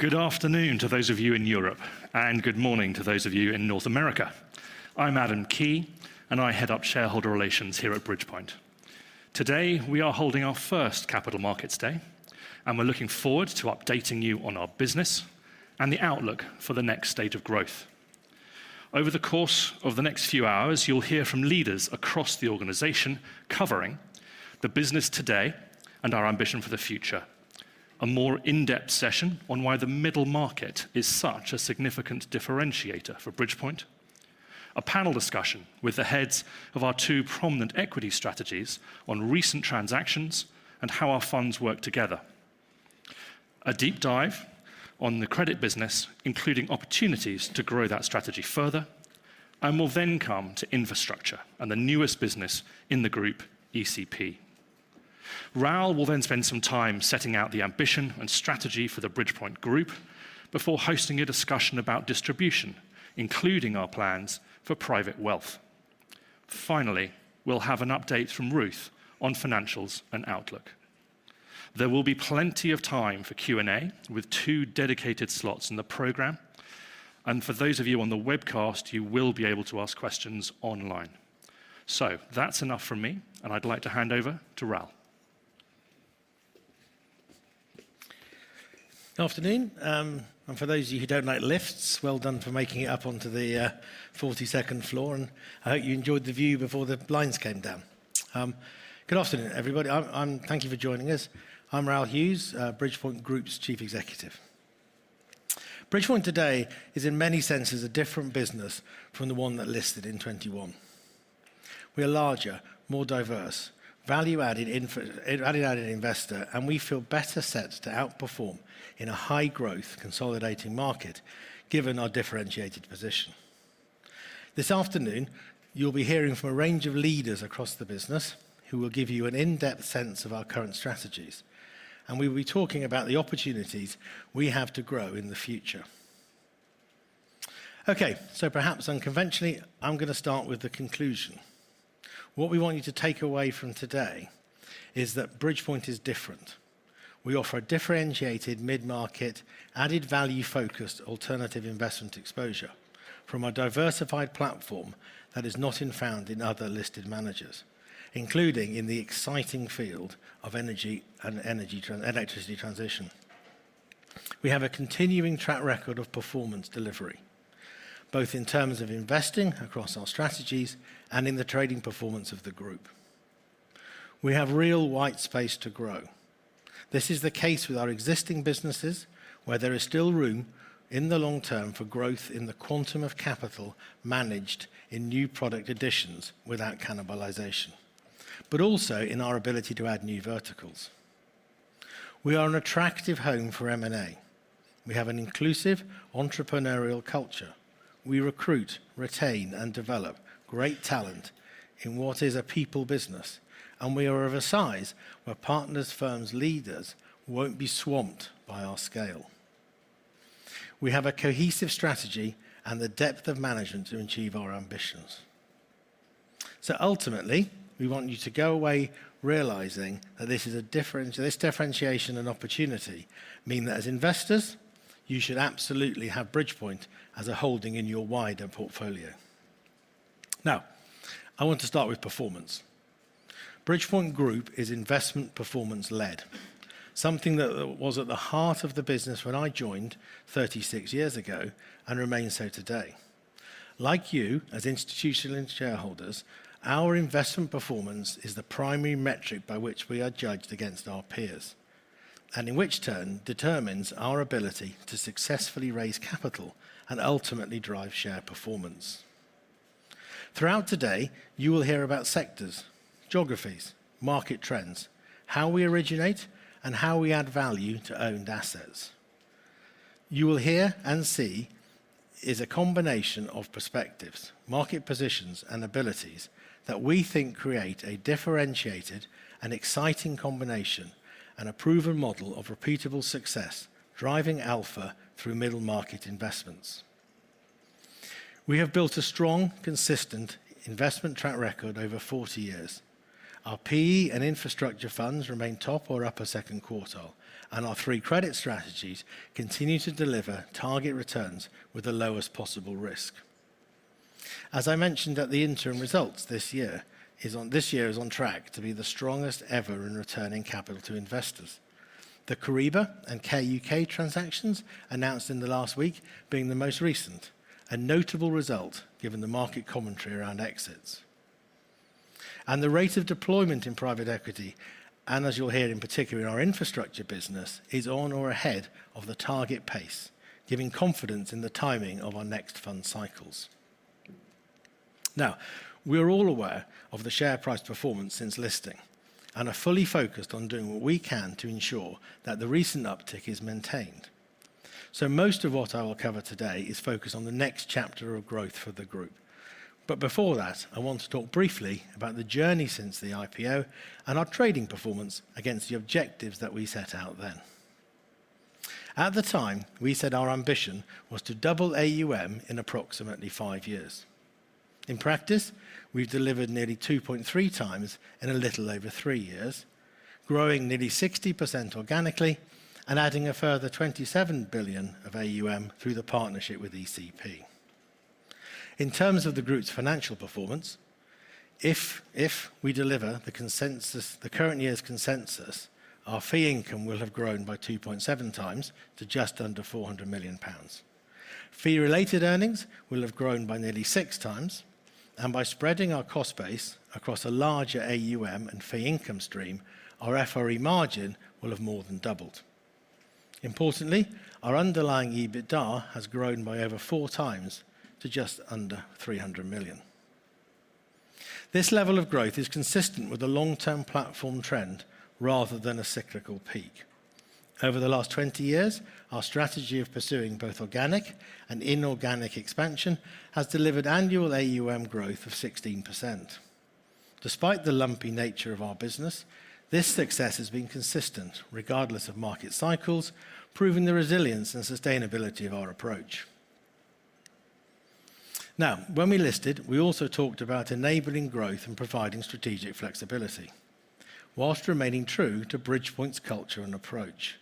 Good afternoon to those of you in Europe, and good morning to those of you in North America. I'm Adam Key, and I head up Shareholder Relations here at Bridgepoint. Today, we are holding our first Capital Markets Day, and we're looking forward to updating you on our business and the outlook for the next stage of growth. Over the course of the next few hours, you'll hear from leaders across the organization, covering the business today and our ambition for the future. A more in-depth session on why the middle market is such a significant differentiator for Bridgepoint. A panel discussion with the heads of our two prominent equity strategies on recent transactions and how our funds work together. A deep dive on the credit business, including opportunities to grow that strategy further, and we'll then come to infrastructure and the newest business in the group, ECP. Raoul will then spend some time setting out the ambition and strategy for the Bridgepoint Group before hosting a discussion about distribution, including our plans for private wealth. Finally, we'll have an update from Ruth on financials and outlook. There will be plenty of time for Q&A, with two dedicated slots in the program, and for those of you on the webcast, you will be able to ask questions online. So that's enough from me, and I'd like to hand over to Raoul. Afternoon. And for those of you who don't like lifts, well done for making it up onto the forty-second floor, and I hope you enjoyed the view before the blinds came down. Good afternoon, everybody. Thank you for joining us. I'm Raoul Hughes, Bridgepoint Group's Chief Executive. Bridgepoint today is, in many senses, a different business from the one that listed in 2021. We are larger, more diverse, value-added investor, and we feel better set to outperform in a high-growth, consolidating market, given our differentiated position. This afternoon, you'll be hearing from a range of leaders across the business, who will give you an in-depth sense of our current strategies, and we will be talking about the opportunities we have to grow in the future. Okay, so perhaps unconventionally, I'm gonna start with the conclusion. What we want you to take away from today is that Bridgepoint is different. We offer a differentiated, mid-market, added-value focused, alternative investment exposure from a diversified platform that is not found in other listed managers, including in the exciting field of energy transition. We have a continuing track record of performance delivery, both in terms of investing across our strategies and in the trading performance of the group. We have real white space to grow. This is the case with our existing businesses, where there is still room, in the long term, for growth in the quantum of capital managed in new product additions without cannibalization, but also in our ability to add new verticals. We are an attractive home for M&A. We have an inclusive entrepreneurial culture. We recruit, retain, and develop great talent in what is a people business, and we are of a size where partners, firms, leaders, won't be swamped by our scale. We have a cohesive strategy and the depth of management to achieve our ambitions. So ultimately, we want you to go away realizing that this is a different... This differentiation and opportunity mean that as investors, you should absolutely have Bridgepoint as a holding in your wider portfolio. Now, I want to start with performance. Bridgepoint Group is investment performance-led, something that was at the heart of the business when I joined thirty-six years ago and remains so today. Like you, as institutional shareholders, our investment performance is the primary metric by which we are judged against our peers, and in turn, determines our ability to successfully raise capital and ultimately drive share performance. Throughout today, you will hear about sectors, geographies, market trends, how we originate, and how we add value to owned assets. You will hear and see is a combination of perspectives, market positions, and abilities that we think create a differentiated and exciting combination, and a proven model of repeatable success, driving alpha through middle-market investments. We have built a strong, consistent investment track record over forty years. Our PE and infrastructure funds remain top or upper second quartile, and our three credit strategies continue to deliver target returns with the lowest possible risk. As I mentioned at the interim results, this year is on track to be the strongest ever in returning capital to investors. The Kyriba and Care UK transactions, announced in the last week, being the most recent, a notable result given the market commentary around exits. The rate of deployment in private equity, and as you'll hear, in particular, in our infrastructure business, is on or ahead of the target pace, giving confidence in the timing of our next fund cycles. Now, we're all aware of the share price performance since listing and are fully focused on doing what we can to ensure that the recent uptick is maintained. Most of what I will cover today is focused on the next chapter of growth for the group. Before that, I want to talk briefly about the journey since the IPO and our trading performance against the objectives that we set out then. At the time, we said our ambition was to double AUM in approximately five years... In practice, we've delivered nearly 2.3 times in a little over three years, growing nearly 60% organically and adding a further 27 billion of AUM through the partnership with ECP. In terms of the group's financial performance, if we deliver the consensus, the current year's consensus, our fee income will have grown by 2.7 times to just under 400 million pounds. Fee-related earnings will have grown by nearly six times, and by spreading our cost base across a larger AUM and fee income stream, our FRE margin will have more than doubled. Importantly, our underlying EBITDA has grown by over four times to just under 300 million. This level of growth is consistent with the long-term platform trend rather than a cyclical peak. Over the last twenty years, our strategy of pursuing both organic and inorganic expansion has delivered annual AUM growth of 16%. Despite the lumpy nature of our business, this success has been consistent regardless of market cycles, proving the resilience and sustainability of our approach. Now, when we listed, we also talked about enabling growth and providing strategic flexibility, whilst remaining true to Bridgepoint's culture and approach.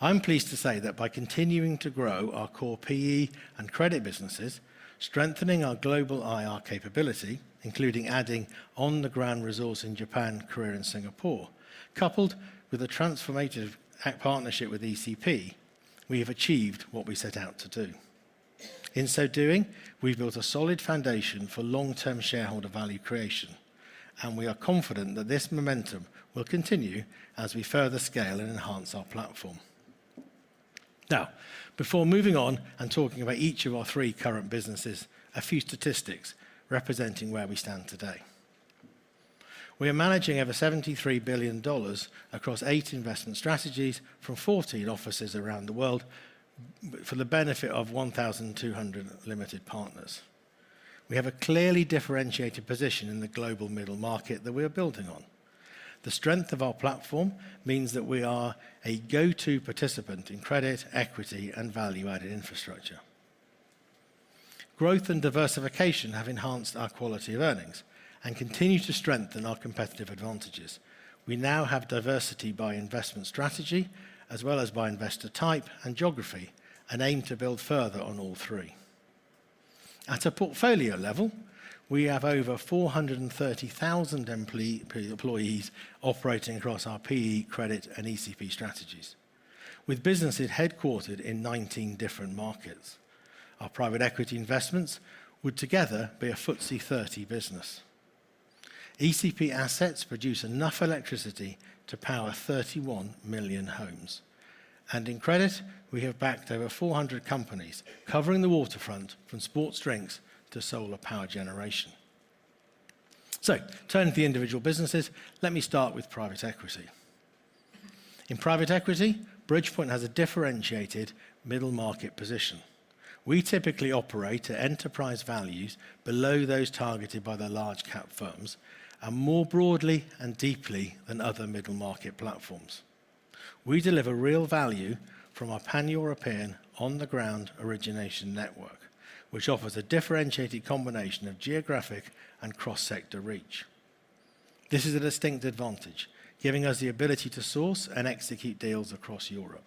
I'm pleased to say that by continuing to grow our core PE and credit businesses, strengthening our global IR capability, including adding on-the-ground resource in Japan, Korea, and Singapore, coupled with a transformative partnership with ECP, we have achieved what we set out to do. In so doing, we've built a solid foundation for long-term shareholder value creation, and we are confident that this momentum will continue as we further scale and enhance our platform. Now, before moving on and talking about each of our three current businesses, a few statistics representing where we stand today. We are managing over $73 billion across eight investment strategies from 14 offices around the world for the benefit of 1,200 limited partners. We have a clearly differentiated position in the global middle market that we are building on. The strength of our platform means that we are a go-to participant in credit, equity, and value-added infrastructure. Growth and diversification have enhanced our quality of earnings and continue to strengthen our competitive advantages. We now have diversity by investment strategy, as well as by investor type and geography, and aim to build further on all three. At a portfolio level, we have over four hundred and thirty thousand employees operating across our PE, credit, and ECP strategies, with businesses headquartered in nineteen different markets. Our private equity investments would together be a FTSE 30 business. ECP assets produce enough electricity to power thirty-one million homes, and in credit, we have backed over four hundred companies, covering the waterfront from sports drinks to solar power generation. So turning to the individual businesses, let me start with private equity. In private equity, Bridgepoint has a differentiated middle market position. We typically operate at enterprise values below those targeted by the large cap firms and more broadly and deeply than other middle market platforms. We deliver real value from our pan-European on-the-ground origination network, which offers a differentiated combination of geographic and cross-sector reach. This is a distinct advantage, giving us the ability to source and execute deals across Europe.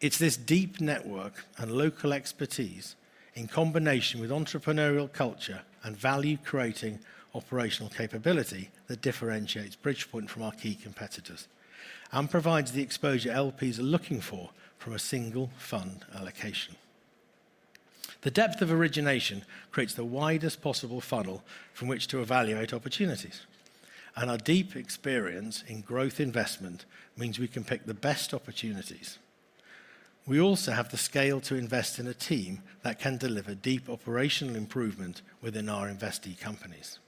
It's this deep network and local expertise, in combination with entrepreneurial culture and value-creating operational capability, that differentiates Bridgepoint from our key competitors and provides the exposure LPs are looking for from a single fund allocation. The depth of origination creates the widest possible funnel from which to evaluate opportunities, and our deep experience in growth investment means we can pick the best opportunities. We also have the scale to invest in a team that can deliver deep operational improvement within our investee companies.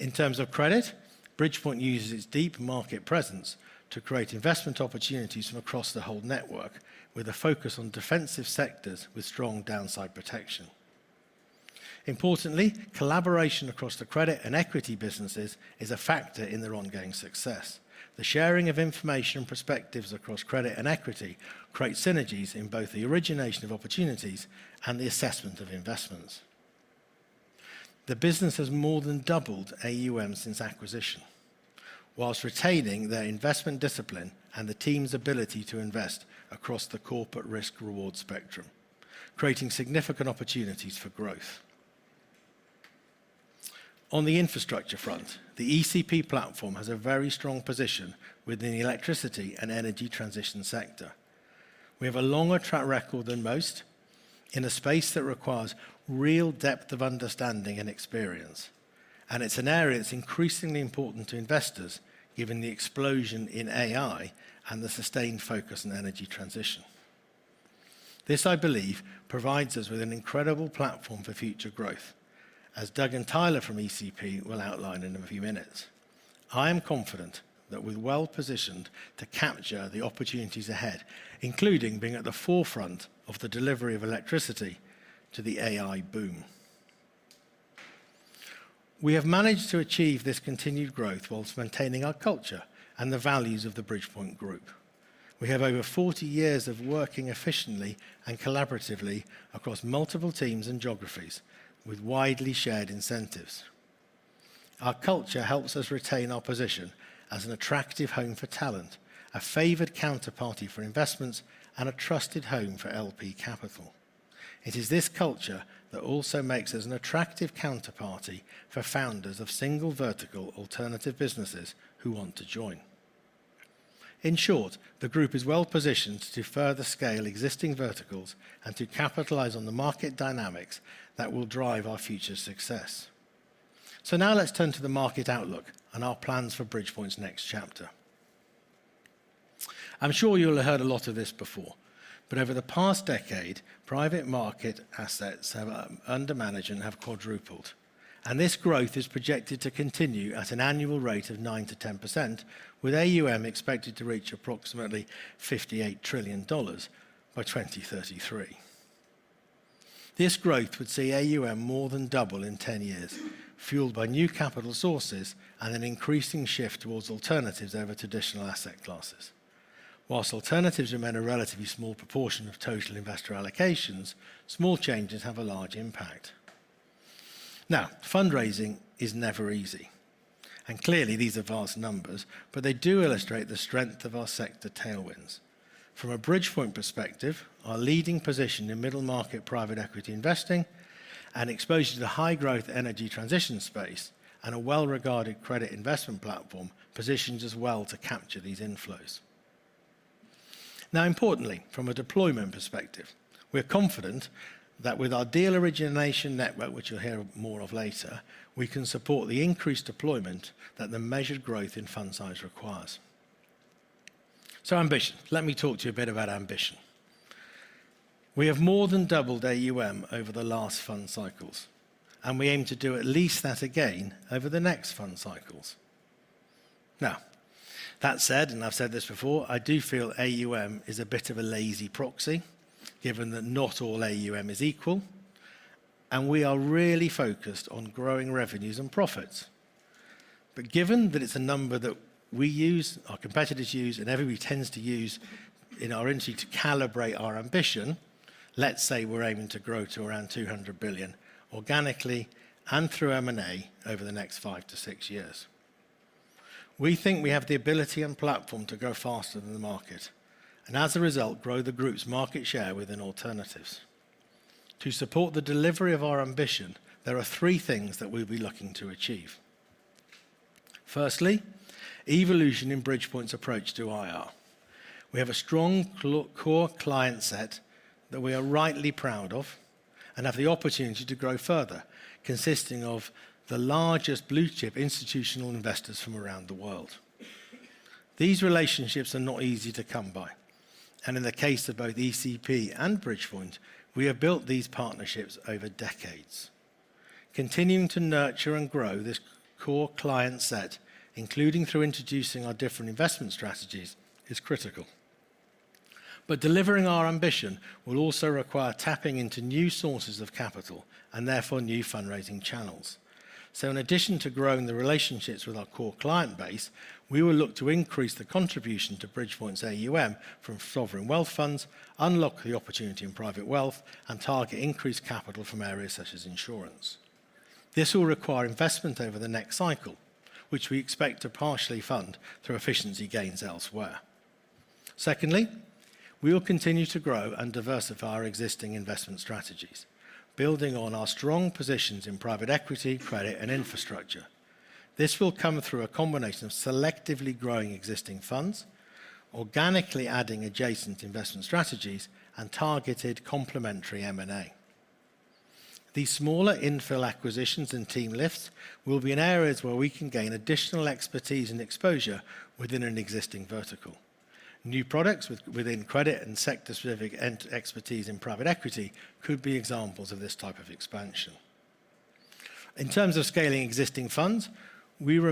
In terms of credit, Bridgepoint uses its deep market presence to create investment opportunities from across the whole network, with a focus on defensive sectors with strong downside protection. Importantly, collaboration across the credit and equity businesses is a factor in their ongoing success. The sharing of information and perspectives across credit and equity creates synergies in both the origination of opportunities and the assessment of investments. The business has more than doubled AUM since acquisition, while retaining their investment discipline and the team's ability to invest across the corporate risk-reward spectrum, creating significant opportunities for growth. On the infrastructure front, the ECP platform has a very strong position within the electricity and energy transition sector. We have a longer track record than most in a space that requires real depth of understanding and experience, and it's an area that's increasingly important to investors, given the explosion in AI and the sustained focus on energy transition. This, I believe, provides us with an incredible platform for future growth, as Doug and Tyler from ECP will outline in a few minutes. I am confident that we're well positioned to capture the opportunities ahead, including being at the forefront of the delivery of electricity to the AI boom. We have managed to achieve this continued growth while maintaining our culture and the values of the Bridgepoint Group. We have over forty years of working efficiently and collaboratively across multiple teams and geographies, with widely shared incentives. Our culture helps us retain our position as an attractive home for talent, a favored counterparty for investments, and a trusted home for LP capital. It is this culture that also makes us an attractive counterparty for founders of single-vertical alternative businesses who want to join. In short, the group is well-positioned to further scale existing verticals and to capitalize on the market dynamics that will drive our future success. So now let's turn to the market outlook and our plans for Bridgepoint's next chapter. I'm sure you'll have heard a lot of this before, but over the past decade, private market assets under management have quadrupled, and this growth is projected to continue at an annual rate of 9% to 10%, with AUM expected to reach approximately $58 trillion by 2033. This growth would see AUM more than double in 10 years, fueled by new capital sources and an increasing shift towards alternatives over traditional asset classes. While alternatives remain a relatively small proportion of total investor allocations, small changes have a large impact. Now, fundraising is never easy, and clearly, these are vast numbers, but they do illustrate the strength of our sector tailwinds. From a Bridgepoint perspective, our leading position in middle-market private equity investing and exposure to the high-growth energy transition space and a well-regarded credit investment platform positions us well to capture these inflows. Now, importantly, from a deployment perspective, we're confident that with our deal origination network, which you'll hear more of later, we can support the increased deployment that the measured growth in fund size requires. So, ambition. Let me talk to you a bit about ambition. We have more than doubled AUM over the last fund cycles, and we aim to do at least that again over the next fund cycles. Now, that said, and I've said this before, I do feel AUM is a bit of a lazy proxy, given that not all AUM is equal, and we are really focused on growing revenues and profits. But given that it's a number that we use, our competitors use, and everybody tends to use in our industry to calibrate our ambition, let's say we're aiming to grow to around $200 billion organically and through M&A over the next five to six years. We think we have the ability and platform to grow faster than the market and, as a result, grow the group's market share within alternatives. To support the delivery of our ambition, there are three things that we'll be looking to achieve. Firstly, evolution in Bridgepoint's approach to IR. We have a strong core client set that we are rightly proud of and have the opportunity to grow further, consisting of the largest blue-chip institutional investors from around the world. These relationships are not easy to come by, and in the case of both ECP and Bridgepoint, we have built these partnerships over decades. Continuing to nurture and grow this core client set, including through introducing our different investment strategies, is critical. But delivering our ambition will also require tapping into new sources of capital and therefore new fundraising channels. So in addition to growing the relationships with our core client base, we will look to increase the contribution to Bridgepoint's AUM from sovereign wealth funds, unlock the opportunity in private wealth, and target increased capital from areas such as insurance. This will require investment over the next cycle, which we expect to partially fund through efficiency gains elsewhere. Secondly, we will continue to grow and diversify our existing investment strategies, building on our strong positions in private equity, credit, and infrastructure. This will come through a combination of selectively growing existing funds, organically adding adjacent investment strategies, and targeted complementary M&A. These smaller infill acquisitions and team lifts will be in areas where we can gain additional expertise and exposure within an existing vertical. New products within credit and sector-specific expertise in private equity could be examples of this type of expansion. In terms of scaling existing funds, we will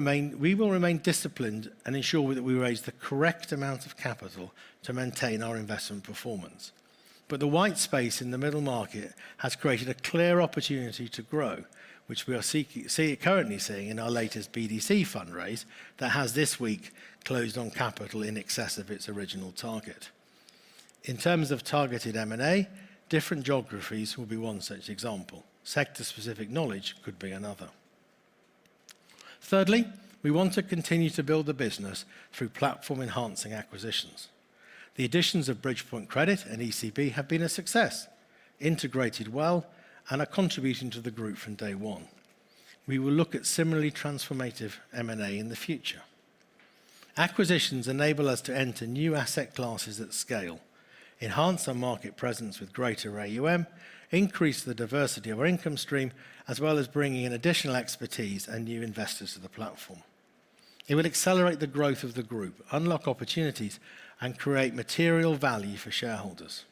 remain disciplined and ensure that we raise the correct amount of capital to maintain our investment performance, but the white space in the Middle Market has created a clear opportunity to grow, which we are currently seeing in our latest BDC fundraise that has this week closed on capital in excess of its original target. In terms of targeted M&A, different geographies will be one such example. Sector-specific knowledge could be another. Thirdly, we want to continue to build the business through platform-enhancing acquisitions. The additions of Bridgepoint Credit and ECP have been a success, integrated well, and are contributing to the group from day one. We will look at similarly transformative M&A in the future. Acquisitions enable us to enter new asset classes at scale, enhance our market presence with greater AUM, increase the diversity of our income stream, as well as bringing in additional expertise and new investors to the platform. It will accelerate the growth of the group, unlock opportunities, and create material value for shareholders.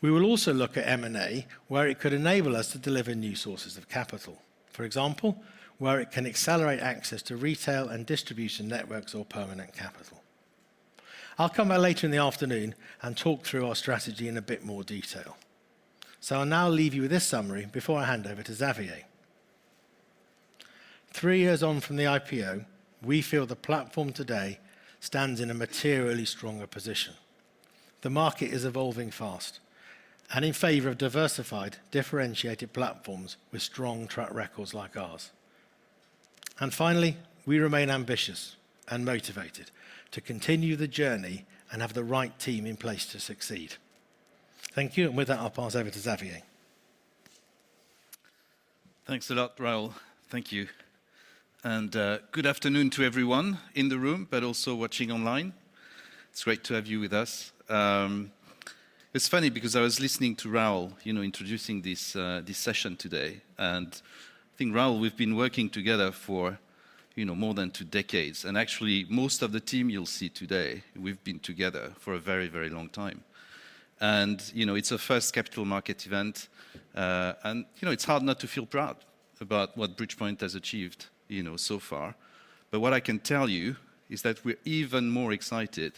We will also look at M&A, where it could enable us to deliver new sources of capital. For example, where it can accelerate access to retail and distribution networks or permanent capital... I'll come back later in the afternoon and talk through our strategy in a bit more detail. So I'll now leave you with this summary before I hand over to Xavier. Three years on from the IPO, we feel the platform today stands in a materially stronger position. The market is evolving fast and in favor of diversified, differentiated platforms with strong track records like ours. And finally, we remain ambitious and motivated to continue the journey and have the right team in place to succeed. Thank you, and with that, I'll pass over to Xavier. Thanks a lot, Raoul. Thank you. And, good afternoon to everyone in the room, but also watching online. It's great to have you with us. It's funny because I was listening to Raoul, you know, introducing this, this session today, and I think, Raoul, we've been working together for, you know, more than two decades. And actually, most of the team you'll see today, we've been together for a very, very long time. And, you know, it's our first capital market event, and, you know, it's hard not to feel proud about what Bridgepoint has achieved, you know, so far. But what I can tell you is that we're even more excited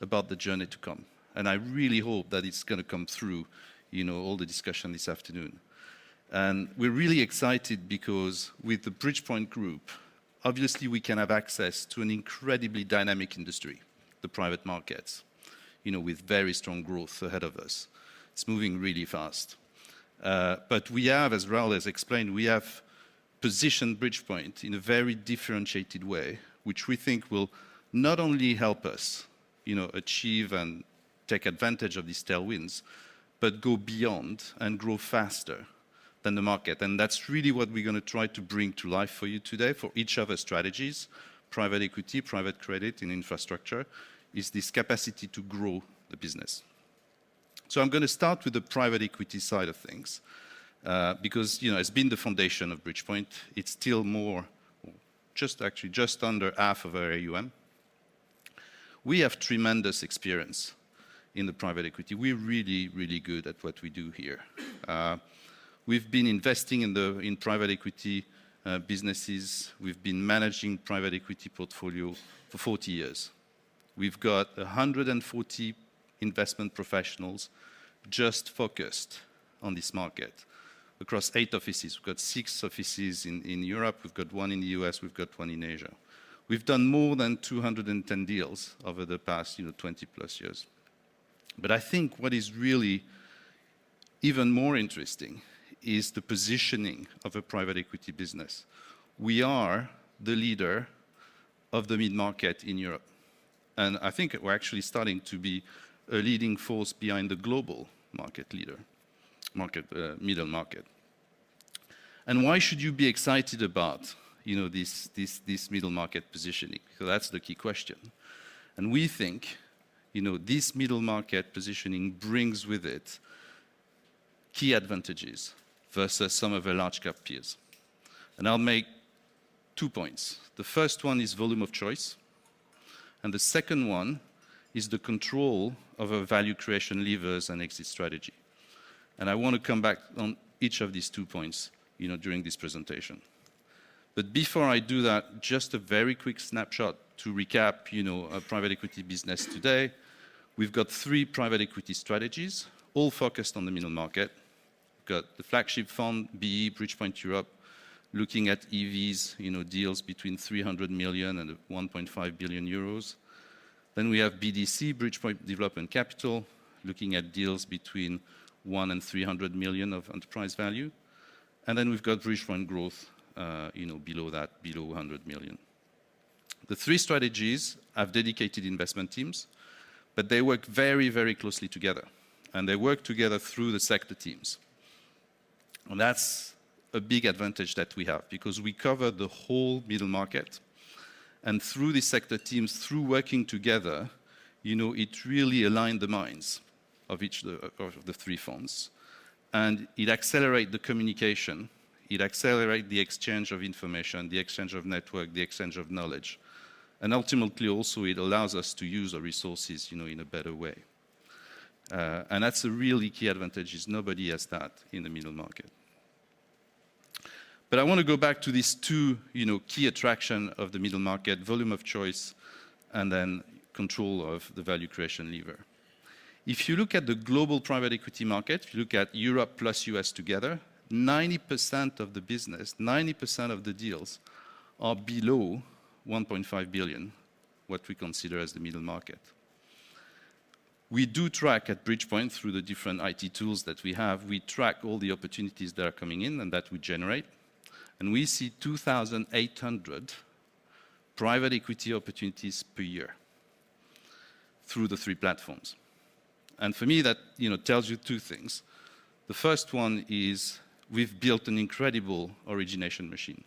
about the journey to come, and I really hope that it's gonna come through, you know, all the discussion this afternoon. We're really excited because with the Bridgepoint Group, obviously we can have access to an incredibly dynamic industry, the private markets, you know, with very strong growth ahead of us. It's moving really fast. But we have, as Raoul has explained, we have positioned Bridgepoint in a very differentiated way, which we think will not only help us, you know, achieve and take advantage of these tailwinds, but go beyond and grow faster than the market. That's really what we're gonna try to bring to life for you today, for each of our strategies, private equity, private credit, and infrastructure, is this capacity to grow the business. I'm gonna start with the private equity side of things, because, you know, it's been the foundation of Bridgepoint. It's still more, just actually just under half of our AUM. We have tremendous experience in the private equity. We're really, really good at what we do here. We've been investing in private equity businesses. We've been managing private equity portfolio for 40 years. We've got 140 investment professionals just focused on this market across eight offices. We've got six offices in Europe, we've got one in the U.S., we've got one in Asia. We've done more than 210 deals over the past, you know, 20-plus years. But I think what is really even more interesting is the positioning of a private equity business. We are the leader of the mid-market in Europe, and I think we're actually starting to be a leading force behind the global market leader, middle market. And why should you be excited about, you know, this middle market positioning? So that's the key question. We think, you know, this middle market positioning brings with it key advantages versus some of our large cap peers. I'll make two points. The first one is volume of choice, and the second one is the control of our value creation levers and exit strategy. I want to come back on each of these two points, you know, during this presentation. But before I do that, just a very quick snapshot to recap, you know, our private equity business today. We've got three private equity strategies, all focused on the middle market. We've got the flagship fund, BE, Bridgepoint Europe, looking at EVs, you know, deals between 300 million and 1.5 billion euros. Then we have BDC, Bridgepoint Development Capital, looking at deals between 1 million and 300 million of enterprise value. And then we've got Bridgepoint Growth, you know, below that, below a hundred million. The three strategies have dedicated investment teams, but they work very, very closely together, and they work together through the sector teams. And that's a big advantage that we have because we cover the whole middle market. And through the sector teams, through working together, you know, it really aligned the minds of each of the three funds, and it accelerate the communication, it accelerate the exchange of information, the exchange of network, the exchange of knowledge. And ultimately, also, it allows us to use our resources, you know, in a better way. And that's a really key advantage, is nobody has that in the middle market. But I want to go back to these two, you know, key attraction of the middle market, volume of choice, and then control of the value creation lever. If you look at the global private equity market, if you look at Europe plus U.S. together, 90% of the business, 90% of the deals are below 1.5 billion, what we consider as the middle market. We do track at Bridgepoint through the different IT tools that we have, we track all the opportunities that are coming in and that we generate, and we see 2,800 private equity opportunities per year through the three platforms. And for me, that, you know, tells you two things. The first one is we've built an incredible origination machine.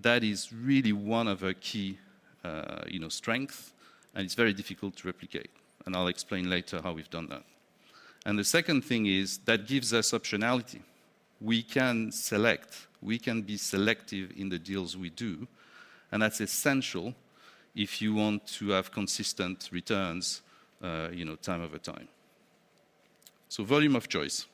That is really one of our key, you know, strength, and it's very difficult to replicate, and I'll explain later how we've done that. The second thing is, that gives us optionality. We can select, we can be selective in the deals we do, and that's essential if you want to have consistent returns, you know, time over time. So volume of choice.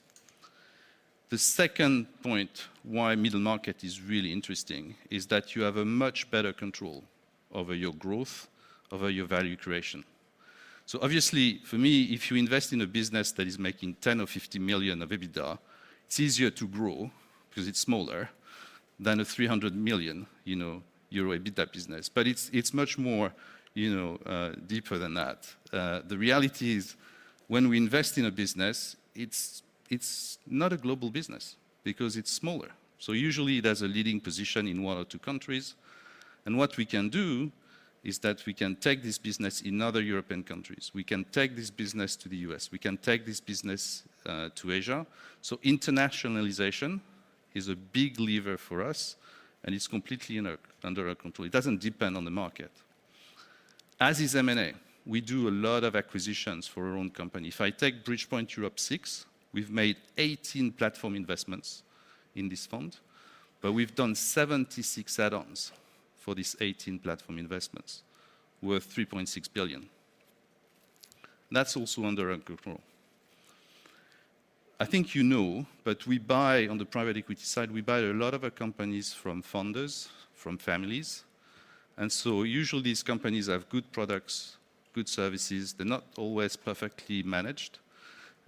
The second point why middle market is really interesting is that you have a much better control over your growth, over your value creation. So obviously, for me, if you invest in a business that is making 10 or 50 million of EBITDA, it's easier to grow because it's smaller than a 300 million EBITDA business. But it's much more, you know, deeper than that. The reality is, when we invest in a business, it's not a global business because it's smaller. So usually, there's a leading position in one or two countries, and what we can do is that we can take this business in other European countries. We can take this business to the U.S., we can take this business to Asia. So internationalization is a big lever for us, and it's completely under our control. It doesn't depend on the market, as is M&A. We do a lot of acquisitions for our own company. If I take Bridgepoint Europe VI, we've made 18 platform investments in this fund, but we've done 76 add-ons for these 18 platform investments, worth 3.6 billion. That's also under our control. I think you know, but we buy, on the private equity side, we buy a lot of our companies from founders, from families, and so usually these companies have good products, good services. They're not always perfectly managed,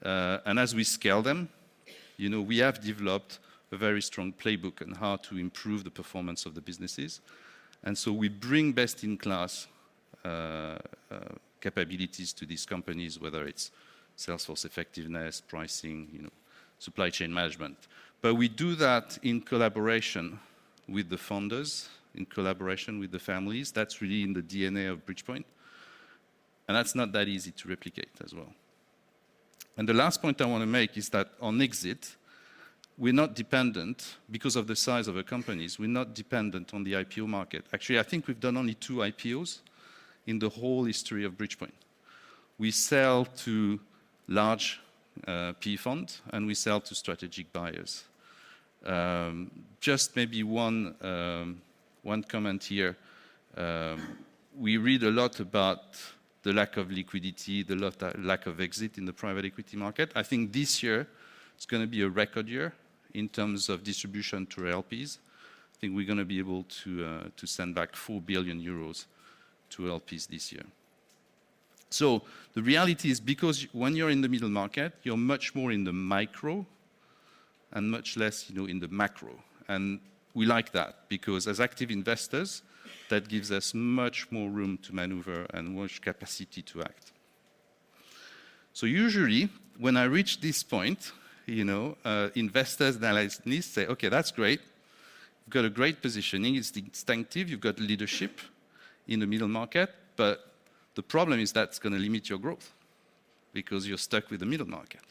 and as we scale them, you know, we have developed a very strong playbook on how to improve the performance of the businesses, and so we bring best-in-class capabilities to these companies, whether it's sales force effectiveness, pricing, you know, supply chain management. But we do that in collaboration with the founders, in collaboration with the families. That's really in the DNA of Bridgepoint, and that's not that easy to replicate as well, and the last point I want to make is that on exit, we're not dependent because of the size of our companies, we're not dependent on the IPO market. Actually, I think we've done only two IPOs in the whole history of Bridgepoint. We sell to large PE funds, and we sell to strategic buyers. We read a lot about the lack of liquidity, the lack of exit in the private equity market. I think this year it's gonna be a record year in terms of distribution to LPs. I think we're gonna be able to send back 4 billion euros to LPs this year. The reality is, because when you're in the middle market, you're much more in the micro and much less, you know, in the macro, and we like that. Because as active investors, that gives us much more room to maneuver and much capacity to act. So usually, when I reach this point, you know, investors, analysts say, "Okay, that's great. You've got a great positioning. It's distinctive. You've got leadership in the middle market, but the problem is that's gonna limit your growth because you're stuck with the middle market."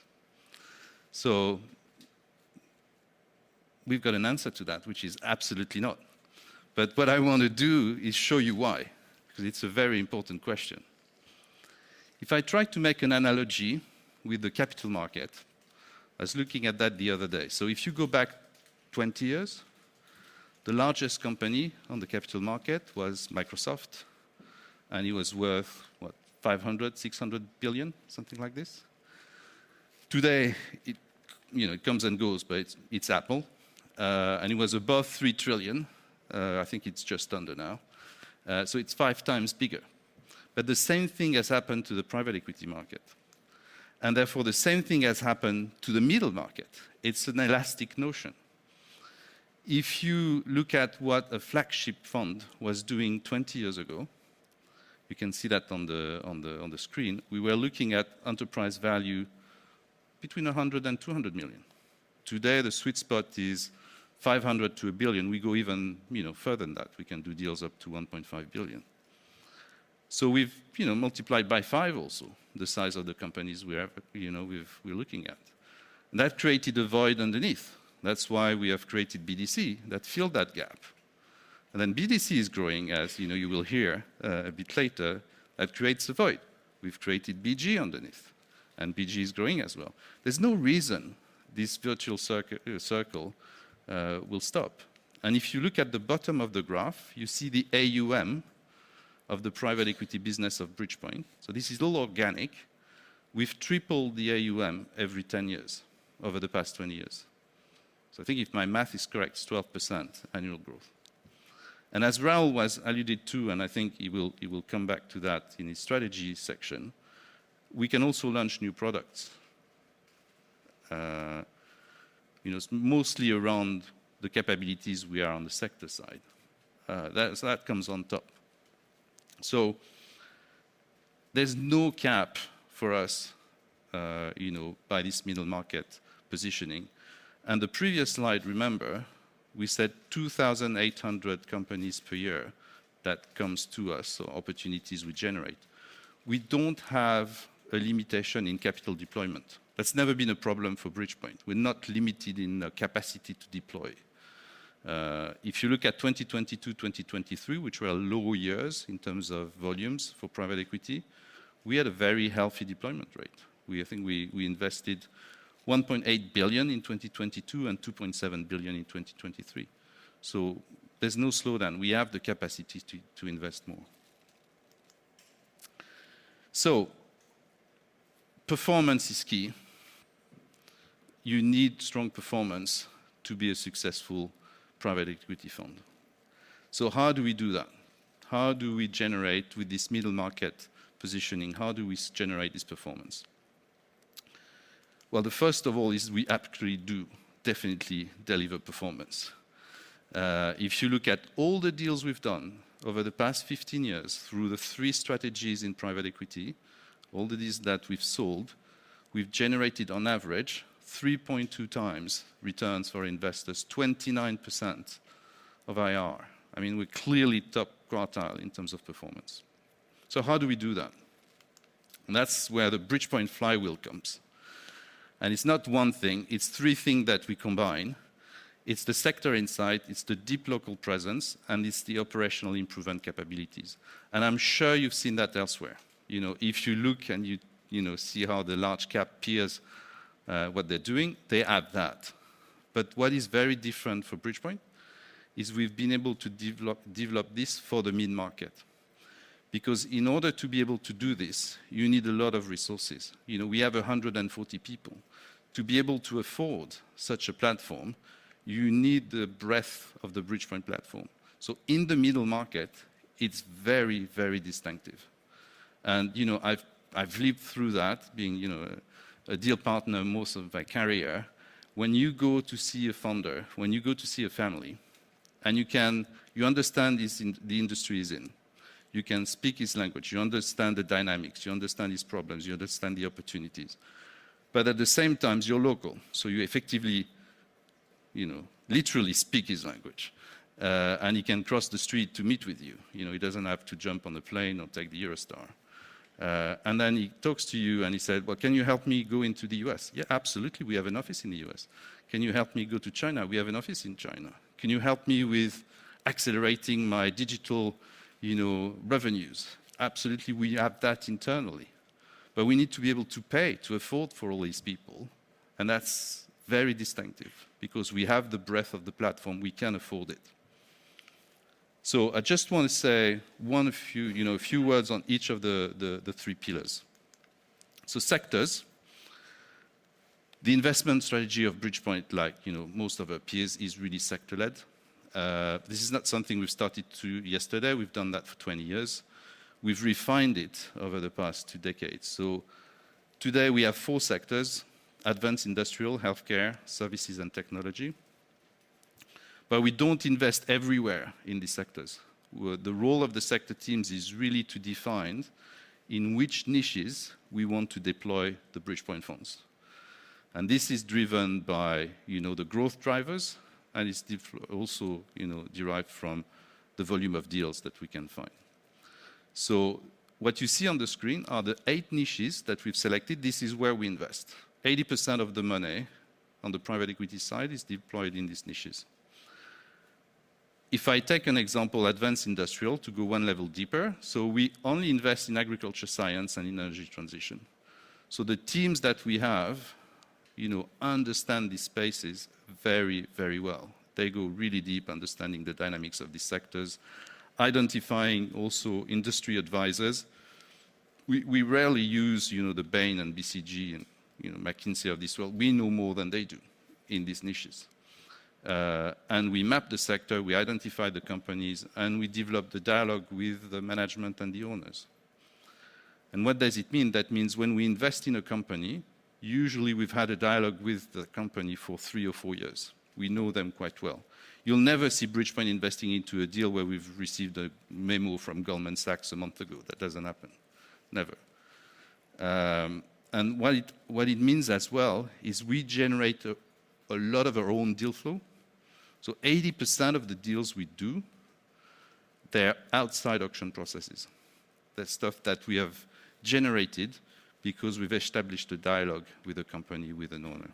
So we've got an answer to that, which is absolutely not. But what I want to do is show you why, because it's a very important question. If I try to make an analogy with the capital market, I was looking at that the other day. So if you go back twenty years, the largest company on the capital market was Microsoft, and it was worth, what? $500-$600 billion, something like this. Today, it, you know, it comes and goes, but it's, it's Apple, and it was above $3 trillion. I think it's just under now, so it's five times bigger. But the same thing has happened to the private equity market, and therefore, the same thing has happened to the middle market. It's an elastic notion. If you look at what a flagship fund was doing twenty years ago, you can see that on the screen. We were looking at enterprise value between 100 and 200 million. Today, the sweet spot is 500 to 1 billion. We go even, you know, further than that. We can do deals up to 1.5 billion. So we've, you know, multiplied by five also the size of the companies we have, you know, we've we're looking at. That created a void underneath. That's why we have created BDC that filled that gap. And then BDC is growing, as, you know, you will hear a bit later, that creates a void. We've created BG underneath, and BG is growing as well. There's no reason this virtuous circle will stop. And if you look at the bottom of the graph, you see the AUM of the private equity business of Bridgepoint. So this is all organic. We've tripled the AUM every ten years over the past twenty years. So I think if my math is correct, it's 12% annual growth. And as Raoul has alluded to, and I think he will, he will come back to that in his strategy section, we can also launch new products. You know, mostly around the capabilities we are on the sector side, that comes on top. So there's no cap for us, you know, by this middle market positioning. And the previous slide, remember, we said 2,800 companies per year that comes to us, so opportunities we generate. We don't have a limitation in capital deployment. That's never been a problem for Bridgepoint. We're not limited in our capacity to deploy. If you look at 2022, 2023, which were low years in terms of volumes for private equity, we had a very healthy deployment rate. I think we invested 1.8 billion in 2022 and 2.7 billion in 2023. So there's no slowdown. We have the capacity to invest more. So, performance is key. You need strong performance to be a successful private equity fund. So how do we do that? How do we generate with this middle market positioning, how do we generate this performance? The first of all is we actually do definitely deliver performance. If you look at all the deals we've done over the past fifteen years through the three strategies in private equity, all the deals that we've sold, we've generated on average three point two times returns for investors, 29% IRR. I mean, we're clearly top quartile in terms of performance. So how do we do that? That's where the Bridgepoint flywheel comes. And it's not one thing, it's three things that we combine. It's the sector insight, it's the deep local presence, and it's the operational improvement capabilities. And I'm sure you've seen that elsewhere. You know, if you look and you know, see how the large cap peers, what they're doing, they have that. But what is very different for Bridgepoint is we've been able to develop this for the mid-market. Because in order to be able to do this, you need a lot of resources. You know, we have 140 people. To be able to afford such a platform, you need the breadth of the Bridgepoint platform. So in the middle market, it's very, very distinctive. And, you know, I've lived through that, being, you know, a deal partner most of my career. When you go to see a founder, when you go to see a family, and you can understand the industry he's in, you can speak his language, you understand the dynamics, you understand his problems, you understand the opportunities. But at the same time, you're local, so you effectively, you know, literally speak his language. And he can cross the street to meet with you. You know, he doesn't have to jump on a plane or take the Eurostar. And then he talks to you, and he said, "Well, can you help me go into the US?" "Yeah, absolutely, we have an office in the US." "Can you help me go to China?" "We have an office in China." "Can you help me with accelerating my digital, you know, revenues?" "Absolutely, we have that internally." But we need to be able to pay, to afford for all these people, and that's very distinctive, because we have the breadth of the platform, we can afford it. So I just want to say a few, you know, few words on each of the three pillars. So sectors, the investment strategy of Bridgepoint, like, you know, most of our peers, is really sector-led. This is not something we've started yesterday. We've done that for 20 years. We've refined it over the past two decades. So today, we have four sectors: advanced industrial, healthcare, services, and technology. But we don't invest everywhere in these sectors. Well, the role of the sector teams is really to define in which niches we want to deploy the Bridgepoint funds. And this is driven by, you know, the growth drivers, and it's also, you know, derived from the volume of deals that we can find. So what you see on the screen are the eight niches that we've selected. This is where we invest. 80% of the money on the private equity side is deployed in these niches. If I take an example, advanced industrial, to go one level deeper, so we only invest in agriculture, science, and energy transition. The teams that we have, you know, understand these spaces very, very well. They go really deep understanding the dynamics of these sectors, identifying also industry advisors. We rarely use, you know, the Bain and BCG and, you know, McKinsey of this world. We know more than they do in these niches. And we map the sector, we identify the companies, and we develop the dialogue with the management and the owners. And what does it mean? That means when we invest in a company, usually we've had a dialogue with the company for three or four years. We know them quite well. You'll never see Bridgepoint investing into a deal where we've received a memo from Goldman Sachs a month ago. That doesn't happen. Never. And what it means as well is we generate a lot of our own deal flow, so 80% of the deals we do, they're outside auction processes. That's stuff that we have generated because we've established a dialogue with a company, with an owner.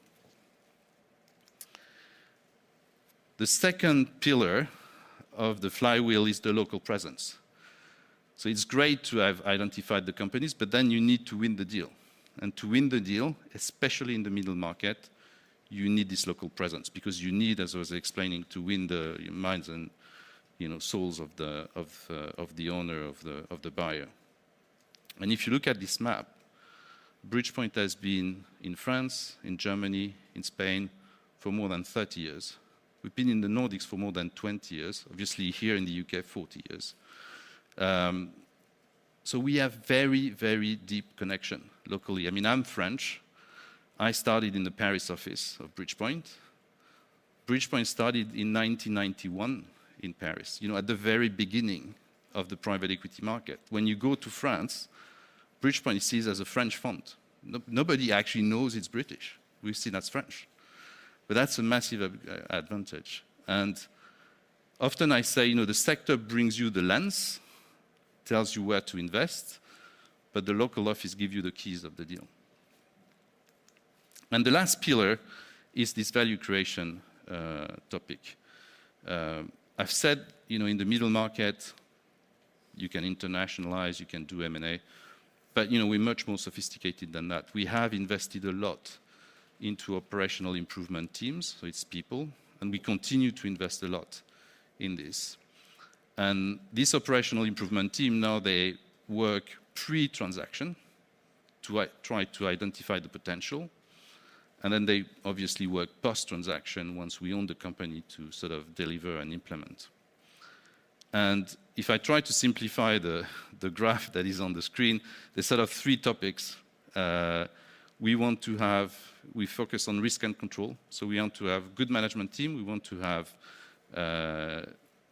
The second pillar of the flywheel is the local presence. So it's great to have identified the companies, but then you need to win the deal, and to win the deal, especially in the middle market, you need this local presence, because you need, as I was explaining, to win the minds and, you know, souls of the owner of the buyer. If you look at this map, Bridgepoint has been in France, in Germany, in Spain for more than 30 years. We've been in the Nordics for more than 20 years, obviously here in the U.K., 40 years. So we have very, very deep connection locally. I mean, I'm French. I started in the Paris office of Bridgepoint. Bridgepoint started in 1991 in Paris, you know, at the very beginning of the private equity market. When you go to France, Bridgepoint is seen as a French fund. Nobody actually knows it's British. We're seen as French, but that's a massive advantage. And often I say, you know, the sector brings you the lens, tells you where to invest, but the local office give you the keys of the deal. And the last pillar is this value creation topic. I've said, you know, in the middle market, you can internationalize, you can do M&A, but, you know, we're much more sophisticated than that. We have invested a lot into operational improvement teams, so it's people, and we continue to invest a lot in this. And this operational improvement team, now they work pre-transaction to try to identify the potential, and then they obviously work post-transaction once we own the company to sort of deliver and implement. And if I try to simplify the graph that is on the screen, there's sort of three topics. We want to have. We focus on risk and control, so we want to have good management team, we want to have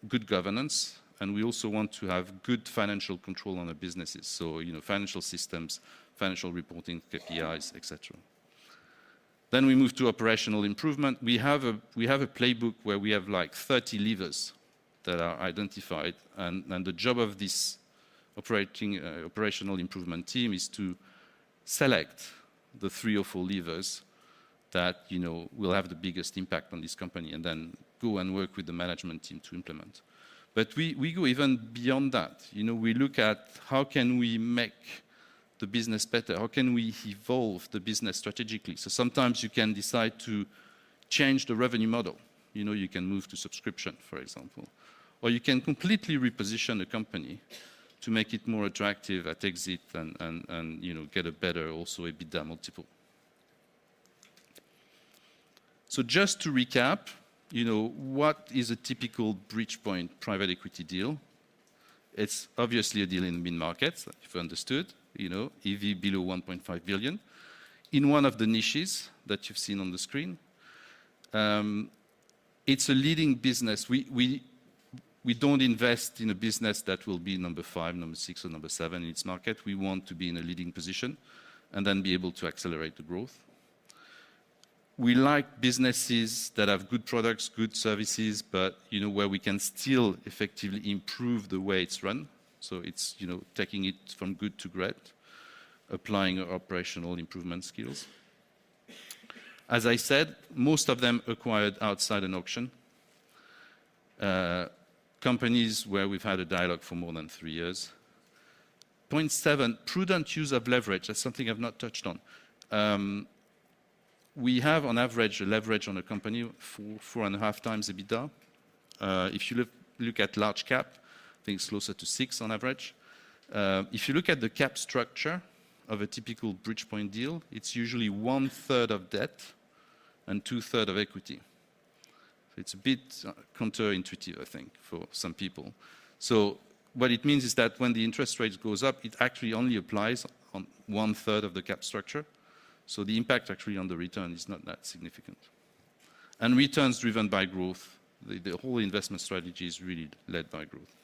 good governance, and we also want to have good financial control on the businesses. So, you know, financial systems, financial reporting, KPIs, et cetera. Then we move to operational improvement. We have a playbook where we have, like, 30 levers that are identified, and the job of this operational improvement team is to select the three or four levers that, you know, will have the biggest impact on this company, and then go and work with the management team to implement. But we go even beyond that. You know, we look at: how can we make the business better? How can we evolve the business strategically? So sometimes you can decide to change the revenue model. You know, you can move to subscription, for example, or you can completely reposition a company to make it more attractive at exit and, you know, get a better also EBITDA multiple. So just to recap, you know, what is a typical Bridgepoint private equity deal? It's obviously a deal in the mid-market, if you understood, you know, EV below 1.5 billion, in one of the niches that you've seen on the screen. It's a leading business. We don't invest in a business that will be number five, number six, or number seven in its market. We want to be in a leading position and then be able to accelerate the growth. We like businesses that have good products, good services, but, you know, where we can still effectively improve the way it's run, so it's, you know, taking it from good to great, applying our operational improvement skills. As I said, most of them acquired outside an auction, companies where we've had a dialogue for more than three years. 0.7, prudent use of leverage, that's something I've not touched on. We have on average a leverage on a company four and a half times EBITDA. If you look at large cap, I think it's closer to six on average. If you look at the capital structure of a typical Bridgepoint deal, it's usually one third of debt and two thirds of equity. It's a bit counterintuitive, I think, for some people. So what it means is that when the interest rate goes up, it actually only applies on one third of the capital structure, so the impact actually on the return is not that significant. And returns driven by growth, the whole investment strategy is really led by growth.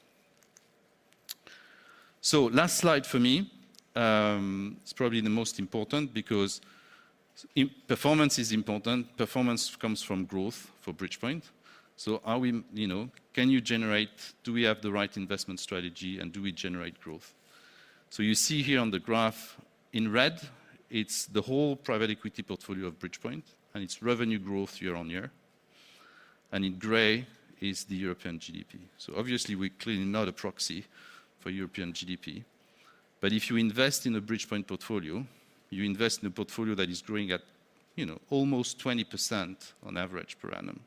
Last slide for me, it's probably the most important because performance is important. Performance comes from growth for Bridgepoint. So are we, you know, do we have the right investment strategy, and do we generate growth? So you see here on the graph in red, it's the whole private equity portfolio of Bridgepoint, and it's revenue growth year on year, and in gray is the European GDP. So obviously, we're clearly not a proxy for European GDP, but if you invest in a Bridgepoint portfolio, you invest in a portfolio that is growing at, you know, almost 20% on average per annum,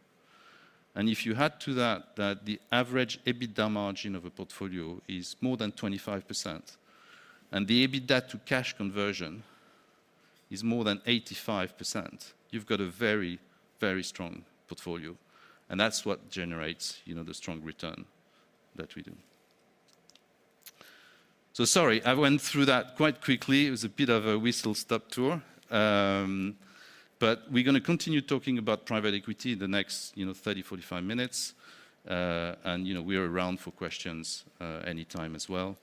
and if you add to that, that the average EBITDA margin of a portfolio is more than 25%, and the EBITDA to cash conversion is more than 85%, you've got a very, very strong portfolio, and that's what generates, you know, the strong return that we do. So sorry, I went through that quite quickly. It was a bit of a whistle-stop tour. But we're gonna continue talking about private equity in the next, you know, 30, 45 minutes, and, you know, we are around for questions anytime as well.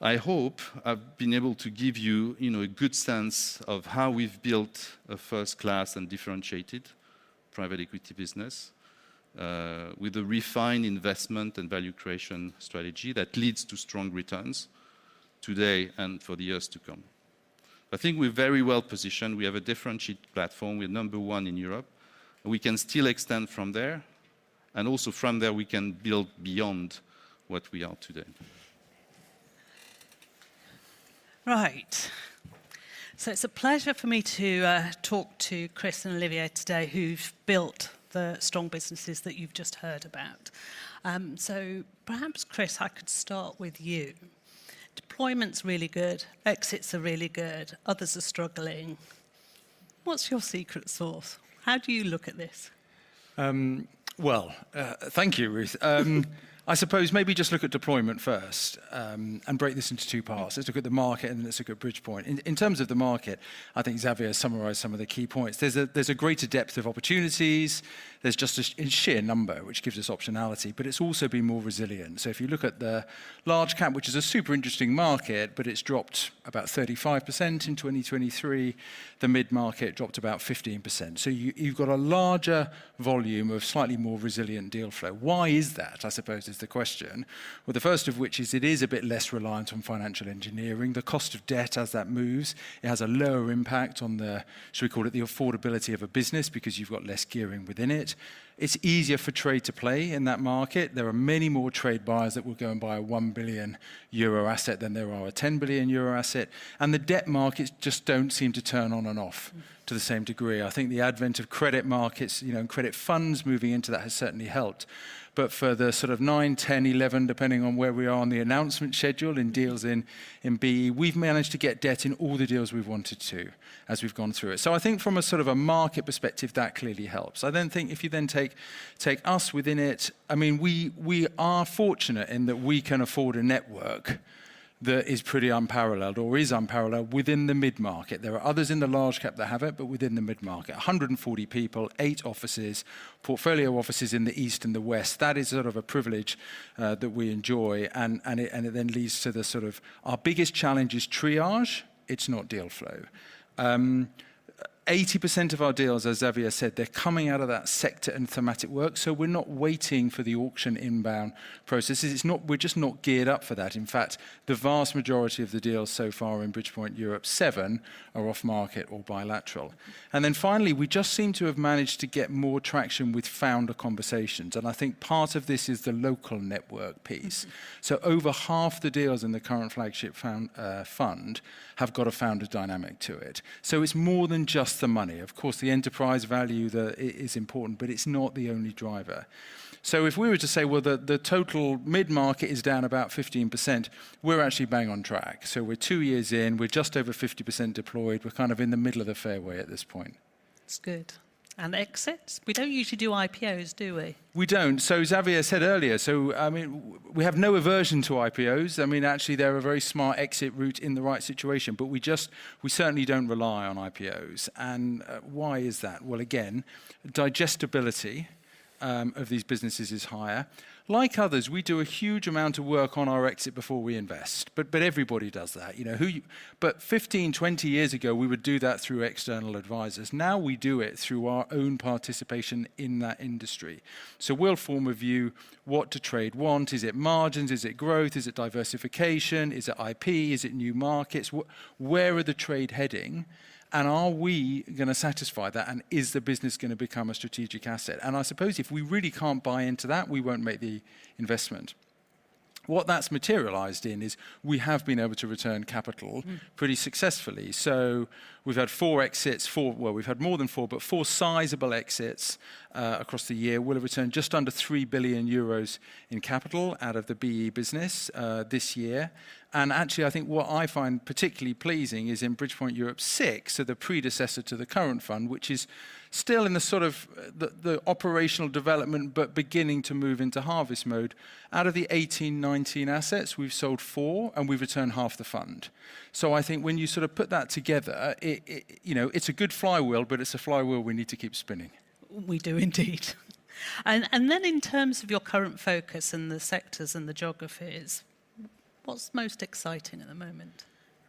I hope I've been able to give you, you know, a good sense of how we've built a first-class and differentiated private equity business with a refined investment and value creation strategy that leads to strong returns today and for the years to come. I think we're very well positioned. We have a differentiated platform. We're number one in Europe, and we can still extend from there, and also from there, we can build beyond what we are today. Right. So it's a pleasure for me to talk to Chris and Olivier today, who've built the strong businesses that you've just heard about. So perhaps, Chris, I could start with you. Deployment's really good. Exits are really good. Others are struggling.... What's your secret sauce? How do you look at this? Well, thank you, Ruth. I suppose maybe just look at deployment first, and break this into two parts. Let's look at the market, and then let's look at Bridgepoint. In terms of the market, I think Xavier has summarized some of the key points. There's a greater depth of opportunities. There's just a, in sheer number, which gives us optionality, but it's also been more resilient. So if you look at the large cap, which is a super interesting market, but it's dropped about 35% in 2023, the mid-market dropped about 15%. So you've got a larger volume of slightly more resilient deal flow. Why is that? I suppose is the question. Well, the first of which is it is a bit less reliant on financial engineering. The cost of debt as that moves, it has a lower impact on the, shall we call it, the affordability of a business because you've got less gearing within it. It's easier for trade to play in that market. There are many more trade buyers that will go and buy a 1 billion euro asset than there are a 10 billion euro asset, and the debt markets just don't seem to turn on and off to the same degree. I think the advent of credit markets, you know, and credit funds moving into that has certainly helped. But for the sort of nine, ten, eleven, depending on where we are on the announcement schedule in deals in, in BE, we've managed to get debt in all the deals we've wanted to as we've gone through it. So I think from a sort of a market perspective, that clearly helps. I then think if you then take us within it, I mean, we are fortunate in that we can afford a network that is pretty unparalleled or is unparalleled within the mid-market. There are others in the large cap that have it, but within the mid-market. 140 people, eight offices, portfolio offices in the East and the West, that is sort of a privilege that we enjoy, and it then leads to the sort of... Our biggest challenge is triage, it's not deal flow. 80% of our deals, as Xavier said, they're coming out of that sector and thematic work, so we're not waiting for the auction inbound processes. It's not-- we're just not geared up for that. In fact, the vast majority of the deals so far in Bridgepoint Europe VII are off-market or bilateral. Finally, we just seem to have managed to get more traction with founder conversations, and I think part of this is the local network piece. Mm-hmm. So over half the deals in the current flagship fund have got a founder dynamic to it. So it's more than just the money. Of course, the enterprise value, it is important, but it's not the only driver. So if we were to say, well, the total mid-market is down about 15%, we're actually bang on track. So we're two years in, we're just over 50% deployed, we're kind of in the middle of the fairway at this point. It's good. And exits? We don't usually do IPOs, do we? We don't. So as Xavier said earlier, so, I mean, we have no aversion to IPOs. I mean, actually, they're a very smart exit route in the right situation, but we just, we certainly don't rely on IPOs. And why is that? Well, again, digestibility of these businesses is higher. Like others, we do a huge amount of work on our exit before we invest, but everybody does that. You know. But 15, 20 years ago, we would do that through external advisors. Now, we do it through our own participation in that industry. So we'll form a view what do trade want? Is it margins? Is it growth? Is it diversification? Is it IP? Is it new markets? Where are the trade heading, and are we gonna satisfy that, and is the business gonna become a strategic asset? And I suppose if we really can't buy into that, we won't make the investment. What that's materialized in is we have been able to return capital- Mm. Pretty successfully. So, we've had four exits, four. Well, we've had more than four, but four sizable exits across the year. We'll have returned just under 3 billion euros in capital out of the BE business this year. And actually, I think what I find particularly pleasing is in Bridgepoint Europe VI, so the predecessor to the current fund, which is still in the sort of operational development but beginning to move into harvest mode, out of the eighteen, nineteen assets, we've sold four, and we've returned half the fund. So, I think when you sort of put that together, it you know, it's a good flywheel, but it's a flywheel we need to keep spinning. We do indeed. And, and then in terms of your current focus and the sectors and the geographies, what's most exciting at the moment?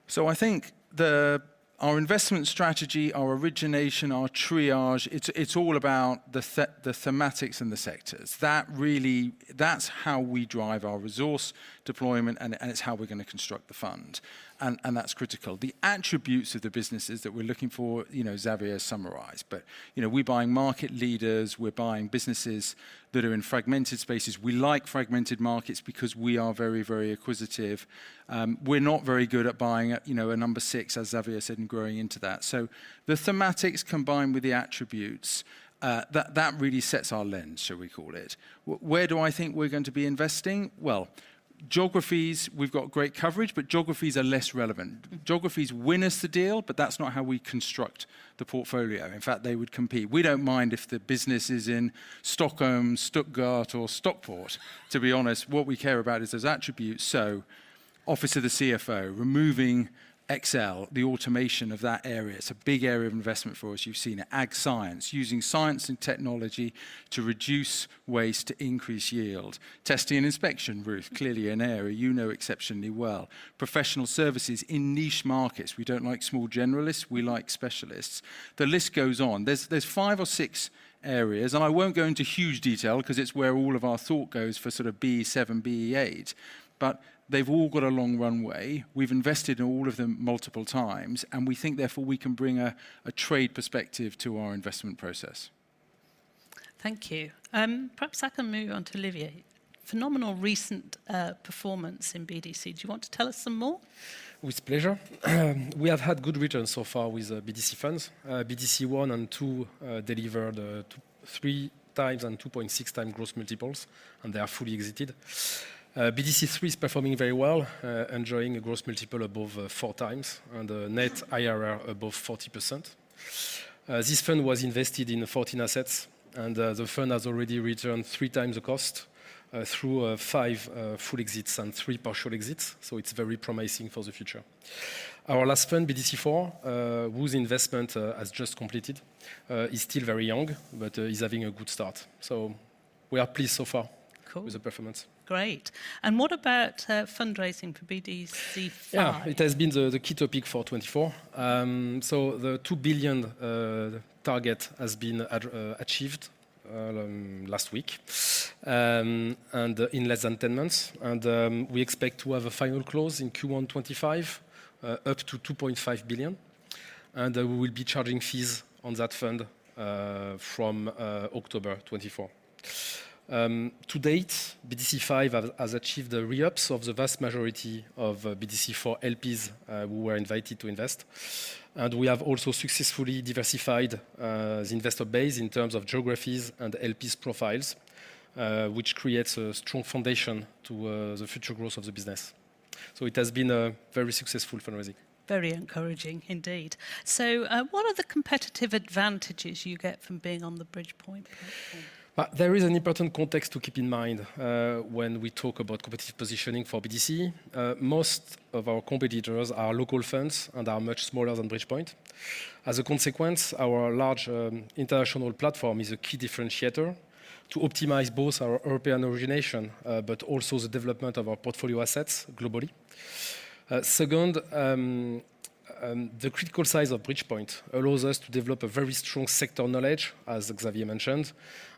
So I think our investment strategy, our origination, our triage, it's all about the thematics and the sectors. That really, that's how we drive our resource deployment, and it's how we're gonna construct the fund, and that's critical. The attributes of the businesses that we're looking for, you know, Xavier summarized, but, you know, we're buying market leaders, we're buying businesses that are in fragmented spaces. We like fragmented markets because we are very, very acquisitive. We're not very good at buying, you know, a number six, as Xavier said, and growing into that. So the thematics combined with the attributes, that really sets our lens, shall we call it. Where do I think we're going to be investing? Well, geographies, we've got great coverage, but geographies are less relevant. Geographies win us the deal, but that's not how we construct the portfolio. In fact, they would compete. We don't mind if the business is in Stockholm, Stuttgart, or Stockport, to be honest. What we care about is those attributes. So, office of the CFO, removing Excel, the automation of that area, it's a big area of investment for us. You've seen Ag science, using science and technology to reduce waste, to increase yield. Testing and inspection, Ruth, clearly an area you know exceptionally well. Professional services in niche markets. We don't like small generalists. We like specialists. The list goes on. There's five or six areas, and I won't go into huge detail 'cause it's where all of our thought goes for sort of BE VII, BE VIII, but they've all got a long runway. We've invested in all of them multiple times, and we think, therefore, we can bring a trade perspective to our investment process. Thank you. Perhaps I can move on to Olivier. Phenomenal recent performance in BDC. Do you want to tell us some more? With pleasure. We have had good returns so far with BDC funds. BDC I and II delivered 2.3 times and 2.6 times gross multiples, and they are fully exited. BDC III is performing very well, enjoying a gross multiple above 4 times and a net IRR above 40%. This fund was invested in 14 assets, and the fund has already returned 3 times the cost through 5 full exits and 3 partial exits, so it's very promising for the future. Our last fund, BDC IV, whose investment has just completed, is still very young, but is having a good start. So, we are pleased so far- Cool. with the performance. Great. And what about fundraising for BDC V? Yeah, it has been the key topic for 2024, so the €2 billion target has been achieved last week and in less than 10 months. We expect to have a final close in Q1 2025 up to €2.5 billion, and we will be charging fees on that fund from October 2024. To date, BDC V has achieved the re-ups of the vast majority of BDC IV LPs who were invited to invest. We have also successfully diversified the investor base in terms of geographies and LP profiles, which creates a strong foundation to the future growth of the business, so it has been a very successful fundraising. Very encouraging indeed. So, what are the competitive advantages you get from being on the Bridgepoint platform? There is an important context to keep in mind when we talk about competitive positioning for BDC. Most of our competitors are local firms and are much smaller than Bridgepoint. As a consequence, our large international platform is a key differentiator to optimize both our European origination, but also the development of our portfolio assets globally. Second, the critical size of Bridgepoint allows us to develop a very strong sector knowledge, as Xavier mentioned,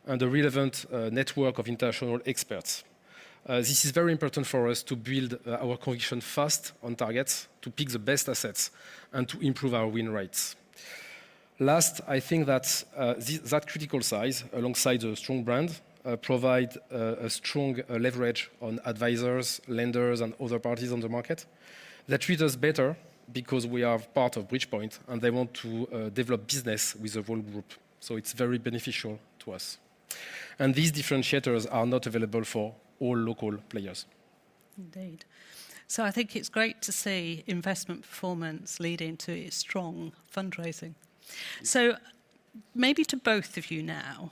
and a relevant network of international experts. This is very important for us to build our conviction fast on targets, to pick the best assets, and to improve our win rates. Last, I think that that critical size, alongside a strong brand, provide a strong leverage on advisors, lenders, and other parties on the market. They treat us better because we are part of Bridgepoint, and they want to develop business with the whole group, so it's very beneficial to us, and these differentiators are not available for all local players. Indeed. So I think it's great to see investment performance leading to strong fundraising. So maybe to both of you now,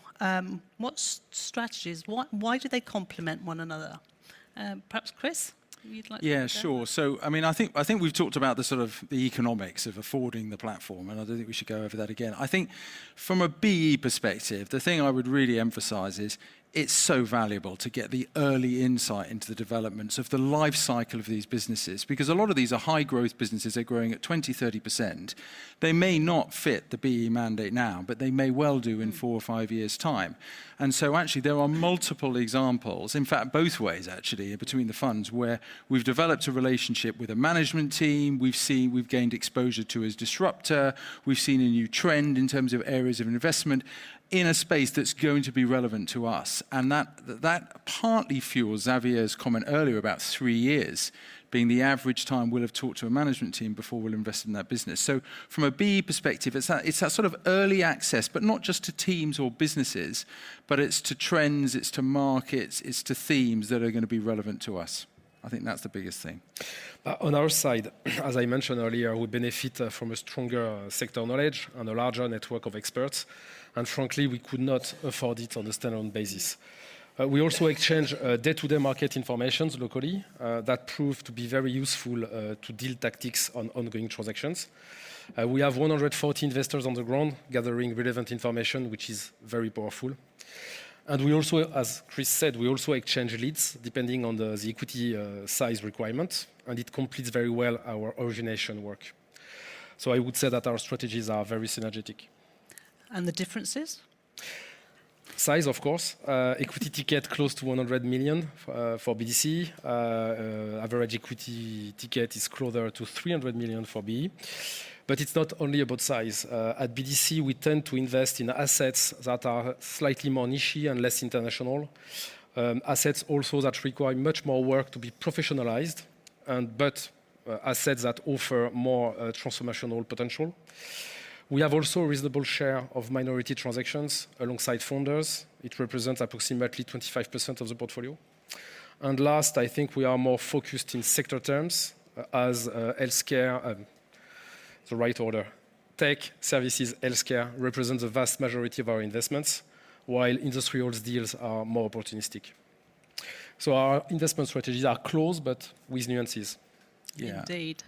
what strategies... why do they complement one another? Perhaps, Chris, you'd like to go? Yeah, sure. So I mean, I think, I think we've talked about the sort of the economics of affording the platform, and I don't think we should go over that again. I think from a BE perspective, the thing I would really emphasize is it's so valuable to get the early insight into the developments of the life cycle of these businesses, because a lot of these are high growth businesses. They're growing at 20%, 30%. They may not fit the BE mandate now, but they may well do in four or five years' time. And so actually, there are multiple examples, in fact, both ways, actually, between the funds, where we've developed a relationship with a management team. We've gained exposure to a disruptor. We've seen a new trend in terms of areas of investment in a space that's going to be relevant to us, and that partly fuels Xavier's comment earlier about three years being the average time we'll have talked to a management team before we'll invest in that business. So from a BE perspective, it's that sort of early access, but not just to teams or businesses, but it's to trends, it's to markets, it's to themes that are gonna be relevant to us. I think that's the biggest thing. On our side, as I mentioned earlier, we benefit from a stronger sector knowledge and a larger network of experts, and frankly, we could not afford it on a stand-alone basis. We also exchange day-to-day market information locally that prove to be very useful to deal tactics on ongoing transactions. We have 140 investors on the ground gathering relevant information, which is very powerful. As Chris said, we also exchange leads, depending on the equity size requirement, and it completes very well our origination work. I would say that our strategies are very synergetic. The differences? Size, of course. Equity ticket close to £100 million for BDC. Average equity ticket is closer to £300 million for BE, but it's not only about size. At BDC, we tend to invest in assets that are slightly more nichey and less international. Assets also that require much more work to be professionalized, assets that offer more transformational potential. We have also a reasonable share of minority transactions alongside founders. It represents approximately 25% of the portfolio. Last, I think we are more focused in sector terms as healthcare, the right order. Tech, services, healthcare represent the vast majority of our investments, while Industrials deals are more opportunistic. Our investment strategies are close but with nuances. Yeah. Indeed.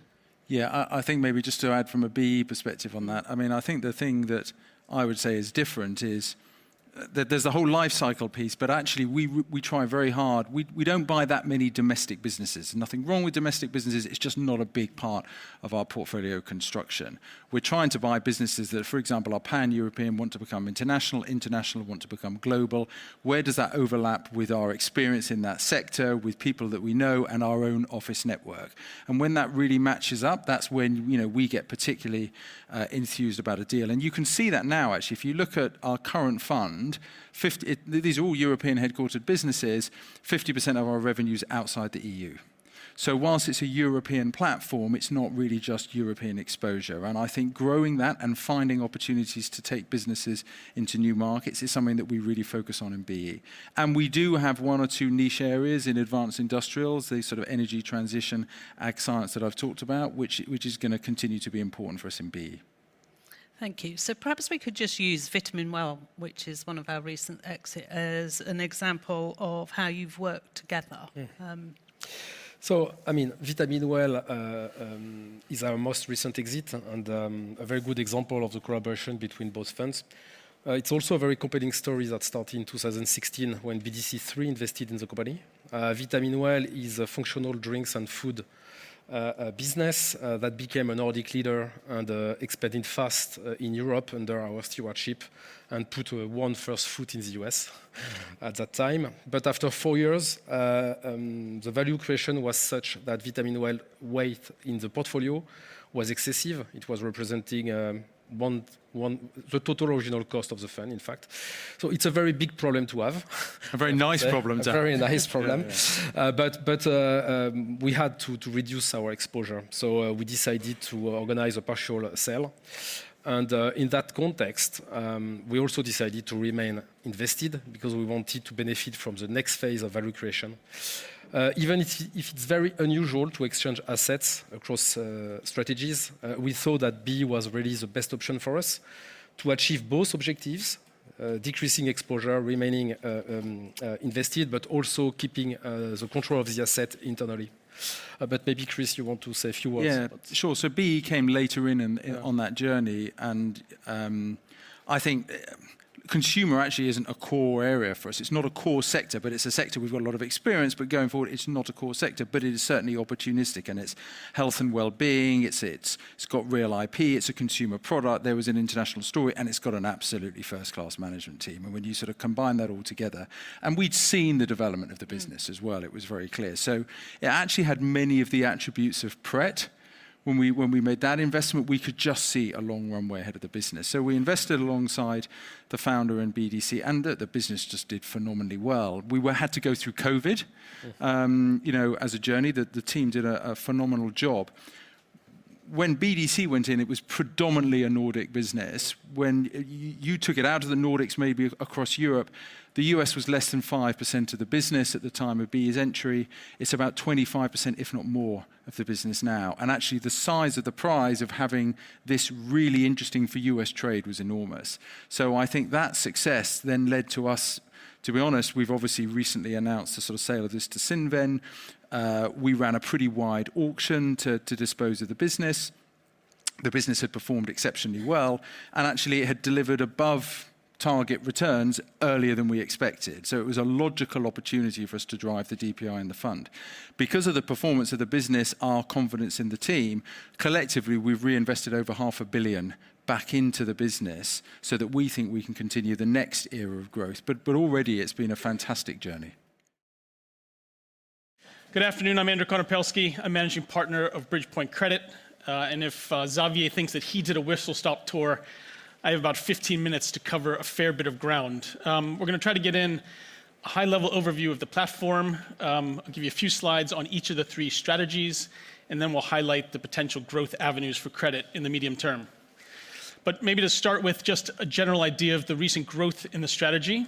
Yeah, I think maybe just to add from a BE perspective on that. I mean, I think the thing that I would say is different is that there's a whole life cycle piece, but actually, we try very hard. We don't buy that many domestic businesses. Nothing wrong with domestic businesses, it's just not a big part of our portfolio construction. We're trying to buy businesses that, for example, are Pan-European, want to become international, international and want to become global. Where does that overlap with our experience in that sector, with people that we know and our own office network? And when that really matches up, that's when, you know, we get particularly enthused about a deal. And you can see that now, actually. If you look at our current fund, 50, these are all European-headquartered businesses, 50% of our revenue is outside the EU... so while it's a European platform, it's not really just European exposure, and I think growing that and finding opportunities to take businesses into new markets is something that we really focus on in BE, and we do have one or two niche areas in advanced industrials, the sort of energy transition ag science that I've talked about, which is gonna continue to be important for us in BE. Thank you. So perhaps we could just use Vitamin Well, which is one of our recent exit, as an example of how you've worked together. I mean, Vitamin Well is our most recent exit, and a very good example of the collaboration between both funds. It's also a very compelling story that started in 2016 when BDC III invested in the company. Vitamin Well is a functional drinks and food business that became a Nordic leader and expanded fast in Europe under our stewardship and put one first foot in the U.S. at that time. But after four years, the value creation was such that Vitamin Well weight in the portfolio was excessive. It was representing one - the total original cost of the fund, in fact. It's a very big problem to have. A very nice problem to have. A very nice problem. Yeah. But we had to reduce our exposure, so we decided to organize a partial sale. And in that context, we also decided to remain invested because we wanted to benefit from the next phase of value creation. Even if it's very unusual to exchange assets across strategies, we thought that BE was really the best option for us to achieve both objectives: decreasing exposure, remaining invested, but also keeping the control of the asset internally. But maybe, Chris, you want to say a few words about- Yeah, sure. So BE came later in, Yeah... on that journey, and, I think consumer actually isn't a core area for us. It's not a core sector, but it's a sector we've got a lot of experience, but going forward, it's not a core sector. But it is certainly opportunistic, and it's health and wellbeing, it's got real IP, it's a consumer product, there was an international story, and it's got an absolutely first-class management team. And when you sort of combine that all together... And we'd seen the development of the business as well. Mm. It was very clear. So it actually had many of the attributes of Pret. When we made that investment, we could just see a long runway ahead of the business. So we invested alongside the founder and BDC, and the business just did phenomenally well. We had to go through COVID. Yes... you know, as a journey, the team did a phenomenal job. When BDC went in, it was predominantly a Nordic business. When you took it out of the Nordics, maybe across Europe, the U.S. was less than 5% of the business at the time of BE's entry. It's about 25%, if not more, of the business now, and actually the size of the prize of having this really interesting for U.S. trade was enormous. So I think that success then led to us to be honest, we've obviously recently announced the sort of sale of this to Cinven. We ran a pretty wide auction to dispose of the business. The business had performed exceptionally well, and actually, it had delivered above target returns earlier than we expected. It was a logical opportunity for us to drive the DPI and the fund. Because of the performance of the business, our confidence in the team, collectively, we've reinvested over £500 million back into the business so that we think we can continue the next era of growth. But already it's been a fantastic journey. Good afternoon, I'm Andrew Konopelski. I'm Managing Partner of Bridgepoint Credit, and if Xavier thinks that he did a whistle-stop tour, I have about 15 minutes to cover a fair bit of ground. We're gonna try to get in a high-level overview of the platform, I'll give you a few slides on each of the three strategies, and then we'll highlight the potential growth avenues for credit in the medium term, but maybe to start with just a general idea of the recent growth in the strategy.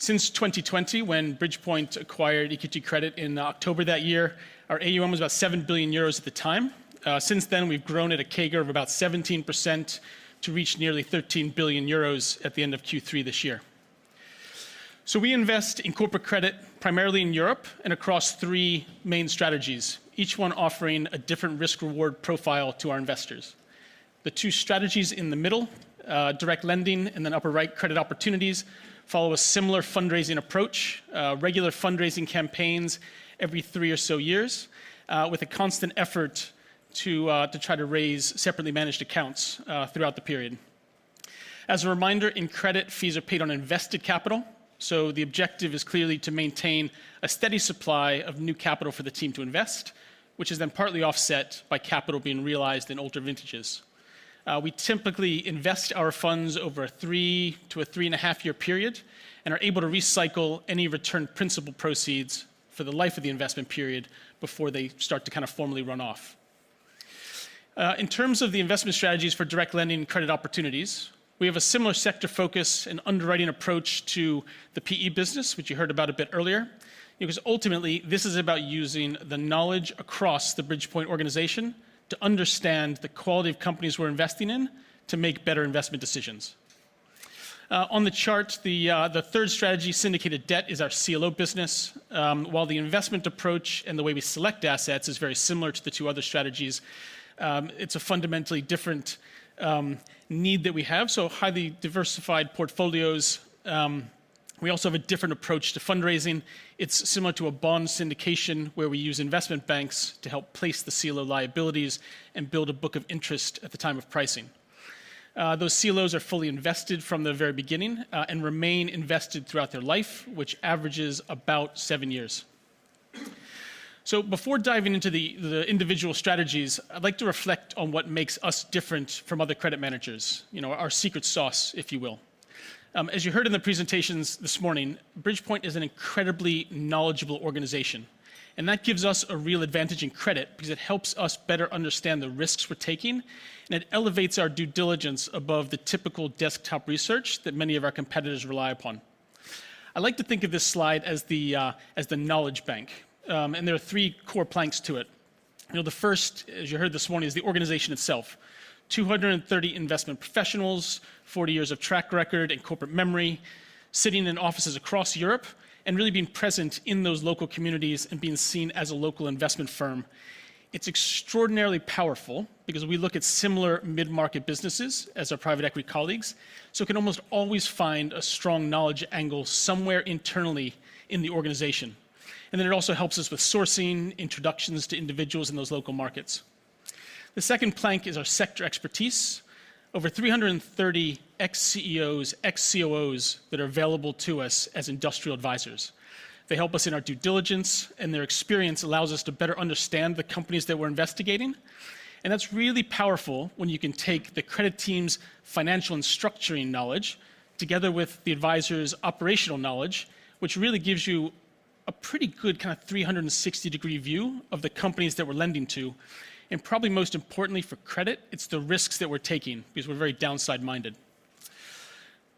Since 2020, when Bridgepoint acquired EQT Credit in October that year, our AUM was about 7 billion euros at the time. Since then, we've grown at a CAGR of about 17%, to reach nearly 13 billion euros at the end of Q3 this year. So we invest in corporate credit, primarily in Europe and across three main strategies, each one offering a different risk-reward profile to our investors. The two strategies in the middle, Direct Lending and then upper right, Credit Opportunities, follow a similar fundraising approach. Regular fundraising campaigns every three or so years, with a constant effort to try to raise separately managed accounts, throughout the period. As a reminder, in credit, fees are paid on invested capital, so the objective is clearly to maintain a steady supply of new capital for the team to invest, which is then partly offset by capital being realized in older vintages. We typically invest our funds over a three to a three-and-a-half-year period, and are able to recycle any return principal proceeds for the life of the investment period before they start to kind of formally run off. In terms of the investment strategies for Direct Lending and Credit Opportunities, we have a similar sector focus and underwriting approach to the PE business, which you heard about a bit earlier. Because ultimately, this is about using the knowledge across the Bridgepoint organization to understand the quality of companies we're investing in to make better investment decisions. On the chart, the third strategy, syndicated debt, is our CLO business. While the investment approach and the way we select assets is very similar to the two other strategies, it's a fundamentally different need that we have, so highly diversified portfolios. We also have a different approach to fundraising. It's similar to a bond syndication, where we use investment banks to help place the CLO liabilities and build a book of interest at the time of pricing. Those CLOs are fully invested from the very beginning, and remain invested throughout their life, which averages about seven years. So before diving into the individual strategies, I'd like to reflect on what makes us different from other credit managers, you know, our secret sauce, if you will. As you heard in the presentations this morning, Bridgepoint is an incredibly knowledgeable organization, and that gives us a real advantage in credit because it helps us better understand the risks we're taking, and it elevates our due diligence above the typical desktop research that many of our competitors rely upon. I like to think of this slide as the knowledge bank, and there are three core planks to it. You know, the first, as you heard this morning, is the organization itself. 230 investment professionals, 40 years of track record and corporate memory, sitting in offices across Europe, and really being present in those local communities and being seen as a local investment firm. It's extraordinarily powerful because we look at similar mid-market businesses as our private equity colleagues, so we can almost always find a strong knowledge angle somewhere internally in the organization. And then it also helps us with sourcing introductions to individuals in those local markets. The second plank is our sector expertise. Over 330 ex-CEOs, ex-COOs that are available to us as industrial advisors. They help us in our due diligence, and their experience allows us to better understand the companies that we're investigating. And that's really powerful when you can take the credit team's financial and structuring knowledge together with the advisor's operational knowledge, which really gives you a pretty good kind of three hundred and sixty degree view of the companies that we're lending to. And probably most importantly for credit, it's the risks that we're taking because we're very downside minded.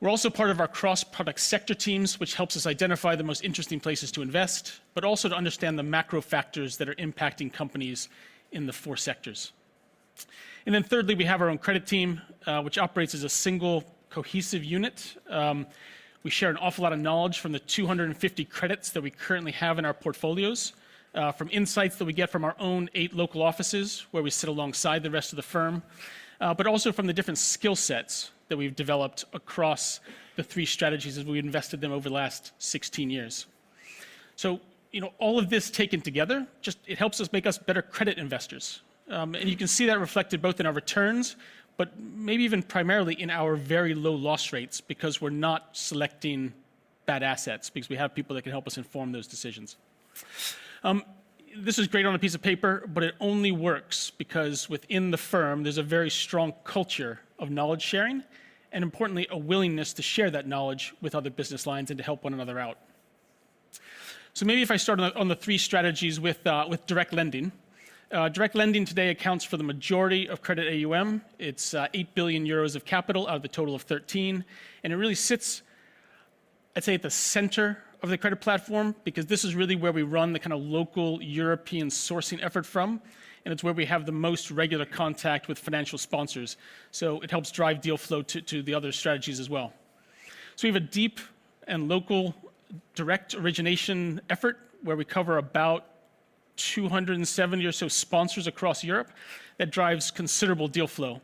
We're also part of our cross-product sector teams, which helps us identify the most interesting places to invest, but also to understand the macro factors that are impacting companies in the four sectors. And then thirdly, we have our own credit team, which operates as a single, cohesive unit. We share an awful lot of knowledge from the 250 credits that we currently have in our portfolios, from insights that we get from our own eight local offices, where we sit alongside the rest of the firm, but also from the different skill sets that we've developed across the three strategies as we invested them over the last 16 years. So, you know, all of this taken together, just it helps us make us better credit investors. And you can see that reflected both in our returns, but maybe even primarily in our very low loss rates, because we're not selecting bad assets, because we have people that can help us inform those decisions. This is great on a piece of paper, but it only works because within the firm, there's a very strong culture of knowledge sharing, and importantly, a willingness to share that knowledge with other business lines and to help one another out. So maybe if I start on the three strategies with Direct Lending. Direct Lending today accounts for the majority of credit AUM. It's eight billion euros of capital out of the total of thirteen, and it really sits, I'd say, at the center of the credit platform, because this is really where we run the kinda local European sourcing effort from, and it's where we have the most regular contact with financial sponsors. So it helps drive deal flow to the other strategies as well. So we have a deep and local direct origination effort, where we cover about two hundred and seventy or so sponsors across Europe. That drives considerable deal flow.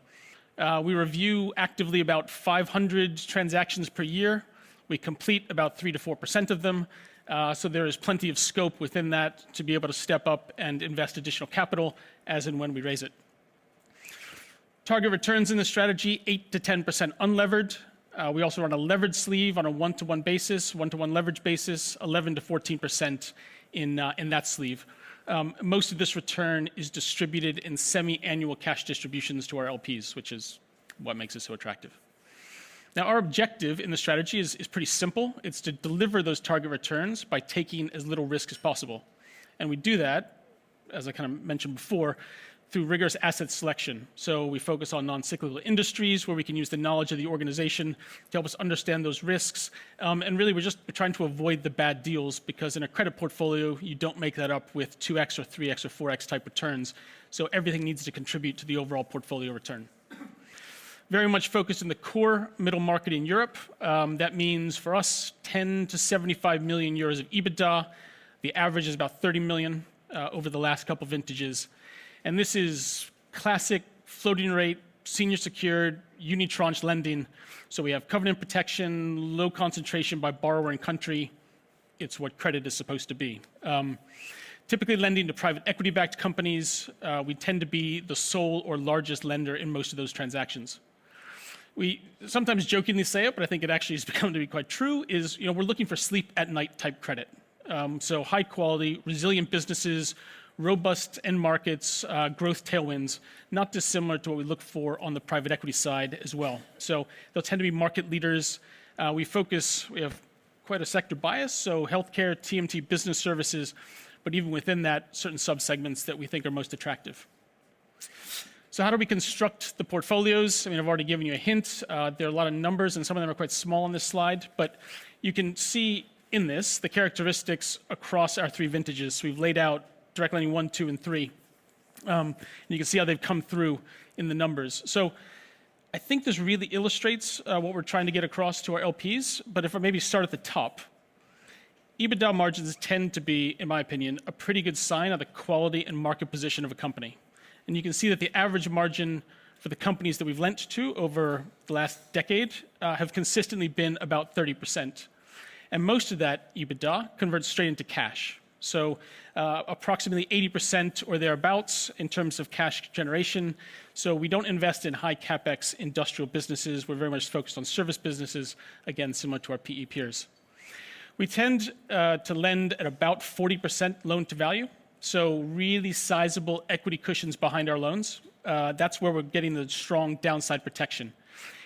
We review actively about five hundred transactions per year. We complete about 3-4% of them, so there is plenty of scope within that to be able to step up and invest additional capital as and when we raise it. Target returns in the strategy, 8-10% unlevered. We also run a levered sleeve on a one-to-one basis, one-to-one leverage basis, 11-14% in that sleeve. Most of this return is distributed in semiannual cash distributions to our LPs, which is what makes it so attractive. Now, our objective in the strategy is, is pretty simple. It's to deliver those target returns by taking as little risk as possible. And we do that, as I kind of mentioned before, through rigorous asset selection. So we focus on non-cyclical industries, where we can use the knowledge of the organization to help us understand those risks. And really, we're just trying to avoid the bad deals, because in a credit portfolio, you don't make that up with two X or three X or four X type returns. So everything needs to contribute to the overall portfolio return. Very much focused in the core middle market in Europe. That means for us, 10-75 million euros of EBITDA. The average is about 30 million over the last couple of vintages. And this is classic floating rate, senior secured, unitranche lending. So we have covenant protection, low concentration by borrower and country. It's what credit is supposed to be. Typically lending to private equity-backed companies, we tend to be the sole or largest lender in most of those transactions. We sometimes jokingly say it, but I think it actually has come to be quite true, is, you know, we're looking for sleep at night type credit. So high quality, resilient businesses, robust end markets, growth tailwinds, not dissimilar to what we look for on the private equity side as well. So they'll tend to be market leaders. We focus. We have quite a sector bias, so healthcare, TMT business services, but even within that, certain subsegments that we think are most attractive. So how do we construct the portfolios? I mean, I've already given you a hint. There are a lot of numbers, and some of them are quite small on this slide, but you can see in this, the characteristics across our three vintages. We've laid out Direct Lending I, II, and III, and you can see how they've come through in the numbers, so I think this really illustrates what we're trying to get across to our LPs, but if I maybe start at the top. EBITDA margins tend to be, in my opinion, a pretty good sign of the quality and market position of a company, and you can see that the average margin for the companies that we've lent to over the last decade have consistently been about 30%. Most of that EBITDA converts straight into cash, so, approximately 80% or thereabouts in terms of cash generation, so we don't invest in high CapEx industrial businesses. We're very much focused on service businesses, again, similar to our PE peers. We tend to lend at about 40% loan-to-value, so really sizable equity cushions behind our loans. That's where we're getting the strong downside protection.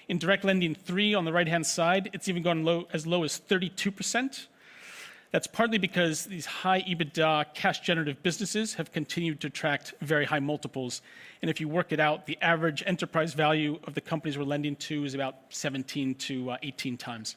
In Direct Lending III, on the right-hand side, it's even gone low, as low as 32%. That's partly because these high EBITDA, cash-generative businesses have continued to attract very high multiples, and if you work it out, the average enterprise value of the companies we're lending to is about 17 to 18 times.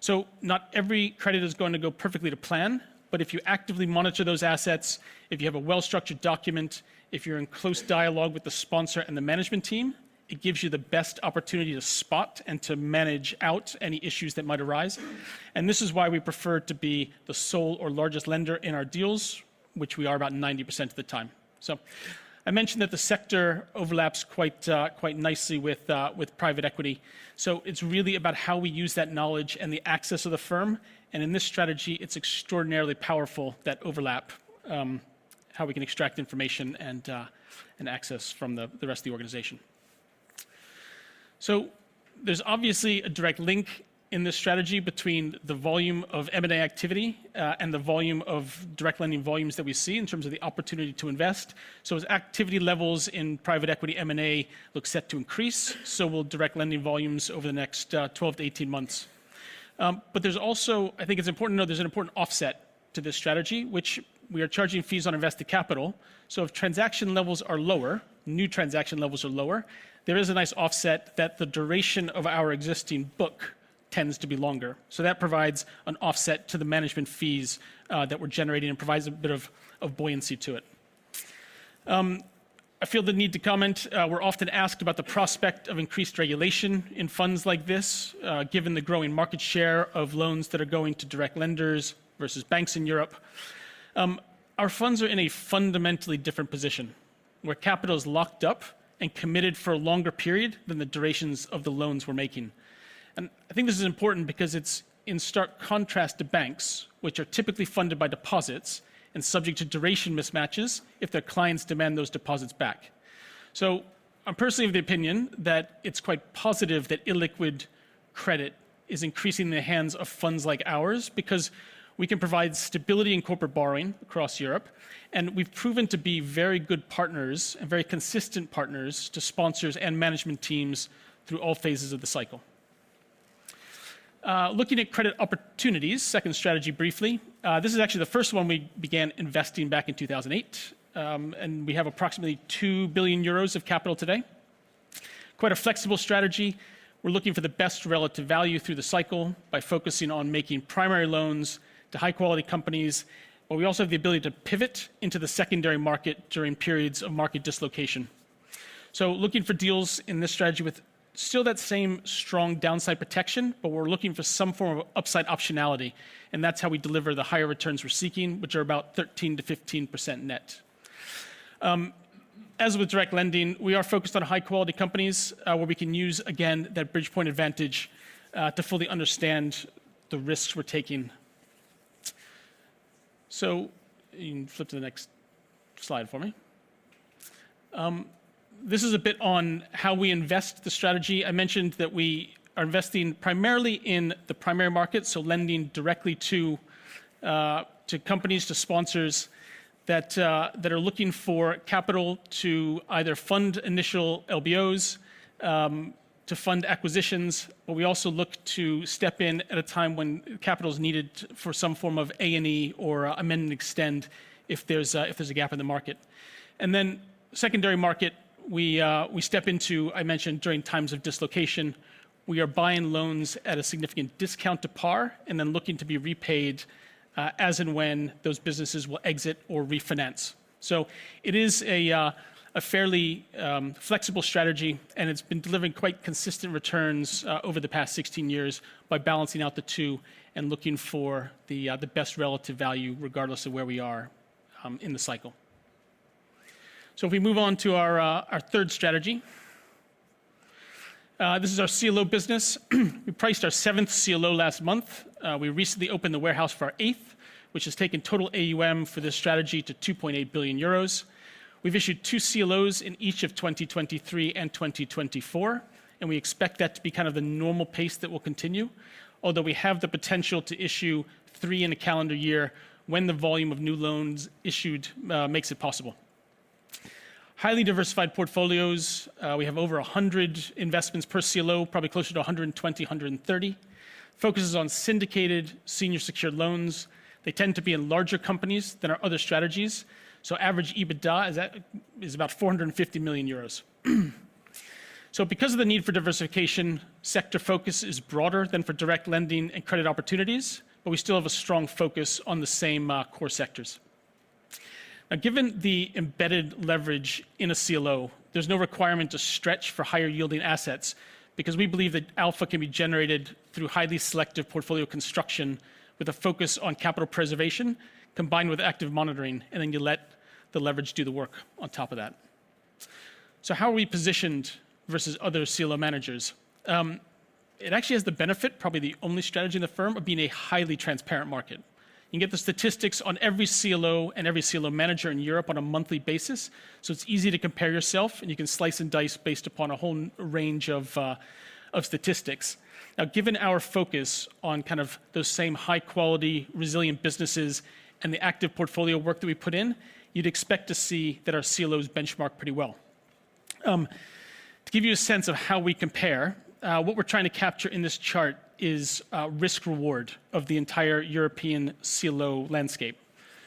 So not every credit is going to go perfectly to plan, but if you actively monitor those assets, if you have a well-structured document, if you're in close dialogue with the sponsor and the management team, it gives you the best opportunity to spot and to manage out any issues that might arise. And this is why we prefer to be the sole or largest lender in our deals, which we are about 90% of the time. So I mentioned that the sector overlaps quite nicely with private equity. So it's really about how we use that knowledge and the access of the firm, and in this strategy, it's extraordinarily powerful, that overlap, how we can extract information and access from the rest of the organization. So there's obviously a direct link in this strategy between the volume of M&A activity, and the volume of Direct Lending volumes that we see in terms of the opportunity to invest. So as activity levels in private equity M&A look set to increase, so will Direct Lending volumes over the next, twelve to eighteen months. But there's also. I think it's important to know there's an important offset to this strategy, which we are charging fees on invested capital. So if transaction levels are lower, new transaction levels are lower, there is a nice offset that the duration of our existing book tends to be longer. So that provides an offset to the management fees, that we're generating and provides a bit of buoyancy to it. I feel the need to comment, we're often asked about the prospect of increased regulation in funds like this, given the growing market share of loans that are going to direct lenders versus banks in Europe. Our funds are in a fundamentally different position, where capital is locked up and committed for a longer period than the durations of the loans we're making. And I think this is important because it's in stark contrast to banks, which are typically funded by deposits and subject to duration mismatches if their clients demand those deposits back. So I'm personally of the opinion that it's quite positive that illiquid credit is increasing in the hands of funds like ours because we can provide stability in corporate borrowing across Europe, and we've proven to be very good partners and very consistent partners to sponsors and management teams through all phases of the cycle. Looking at Credit Opportunities, second strategy briefly. This is actually the first one we began investing back in 2008, and we have approximately 2 billion euros of capital today. Quite a flexible strategy. We're looking for the best relative value through the cycle by focusing on making primary loans to high-quality companies, but we also have the ability to pivot into the secondary market during periods of market dislocation. So looking for deals in this strategy with still that same strong downside protection, but we're looking for some form of upside optionality, and that's how we deliver the higher returns we're seeking, which are about 13-15% net. As with Direct Lending, we are focused on high-quality companies, where we can use, again, that Bridgepoint advantage, to fully understand the risks we're taking. So, you can flip to the next slide for me. This is a bit on how we invest the strategy. I mentioned that we are investing primarily in the primary market, so lending directly to companies, to sponsors that are looking for capital to either fund initial LBOs, to fund acquisitions, but we also look to step in at a time when capital is needed for some form of A&E or amend and extend, if there's a gap in the market. Then the secondary market, we step into, I mentioned, during times of dislocation. We are buying loans at a significant discount to par and then looking to be repaid as and when those businesses will exit or refinance. So it is a fairly flexible strategy, and it's been delivering quite consistent returns over the past 16 years by balancing out the two and looking for the best relative value, regardless of where we are in the cycle. If we move on to our third strategy. This is our CLO business. We priced our seventh CLO last month. We recently opened the warehouse for our eighth, which has taken total AUM for this strategy to 2.8 billion euros. We've issued 2 CLOs in each of 2023 and 2024, and we expect that to be kind of the normal pace that will continue. Although, we have the potential to issue 3 in a calendar year when the volume of new loans issued makes it possible. Highly diversified portfolios. We have over 100 investments per CLO, probably closer to 130. Focuses on syndicated senior secured loans. They tend to be in larger companies than our other strategies, so average EBITDA is about 450 million euros. Because of the need for diversification, sector focus is broader than for Direct Lending and Credit Opportunities, but we still have a strong focus on the same core sectors. Now, given the embedded leverage in a CLO, there's no requirement to stretch for higher-yielding assets because we believe that alpha can be generated through highly selective portfolio construction with a focus on capital preservation, combined with active monitoring, and then you let the leverage do the work on top of that. How are we positioned versus other CLO managers? It actually has the benefit, probably the only strategy in the firm, of being a highly transparent market. You can get the statistics on every CLO and every CLO manager in Europe on a monthly basis, so it's easy to compare yourself, and you can slice and dice based upon a whole range of statistics. Now, given our focus on kind of those same high-quality, resilient businesses and the active portfolio work that we put in, you'd expect to see that our CLOs benchmark pretty well. To give you a sense of how we compare, what we're trying to capture in this chart is risk-reward of the entire European CLO landscape.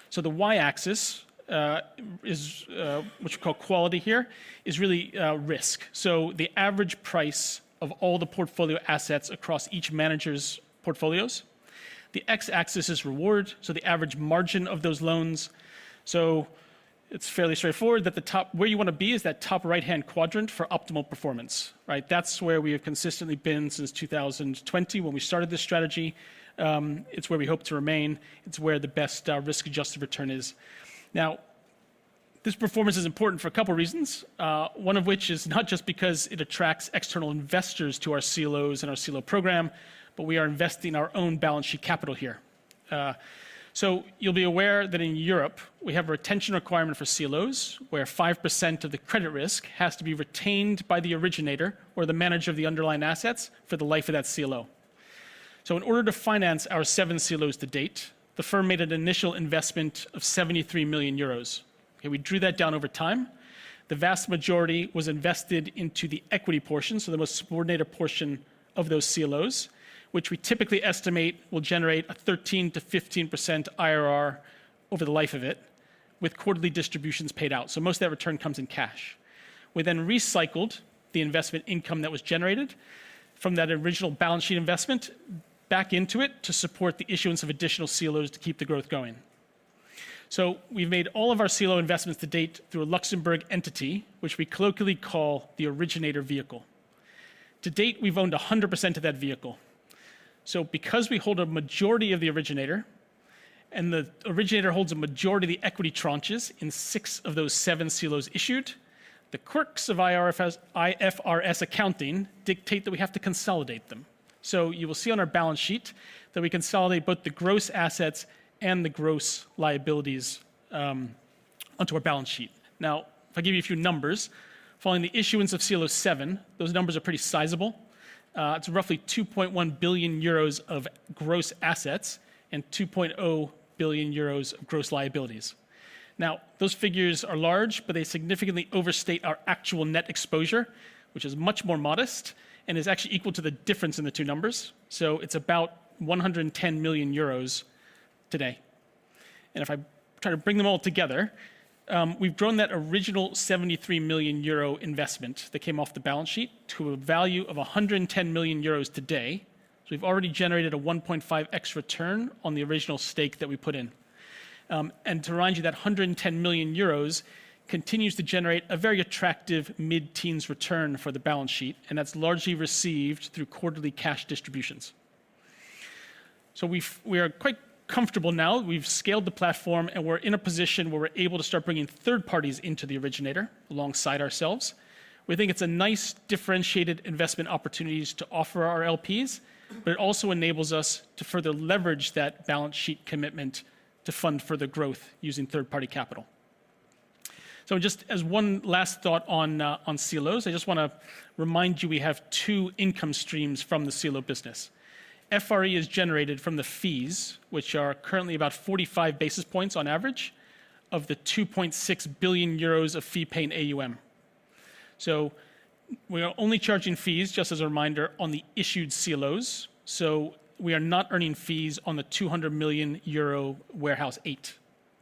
So the y-axis is what you call quality here, is really risk, so the average price of all the portfolio assets across each manager's portfolios. The x-axis is reward, so the average margin of those loans. So it's fairly straightforward that the top- where you want to be is that top right-hand quadrant for optimal performance, right? That's where we have consistently been since two thousand and twenty when we started this strategy. It's where we hope to remain. It's where the best, risk-adjusted return is. Now, this performance is important for a couple of reasons, one of which is not just because it attracts external investors to our CLOs and our CLO program, but we are investing our own balance sheet capital here. So you'll be aware that in Europe, we have a retention requirement for CLOs, where 5% of the credit risk has to be retained by the originator or the manager of the underlying assets for the life of that CLO. In order to finance our 7 CLOs to date, the firm made an initial investment of 73 million euros, and we drew that down over time. The vast majority was invested into the equity portion, so the most subordinated portion of those CLOs, which we typically estimate will generate a 13%-15% IRR over the life of it, with quarterly distributions paid out, so most of that return comes in cash. We then recycled the investment income that was generated from that original balance sheet investment back into it to support the issuance of additional CLOs to keep the growth going. We've made all of our CLO investments to date through a Luxembourg entity, which we colloquially call the originator vehicle. To date, we've owned 100% of that vehicle. So because we hold a majority of the originator, and the originator holds a majority of the equity tranches in six of those seven CLOs issued, the quirks of IFRS accounting dictate that we have to consolidate them. So you will see on our balance sheet that we consolidate both the gross assets and the gross liabilities onto our balance sheet. Now, if I give you a few numbers, following the issuance of CLO VII, those numbers are pretty sizable. It's roughly 2.1 billion euros of gross assets and 2.0 billion euros of gross liabilities. Now, those figures are large, but they significantly overstate our actual net exposure, which is much more modest and is actually equal to the difference in the two numbers, so it's about 110 million euros today. And if I try to bring them all together, we've grown that original 73 million euro investment that came off the balance sheet to a value of 110 million euros today. So we've already generated a 1.5x return on the original stake that we put in. And to remind you, that 110 million euros continues to generate a very attractive mid-teens return for the balance sheet, and that's largely received through quarterly cash distributions. So we are quite comfortable now. We've scaled the platform, and we're in a position where we're able to start bringing third parties into the originator alongside ourselves. We think it's a nice, differentiated investment opportunities to offer our LPs, but it also enables us to further leverage that balance sheet commitment to fund further growth using third-party capital. So just as one last thought on CLOs, I just want to remind you, we have two income streams from the CLO business. FRE is generated from the fees, which are currently about 45 basis points on average, of the 2.6 billion euros of fee paying AUM. So we are only charging fees, just as a reminder, on the issued CLOs, so we are not earning fees on the 200 million euro Warehouse 8,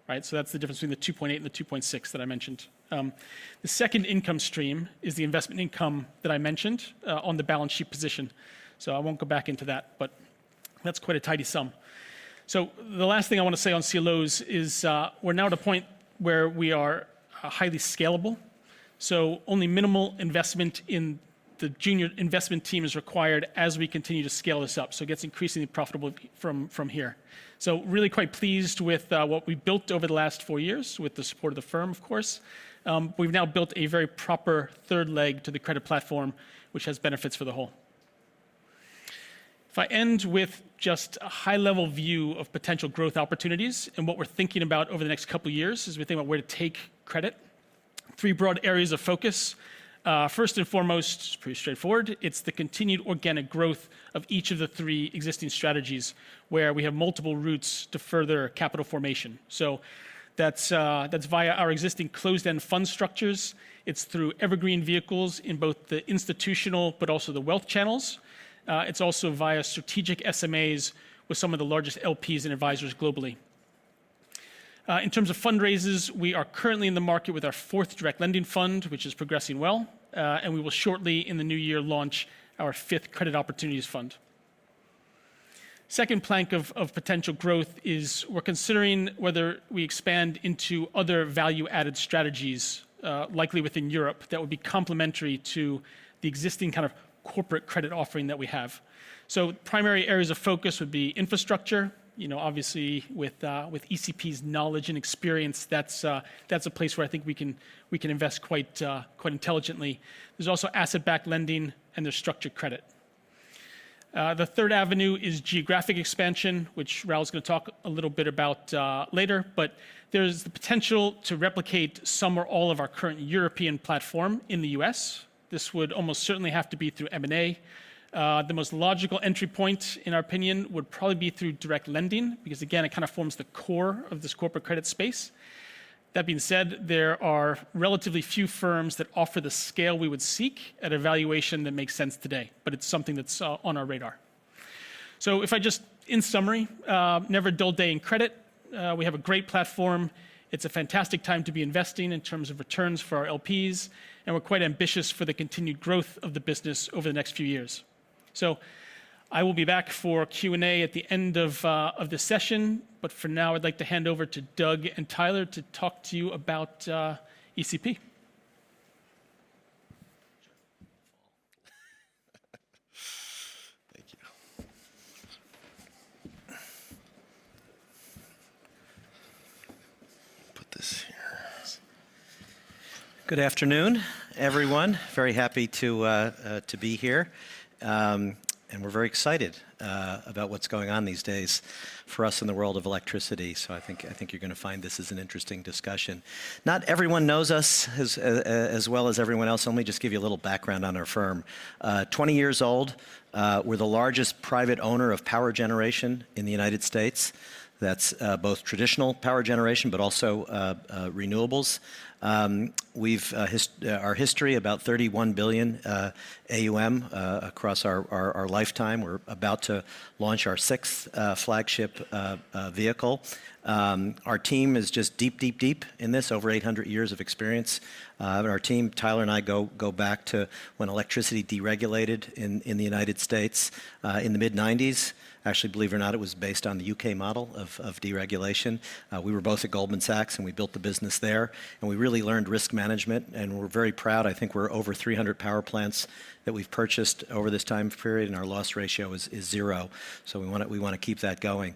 right? So that's the difference between the 2.8 and the 2.6 that I mentioned. The second income stream is the investment income that I mentioned, on the balance sheet position. So I won't go back into that, but that's quite a tidy sum. So the last thing I want to say on CLOs is, we're now at a point where we are, highly scalable, so only minimal investment in the junior investment team is required as we continue to scale this up. So it gets increasingly profitable from here. So really quite pleased with what we've built over the last four years with the support of the firm, of course. We've now built a very proper third leg to the credit platform, which has benefits for the whole. If I end with just a high-level view of potential growth opportunities and what we're thinking about over the next couple of years as we think about where to take credit, three broad areas of focus. First and foremost, it's pretty straightforward. It's the continued organic growth of each of the three existing strategies, where we have multiple routes to further capital formation. So that's, that's via our existing closed-end fund structures. It's through evergreen vehicles in both the institutional but also the wealth channels. It's also via strategic SMAs with some of the largest LPs and advisors globally. In terms of fundraisers, we are currently in the market with our fourth Direct Lending fund, which is progressing well, and we will shortly, in the new year, launch our fifth Credit Opportunities fund. Second plank of potential growth is we're considering whether we expand into other value-added strategies, likely within Europe, that would be complementary to the existing kind of corporate credit offering that we have. So primary areas of focus would be infrastructure. You know, obviously, with ECP's knowledge and experience, that's a place where I think we can invest quite intelligently. There's also asset-backed lending, and there's structured credit. The third avenue is geographic expansion, which Raoul is gonna talk a little bit about later, but there's the potential to replicate some or all of our current European platform in the U.S. This would almost certainly have to be through M&A. The most logical entry point, in our opinion, would probably be through Direct Lending, because, again, it kind of forms the core of this corporate credit space. That being said, there are relatively few firms that offer the scale we would seek at a valuation that makes sense today, but it's something that's on our radar, so if I just in summary, never a dull day in credit. We have a great platform. It's a fantastic time to be investing in terms of returns for our LPs, and we're quite ambitious for the continued growth of the business over the next few years. So I will be back for Q&A at the end of the session, but for now, I'd like to hand over to Doug and Tyler to talk to you about ECP. Thank you. Put this here. Good afternoon, everyone. Very happy to be here and we're very excited about what's going on these days for us in the world of electricity. I think you're gonna find this an interesting discussion. Not everyone knows us as well as everyone else, so let me just give you a little background on our firm. 20 years old, we're the largest private owner of power generation in the United States. That's both traditional power generation, but also renewables. Our history, about $31 billion AUM across our lifetime. We're about to launch our sixth flagship vehicle. Our team is just deep in this, over 800 years of experience. Our team, Tyler and I go back to when electricity deregulated in the United States, in the mid-nineties. Actually, believe it or not, it was based on the U.K. model of deregulation. We were both at Goldman Sachs, and we built the business there, and we really learned risk management, and we're very proud. I think we're over three hundred power plants that we've purchased over this time period, and our loss ratio is zero. So we wanna keep that going.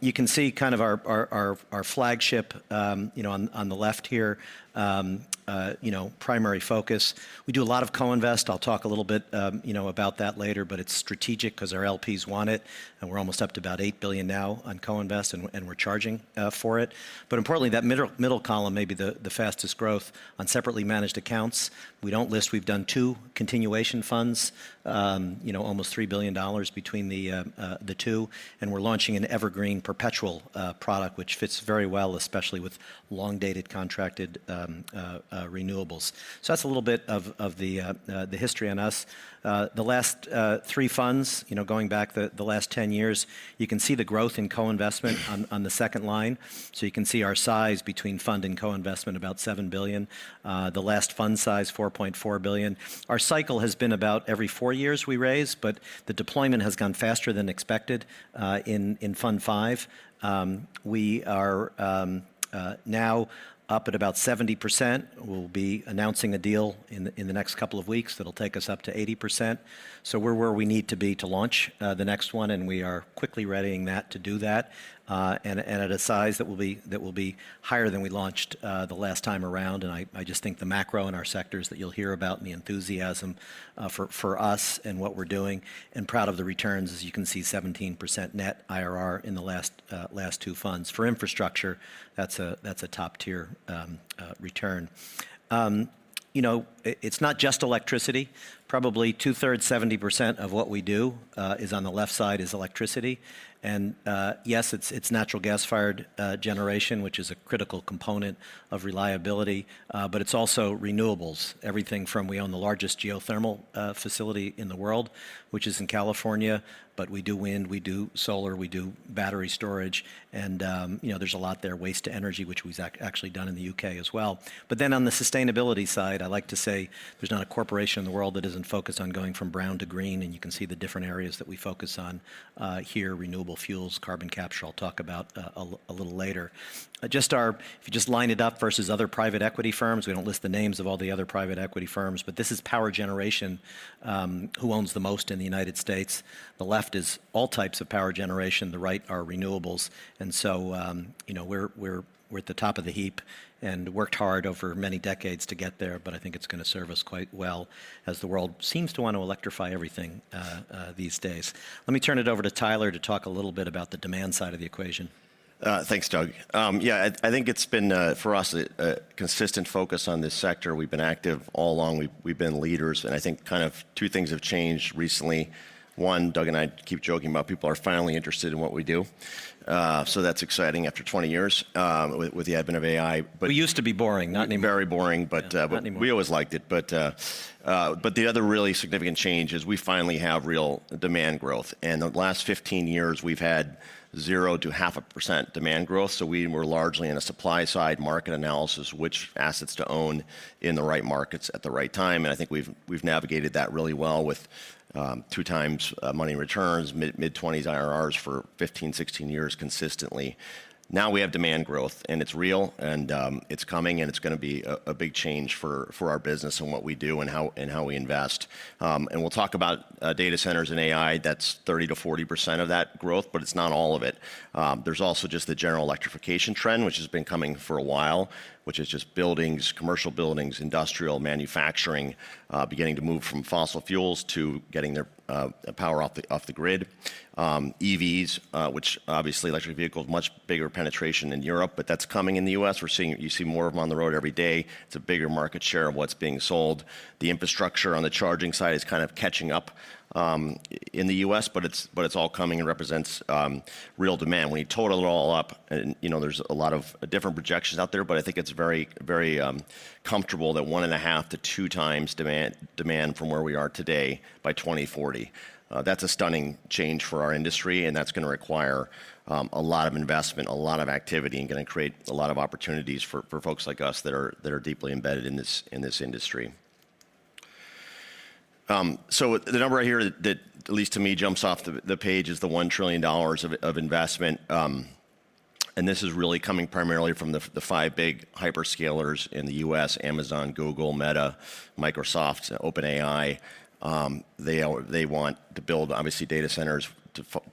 You can see kind of our flagship, you know, on the left here, you know, primary focus. We do a lot of co-invest. I'll talk a little bit, you know, about that later, but it's strategic 'cause our LPs want it, and we're almost up to about eight billion now on co-invest, and we're charging for it. But importantly, that middle column may be the fastest growth on separately managed accounts. We don't list. We've done two continuation funds, you know, almost $3 billion between the two, and we're launching an evergreen perpetual product, which fits very well, especially with long-dated, contracted renewables. So that's a little bit of the history on us. The last three funds, you know, going back the last 10 years, you can see the growth in co-investment on the second line. So you can see our size between fund and co-investment, about seven billion. The last fund size, 4.4 billion. Our cycle has been about every four years we raise, but the deployment has gone faster than expected, in fund five. We are now up at about 70%. We'll be announcing a deal in the next couple of weeks that'll take us up to 80%. So we're where we need to be to launch the next one, and we are quickly readying that to do that, and at a size that will be higher than we launched the last time around. I just think the macro in our sectors that you'll hear about and the enthusiasm for us and what we're doing, and proud of the returns, as you can see, 17% net IRR in the last two funds. For infrastructure, that's a top-tier return. You know, it's not just electricity. Probably two-thirds, 70% of what we do is on the left side, is electricity. And yes, it's natural gas-fired generation, which is a critical component of reliability, but it's also renewables. Everything from we own the largest geothermal facility in the world, which is in California, but we do wind, we do solar, we do battery storage, and you know, there's a lot there, waste to energy, which we've actually done in the U.K. as well. But then on the sustainability side, I like to say there's not a corporation in the world that isn't focused on going from brown to green, and you can see the different areas that we focus on here, renewable fuels, carbon capture. I'll talk about a little later. Just if you line it up versus other private equity firms, we don't list the names of all the other private equity firms, but this is power generation, who owns the most in the United States. The left is all types of power generation, the right are renewables. And so, you know, we're at the top of the heap and worked hard over many decades to get there, but I think it's gonna serve us quite well as the world seems to want to electrify everything these days. Let me turn it over to Tyler to talk a little bit about the demand side of the equation. Thanks, Doug. Yeah, I think it's been for us a consistent focus on this sector. We've been active all along. We've been leaders, and I think kind of two things have changed recently. One, Doug and I keep joking about people are finally interested in what we do. So that's exciting after twenty years with the advent of AI, but- We used to be boring, not anymore. Very boring, but, Not anymore. We always liked it, but the other really significant change is we finally have real demand growth, and the last fifteen years, we've had 0% to 0.5% demand growth, so we were largely in a supply-side market analysis, which assets to own in the right markets at the right time, and I think we've navigated that really well with 2x money returns, mid-twenties IRRs for fifteen, sixteen years consistently. Now we have demand growth, and it's real, and it's coming, and it's gonna be a big change for our business and what we do and how we invest. We'll talk about data centers and AI. That's 30%-40% of that growth, but it's not all of it. There's also just the general electrification trend, which has been coming for a while, which is just buildings, commercial buildings, industrial manufacturing, beginning to move from fossil fuels to getting their power off the grid. EVs, which obviously electric vehicles, much bigger penetration in Europe, but that's coming in the US. We're seeing it. You see more of them on the road every day. It's a bigger market share of what's being sold. The infrastructure on the charging side is kind of catching up in the US, but it's all coming and represents real demand. When you total it all up, and, you know, there's a lot of different projections out there, but I think it's very, very comfortable that one and a half to two times demand from where we are today by 2040. That's a stunning change for our industry, and that's gonna require a lot of investment, a lot of activity, and gonna create a lot of opportunities for folks like us that are deeply embedded in this industry. So the number right here that at least to me jumps off the page is the $1 trillion of investment. And this is really coming primarily from the five big hyperscalers in the U.S.: Amazon, Google, Meta, Microsoft, OpenAI. They all want to build, obviously, data centers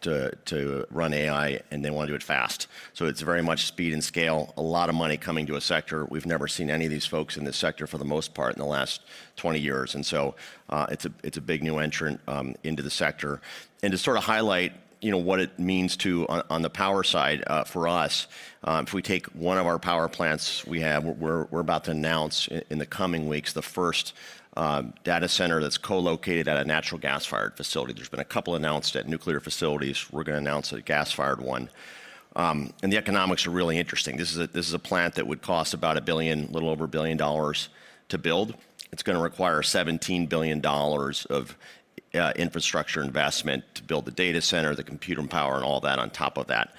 to run AI, and they want to do it fast. So it's very much speed and scale, a lot of money coming to a sector. We've never seen any of these folks in this sector, for the most part, in the last 20 years. And so, it's a big new entrant into the sector. To sort of highlight, you know, what it means on the power side for us, if we take one of our power plants, we're about to announce in the coming weeks the first data center that's co-located at a natural gas-fired facility. There's been a couple announced at nuclear facilities. We're gonna announce a gas-fired one. And the economics are really interesting. This is a plant that would cost about $1 billion, a little over $1 billion to build. It's gonna require $17 billion of infrastructure investment to build the data center, the computing power, and all that on top of that.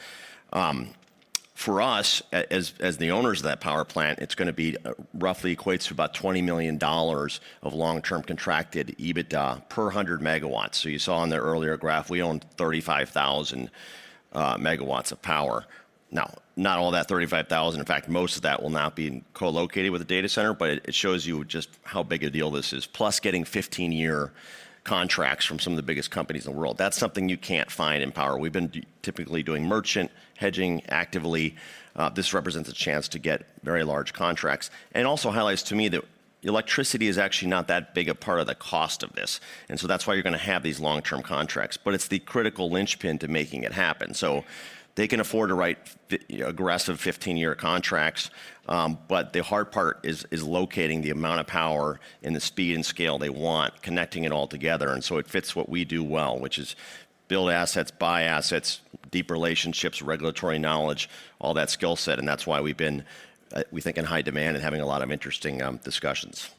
For us, as the owners of that power plant, it's gonna be roughly equates to about $20 million of long-term contracted EBITDA per 100 megawatts. So you saw in the earlier graph, we owned 35,000 megawatts of power. Now, not all of that 35,000, in fact, most of that will not be co-located with a data center, but it shows you just how big a deal this is. Plus, getting 15-year contracts from some of the biggest companies in the world, that's something you can't find in power. We've been typically doing merchant hedging actively. This represents a chance to get very large contracts, and it also highlights to me that electricity is actually not that big a part of the cost of this, and so that's why you're gonna have these long-term contracts. But it's the critical linchpin to making it happen. So they can afford to write aggressive fifteen-year contracts, but the hard part is locating the amount of power and the speed and scale they want, connecting it all together. And so it fits what we do well, which is build assets, buy assets, deep relationships, regulatory knowledge, all that skill set, and that's why we've been, we think, in high demand and having a lot of interesting discussions.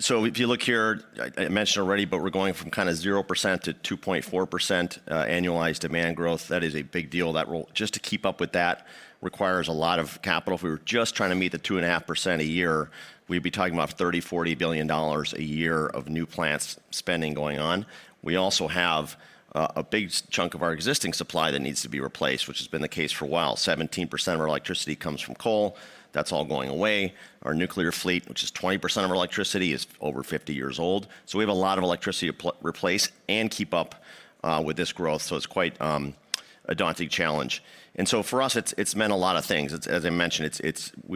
So if you look here, I mentioned already, but we're going from kinda 0% to 2.4% annualized demand growth. That is a big deal. That will just to keep up with that, requires a lot of capital. If we were just trying to meet the 2.5% a year, we'd be talking about $30-$40 billion a year of new plant spending going on. We also have a big chunk of our existing supply that needs to be replaced, which has been the case for a while. 17% of our electricity comes from coal. That's all going away. Our nuclear fleet, which is 20% of our electricity, is over 50 years old. So we have a lot of electricity to replace and keep up with this growth. So it's quite a daunting challenge. For us, it's meant a lot of things. It's, as I mentioned,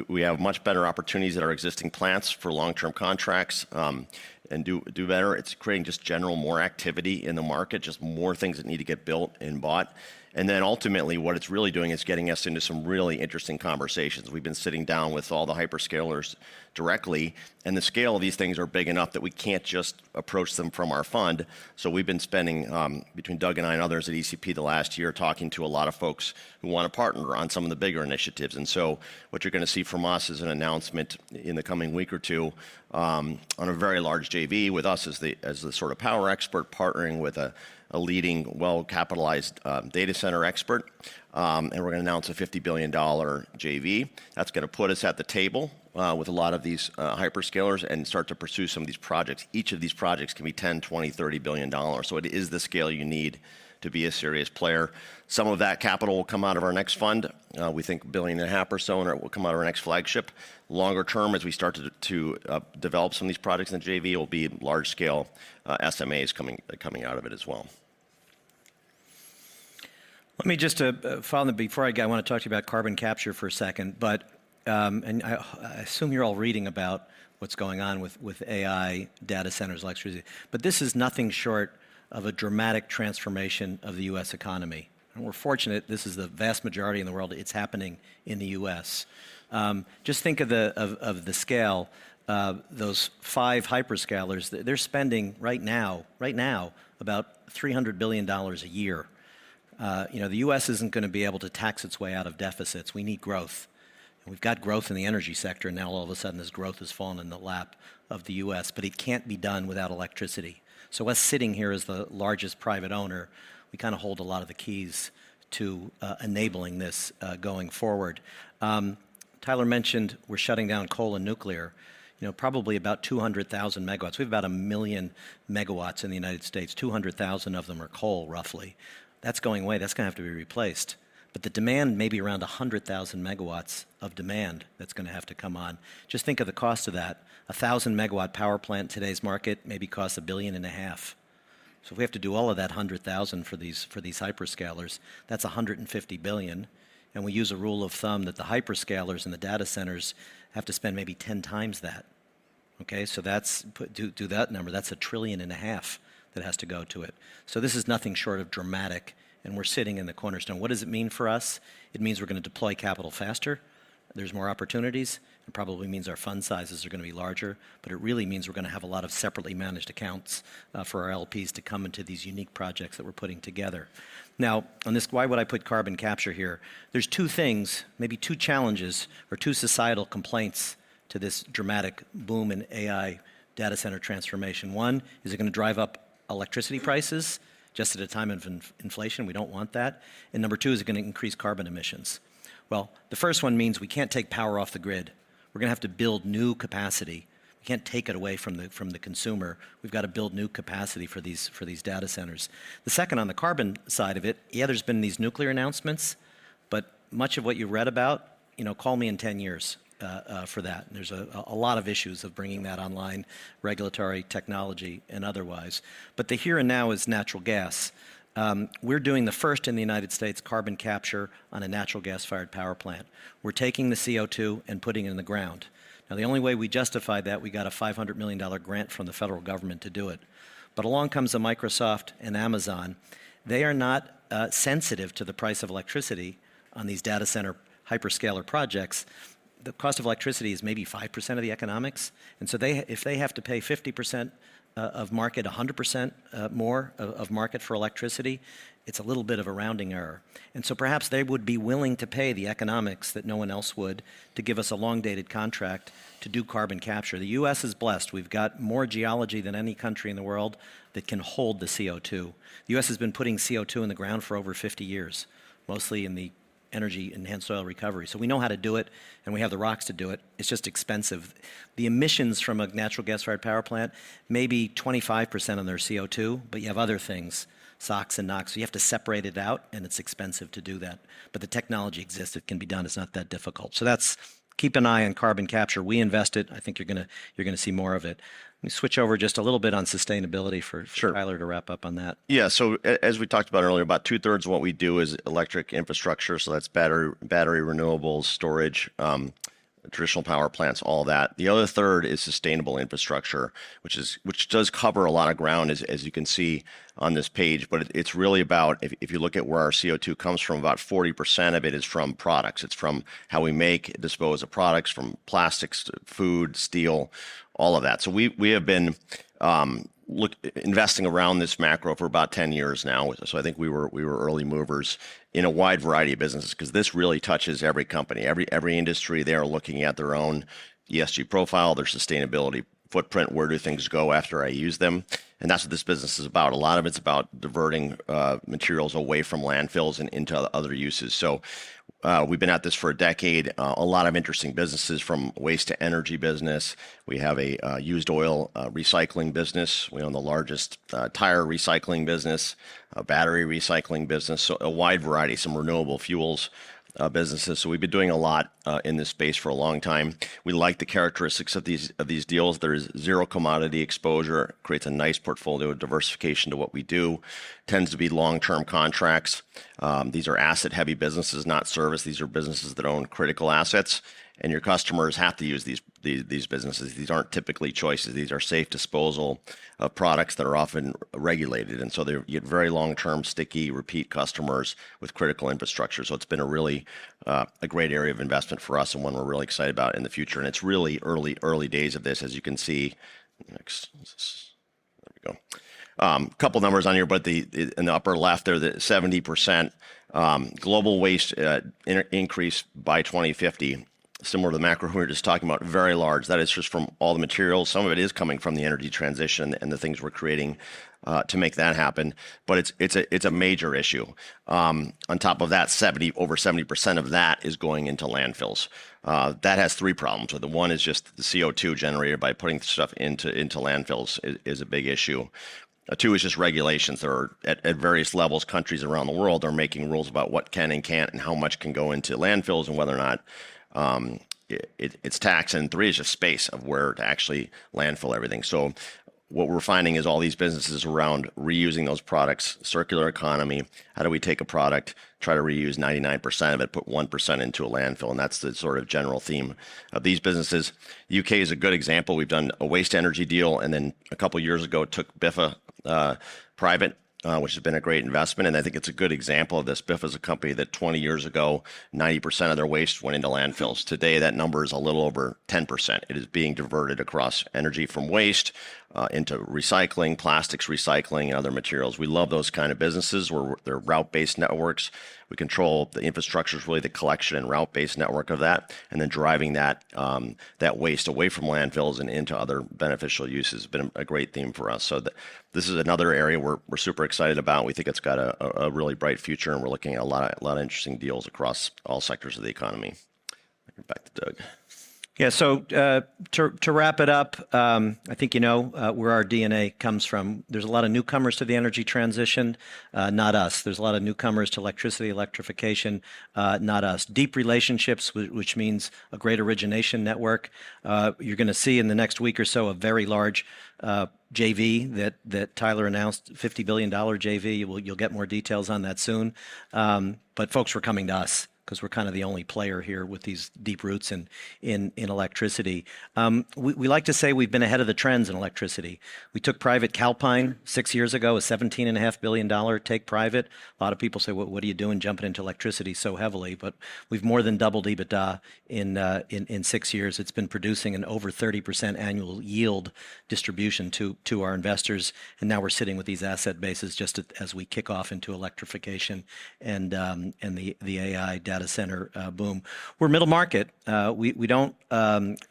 we have much better opportunities at our existing plants for long-term contracts and do better. It's creating just general more activity in the market, just more things that need to get built and bought. And then ultimately, what it's really doing is getting us into some really interesting conversations. We've been sitting down with all the hyperscalers directly, and the scale of these things are big enough that we can't just approach them from our fund. So we've been spending, between Doug and I and others at ECP the last year, talking to a lot of folks who want to partner on some of the bigger initiatives. And so what you're gonna see from us is an announcement in the coming week or two, on a very large JV with us as the, as the sort of power expert, partnering with a, a leading, well-capitalized, data center expert. And we're gonna announce a $50 billion JV. That's gonna put us at the table with a lot of these hyperscalers and start to pursue some of these projects. Each of these projects can be $10 billion, $20 billion, $30 billion, so it is the scale you need to be a serious player. Some of that capital will come out of our next fund. We think $1.5 billion or so, and it will come out of our next flagship. Longer term, as we start to develop some of these products in the JV, will be large-scale SMAs coming out of it as well. Let me just, finally, before I go, I want to talk to you about carbon capture for a second. But, and I assume you're all reading about what's going on with AI data centers, electricity. But this is nothing short of a dramatic transformation of the U.S. economy, and we're fortunate this is the vast majority in the world, it's happening in the U.S. Just think of the scale, those five hyperscalers, they're spending right now about $300 billion a year. You know, the U.S. isn't gonna be able to tax its way out of deficits. We need growth, and we've got growth in the energy sector, now all of a sudden, this growth has fallen in the lap of the U.S., but it can't be done without electricity. So us sitting here as the largest private owner, we kinda hold a lot of the keys to enabling this going forward. Tyler mentioned we're shutting down coal and nuclear, you know, probably about 200,000 megawatts. We have about 1 million megawatts in the United States, 200,000 of them are coal, roughly. That's going away. That's gonna have to be replaced. But the demand may be around 100,000 megawatts of demand that's gonna have to come on. Just think of the cost of that. A 1,000-megawatt power plant in today's market maybe costs $1.5 billion. So if we have to do all of that 100,000 for these hyperscalers, that's 150 billion, and we use a rule of thumb that the hyperscalers and the data centers have to spend maybe 10 times that, okay? So that's a 1.5 trillion that has to go to it. So, this is nothing short of dramatic, and we're sitting in the cornerstone. What does it mean for us? It means we're gonna deploy capital faster. There's more opportunities. It probably means our fund sizes are gonna be larger, but it really means we're gonna have a lot of separately managed accounts for our LPs to come into these unique projects that we're putting together. Now, on this, why would I put carbon capture here? There's two things, maybe two challenges or two societal complaints to this dramatic boom in AI data center transformation. One, is it gonna drive up electricity prices just at a time of inflation, we don't want that. And number two, is it gonna increase carbon emissions? Well, the first one means we can't take power off the grid. We're gonna have to build new capacity. We can't take it away from the consumer. We've got to build new capacity for these data centers. The second, on the carbon side of it, yeah, there's been these nuclear announcements, but much of what you read about, you know, call me in ten years for that. There's a lot of issues of bringing that online, regulatory technology and otherwise, but the here and now is natural gas. We're doing the first in the United States, carbon capture on a natural gas-fired power plant. We're taking the CO2 and putting it in the ground. Now, the only way we justified that, we got a $500 million grant from the federal government to do it. But along comes the Microsoft and Amazon. They are not sensitive to the price of electricity on these data center hyperscale projects. The cost of electricity is maybe 5% of the economics, and so they, if they have to pay 50% of market, 100% more of market for electricity, it's a little bit of a rounding error. And so perhaps they would be willing to pay the economics that no one else would, to give us a long-dated contract to do carbon capture. The U.S. is blessed. We've got more geology than any country in the world that can hold the CO2. The U.S. has been putting CO2 in the ground for over 50 years, mostly in the energy enhanced oil recovery. So we know how to do it, and we have the rocks to do it. It's just expensive. The emissions from a natural gas-fired power plant may be 25% of their CO2, but you have other things, SOx and NOx. You have to separate it out, and it's expensive to do that, but the technology exists. It can be done. It's not that difficult. So that's... Keep an eye on carbon capture. We invest it. I think you're gonna see more of it. Let me switch over just a little bit on sustainability for- Sure. Tyler to wrap up on that. Yeah. So as we talked about earlier, about two-thirds of what we do is electric infrastructure. So that's battery, battery renewables, storage, traditional power plants, all that. The other third is sustainable infrastructure, which does cover a lot of ground, as you can see on this page, but it's really about... If you look at where our CO2 comes from, about 40% of it is from products. It's from how we make, dispose of products, from plastics to food, steel, all of that. So we have been investing around this macro for about 10 years now. So I think we were early movers in a wide variety of businesses 'cause this really touches every company. Every industry, they are looking at their own ESG profile, their sustainability footprint. Where do things go after I use them? And that's what this business is about. A lot of it's about diverting materials away from landfills and into other uses. So we've been at this for a decade. A lot of interesting businesses from waste to energy business. We have a used oil recycling business. We own the largest tire recycling business, a battery recycling business, so a wide variety, some renewable fuels businesses. So we've been doing a lot in this space for a long time. We like the characteristics of these, of these deals. There is zero commodity exposure, creates a nice portfolio of diversification to what we do. Tends to be long-term contracts. These are asset-heavy businesses, not service. These are businesses that own critical assets, and your customers have to use these, these, these businesses. These aren't typically choices. These are safe disposal of products that are often regulated, and so they're you have very long-term, sticky, repeat customers with critical infrastructure. So it's been a really, a great area of investment for us and one we're really excited about in the future, and it's really early, early days of this, as you can see. Next. There we go. A couple of numbers on here, but the, in the upper left there, the 70% global waste increase by 2050, similar to the macro we were just talking about, very large. That is just from all the materials. Some of it is coming from the energy transition and the things we're creating to make that happen, but it's, it's a, it's a major issue. On top of that, over 70% of that is going into landfills. That has three problems. So the one is just the CO2 generated by putting stuff into landfills is a big issue. Two is just regulations. There are. At various levels, countries around the world are making rules about what can and can't and how much can go into landfills and whether or not it's taxed. And three is just space of where to actually landfill everything. So what we're finding is all these businesses around reusing those products, circular economy, how do we take a product, try to reuse 99% of it, put 1% into a landfill? And that's the sort of general theme of these businesses. UK is a good example. We've done a waste energy deal, and then a couple of years ago, took Biffa private, which has been a great investment, and I think it's a good example of this. Biffa is a company that twenty years ago, 90% of their waste went into landfills. Today, that number is a little over 10%. It is being diverted across energy from waste into recycling, plastics recycling, and other materials. We love those kind of businesses, where they're route-based networks. We control the infrastructure, really, the collection and route-based network of that, and then driving that waste away from landfills and into other beneficial uses has been a great theme for us. So this is another area we're super excited about. We think it's got a really bright future, and we're looking at a lot of interesting deals across all sectors of the economy. Back to Doug. Yeah, so, to wrap it up, I think you know where our DNA comes from. There's a lot of newcomers to the energy transition, not us. There's a lot of newcomers to electricity, electrification, not us. Deep relationships, which means a great origination network. You're gonna see in the next week or so a very large JV that Tyler announced, $50 billion JV. You'll get more details on that soon. But folks were coming to us 'cause we're kind of the only player here with these deep roots in electricity. We like to say we've been ahead of the trends in electricity. We took private Calpine six years ago, a $17.5 billion take private. A lot of people say: "Well, what are you doing jumping into electricity so heavily?" But we've more than doubled EBITDA in six years. It's been producing an over 30% annual yield distribution to our investors, and now we're sitting with these asset bases just as we kick off into electrification and the AI data center boom. We're middle market. We don't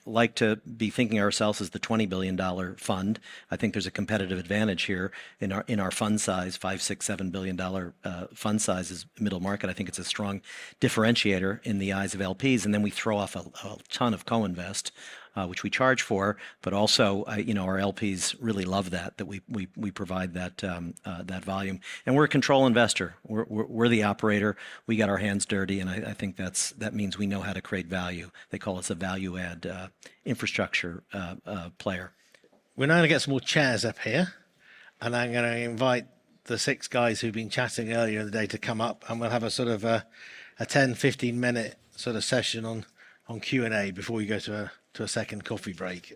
like to be thinking of ourselves as the $20 billion fund. I think there's a competitive advantage here in our fund size, 5, 6, 7 billion dollar fund size is middle market. I think it's a strong differentiator in the eyes of LPs, and then we throw off a ton of co-invest, which we charge for, but also, you know, our LPs really love that we provide that volume, and we're a control investor. We're the operator. We get our hands dirty, and I think that means we know how to create value. They call us a value-add player.... We're now gonna get some more chairs up here, and I'm gonna invite the six guys who've been chatting earlier in the day to come up, and we'll have a sort of a 10, 15-minute sort of session on Q&A before we go to a second coffee break.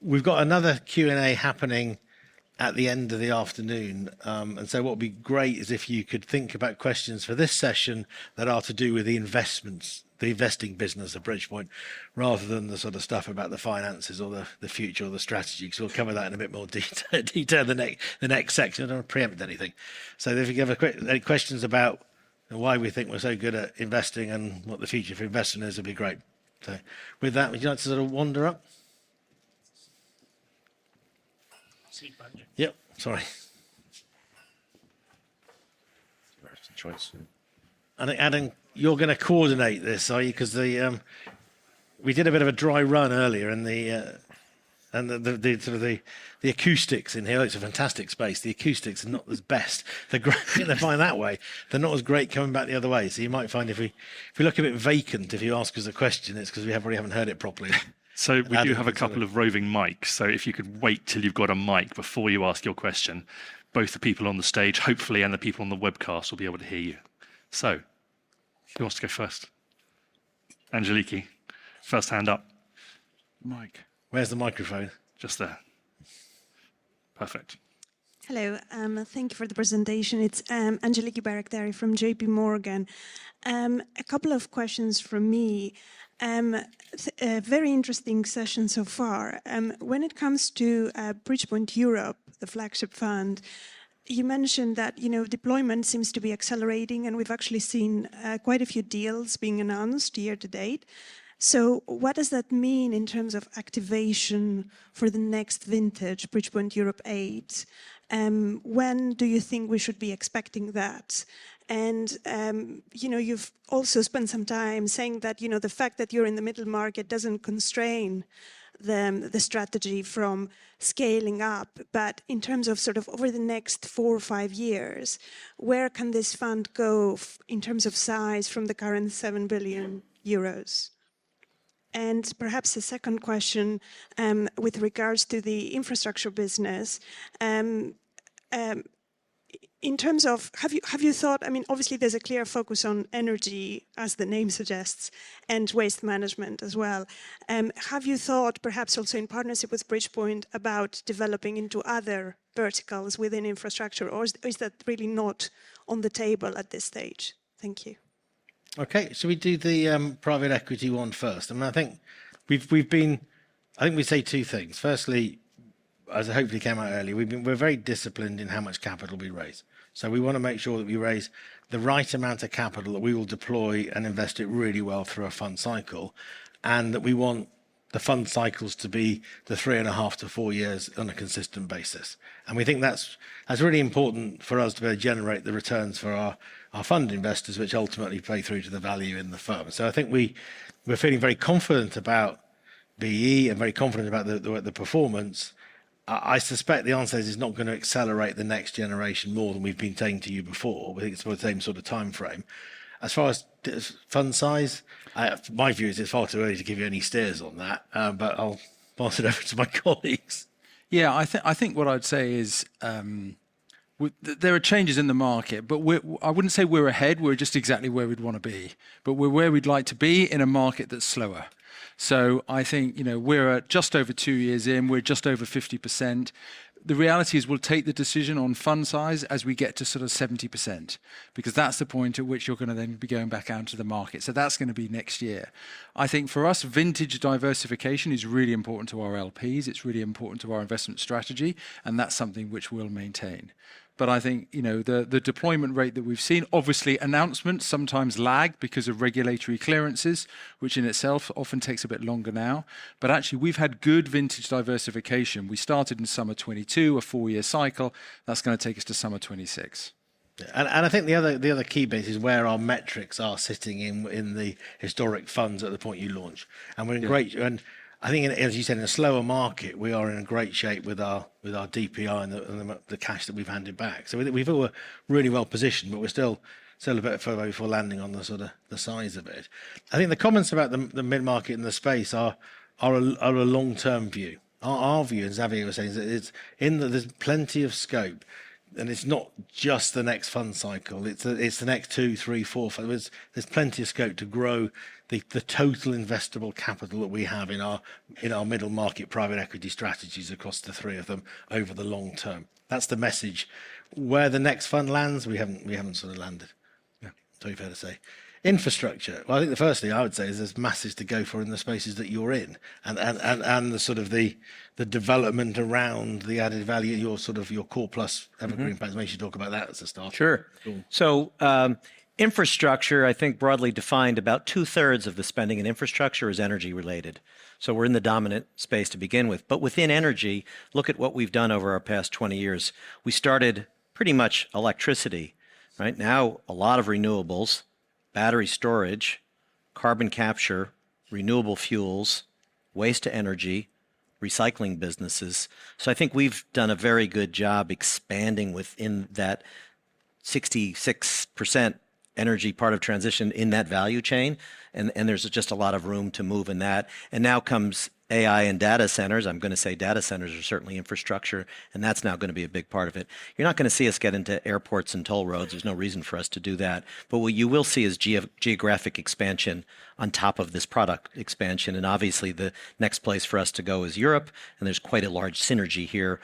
We've got another Q&A happening at the end of the afternoon. And so what would be great is if you could think about questions for this session that are to do with the investments, the investing business at Bridgepoint, rather than the sort of stuff about the finances or the future or the strategy, 'cause we'll cover that in a bit more detail in the next section. I don't want to pre-empt anything. So if you have any questions about why we think we're so good at investing and what the future for investing is, it'd be great. So with that, would you like to sort of wander up? Seatbelt. Yep, sorry. Choice. You're gonna coordinate this, are you? 'Cause we did a bit of a dry run earlier, and the acoustics in here, it's a fantastic space. The acoustics are not the best. They're great if you're flying that way, they're not as great coming back the other way. So you might find if we look a bit vacant, if you ask us a question, it's 'cause we haven't really heard it properly. We do have a couple of roving mics. If you could wait till you've got a mic before you ask your question, both the people on the stage, hopefully, and the people on the webcast will be able to hear you. Who wants to go first? Angeliki, first hand up. Mic. Where's the microphone? Just there. Perfect. Hello, thank you for the presentation. It's Angeliki Bairaktari from JP Morgan. A couple of questions from me. Very interesting session so far. When it comes to Bridgepoint Europe, the flagship fund, you mentioned that, you know, deployment seems to be accelerating, and we've actually seen quite a few deals being announced year to date. So, what does that mean in terms of activation for the next vintage, Bridgepoint Europe VIII? When do you think we should be expecting that? And, you know, you've also spent some time saying that, you know, the fact that you're in the middle market doesn't constrain the strategy from scaling up. But in terms of sort of over the next four or five years, where can this fund go from the current 7 billion euros? And perhaps a second question with regards to the infrastructure business, in terms of. Have you thought, I mean, obviously, there's a clear focus on energy, as the name suggests, and waste management as well. Have you thought perhaps also in partnership with Bridgepoint, about developing into other verticals within infrastructure, or is that really not on the table at this stage? Thank you. Okay, so we do the private equity one first. I mean, I think we say two things. Firstly, as hopefully came out early, we're very disciplined in how much capital we raise. So we wanna make sure that we raise the right amount of capital, that we will deploy and invest it really well through a fund cycle, and that we want the fund cycles to be the three and a half to four years on a consistent basis. We think that's really important for us to be able to generate the returns for our fund investors, which ultimately play through to the value in the firm, so I think we're feeling very confident about BE and very confident about the performance. I suspect the answer is it's not gonna accelerate the next generation more than we've been saying to you before. We think it's more the same sort of timeframe. As far as the fund size, my view is it's far too early to give you any steers on that, but I'll pass it over to my colleagues. Yeah, I think, I think what I'd say is, there are changes in the market, but we're. I wouldn't say we're ahead, we're just exactly where we'd wanna be. But we're where we'd like to be in a market that's slower. So I think, you know, we're at just over two years in, we're just over 50%. The reality is we'll take the decision on fund size as we get to sort of 70%, because that's the point at which you're gonna then be going back out into the market. So that's gonna be next year. I think for us, vintage diversification is really important to our LPs. It's really important to our investment strategy, and that's something which we'll maintain. But I think, you know, the deployment rate that we've seen, obviously, announcements sometimes lag because of regulatory clearances, which in itself often takes a bit longer now. But actually, we've had good vintage diversification. We started in summer 2022, a four-year cycle. That's gonna take us to summer 2026. Yeah, and I think the other key bit is where our metrics are sitting in the historic funds at the point you launch. Yeah. And we're in great shape, and I think, as you said, in a slower market, we are in a great shape with our DPI and the cash that we've handed back. So we feel we're really well positioned, but we're still a bit further before landing on the sort of size of it. I think the comments about the mid-market and the space are a long-term view. Our view, as Xavier was saying, is that it's that there's plenty of scope, and it's not just the next fund cycle, it's the next two, three, four. There's plenty of scope to grow the total investable capital that we have in our middle market private equity strategies across the three of them over the long term. That's the message. Where the next fund lands, we haven't sort of landed. Yeah. So fair to say. Infrastructure. Well, I think the first thing I would say is there's masses to go for in the spaces that you're in and the sort of the development around the added value, your sort of your core plus- Mm-hmm... evergreen plans. Maybe you should talk about that as a starter. Sure. Cool. So, infrastructure, I think broadly defined, about two-thirds of the spending in infrastructure is energy-related. So we're in the dominant space to begin with. But within energy, look at what we've done over our past twenty years. We started pretty much electricity. Right now, a lot of renewables, battery storage, carbon capture, renewable fuels, waste to energy, recycling businesses. So I think we've done a very good job expanding within that.... 66% energy part of transition in that value chain, and there's just a lot of room to move in that. And now comes AI and data centers. I'm gonna say data centers are certainly infrastructure, and that's now gonna be a big part of it. You're not gonna see us get into airports and toll roads. There's no reason for us to do that, but what you will see is geographic expansion on top of this product expansion, and obviously, the next place for us to go is Europe, and there's quite a large synergy here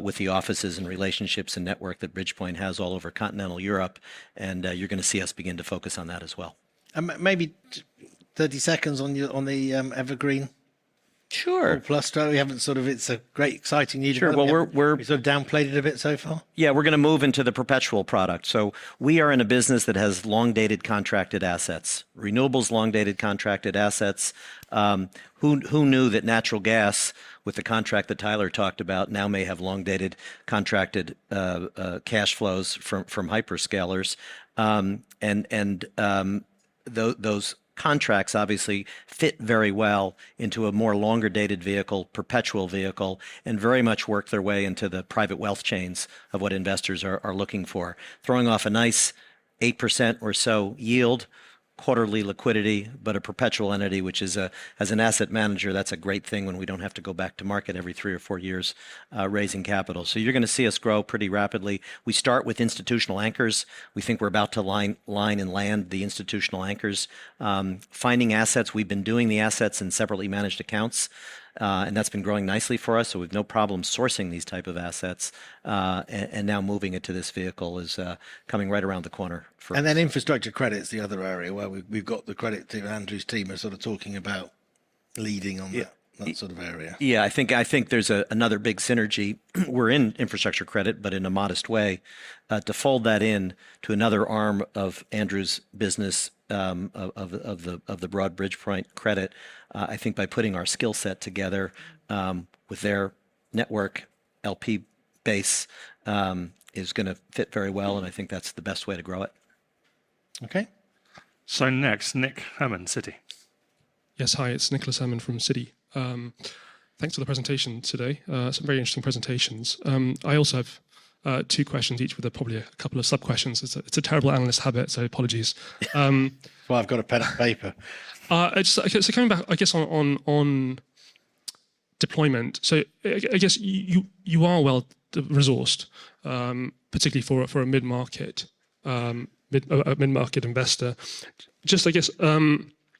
with the offices and relationships and network that Bridgepoint has all over continental Europe, and you're gonna see us begin to focus on that as well. And maybe 30 seconds on your, on the, Evergreen- Sure -plus strategy. We haven't sort of... It's a great, exciting news. Sure. Well, we're- We've sort of downplayed it a bit so far. Yeah, we're gonna move into the perpetual product. So we are in a business that has long-dated contracted assets. Renewables long-dated contracted assets, who knew that natural gas, with the contract that Tyler talked about, now may have long-dated contracted cash flows from hyperscalers. And those contracts obviously fit very well into a more longer-dated vehicle, perpetual vehicle, and very much work their way into the private wealth channels of what investors are looking for, throwing off a nice 8% or so yield, quarterly liquidity, but a perpetual entity, which is a... As an asset manager, that's a great thing when we don't have to go back to market every three or four years raising capital. So you're gonna see us grow pretty rapidly. We start with institutional anchors. We think we're about to line and land the institutional anchors. Finding assets, we've been doing the assets in separately managed accounts, and that's been growing nicely for us, so we've no problem sourcing these type of assets, and now moving it to this vehicle is coming right around the corner for us. And then infrastructure credit is the other area where we've got the credit team, Andrew's team are sort of talking about leading on that. Yeah... that sort of area. Yeah, I think there's another big synergy. We're in infrastructure credit, but in a modest way. To fold that in to another arm of Andrew's business, of the broad Bridgepoint Credit, I think by putting our skill set together with their network, LP base, is gonna fit very well, and I think that's the best way to grow it. Okay. So next, Nick Herman, Citi. Yes, hi. It's Nicholas Herman from Citi. Thanks for the presentation today. Some very interesting presentations. I also have two questions, each with probably a couple of sub-questions. It's a terrible analyst habit, so apologies. That's why I've got a pen and paper. Just, so coming back, I guess, on, on, on deployment. So I, I guess, you are well resourced, particularly for a, for a mid-market, mid-market investor.